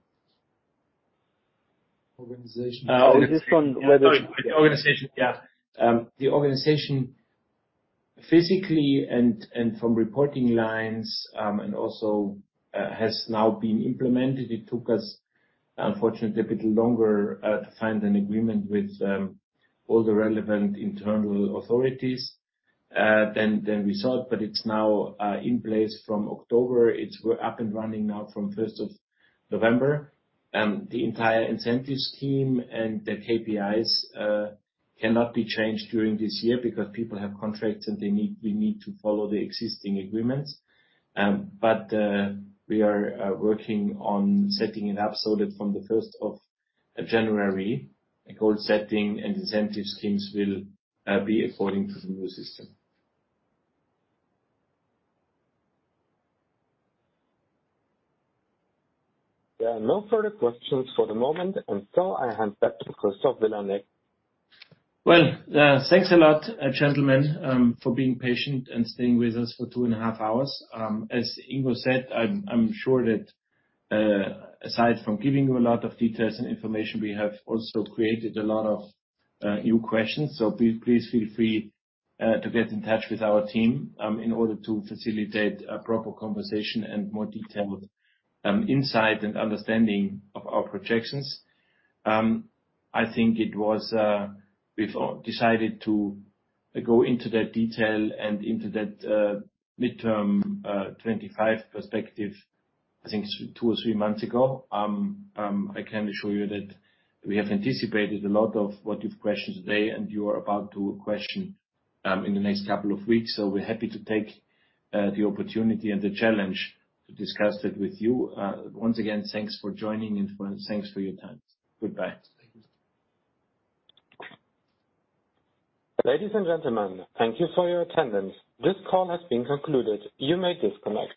Organization. Oh, this one. The organization. Yeah. The organization physically and from reporting lines and also has now been implemented. It took us, unfortunately, a bit longer to find an agreement with all the relevant internal authorities than we thought. It's now in place from October. It's up and running now from first of November. The entire incentive scheme and the KPIs cannot be changed during this year because people have contracts and we need to follow the existing agreements. We are working on setting it up so that from the first of January, goal setting and incentive schemes will be according to the new system. There are no further questions for the moment, and so I hand back to Christoph Vilanek. Well, thanks a lot, gentlemen, for being patient and staying with us for two and a half hours. As Ingo said, I'm sure that, aside from giving you a lot of details and information, we have also created a lot of new questions. Please feel free to get in touch with our team in order to facilitate a proper conversation and more detailed insight and understanding of our projections. We've decided to go into that detail and into that midterm 25 perspective, I think two or three months ago. I can assure you that we have anticipated a lot of what you've questioned today and you are about to question in the next couple of weeks. We're happy to take the opportunity and the challenge to discuss that with you. Once again, thanks for joining and thanks for your time. Goodbye. Ladies and gentlemen, thank you for your attendance. This call has been concluded. You may disconnect.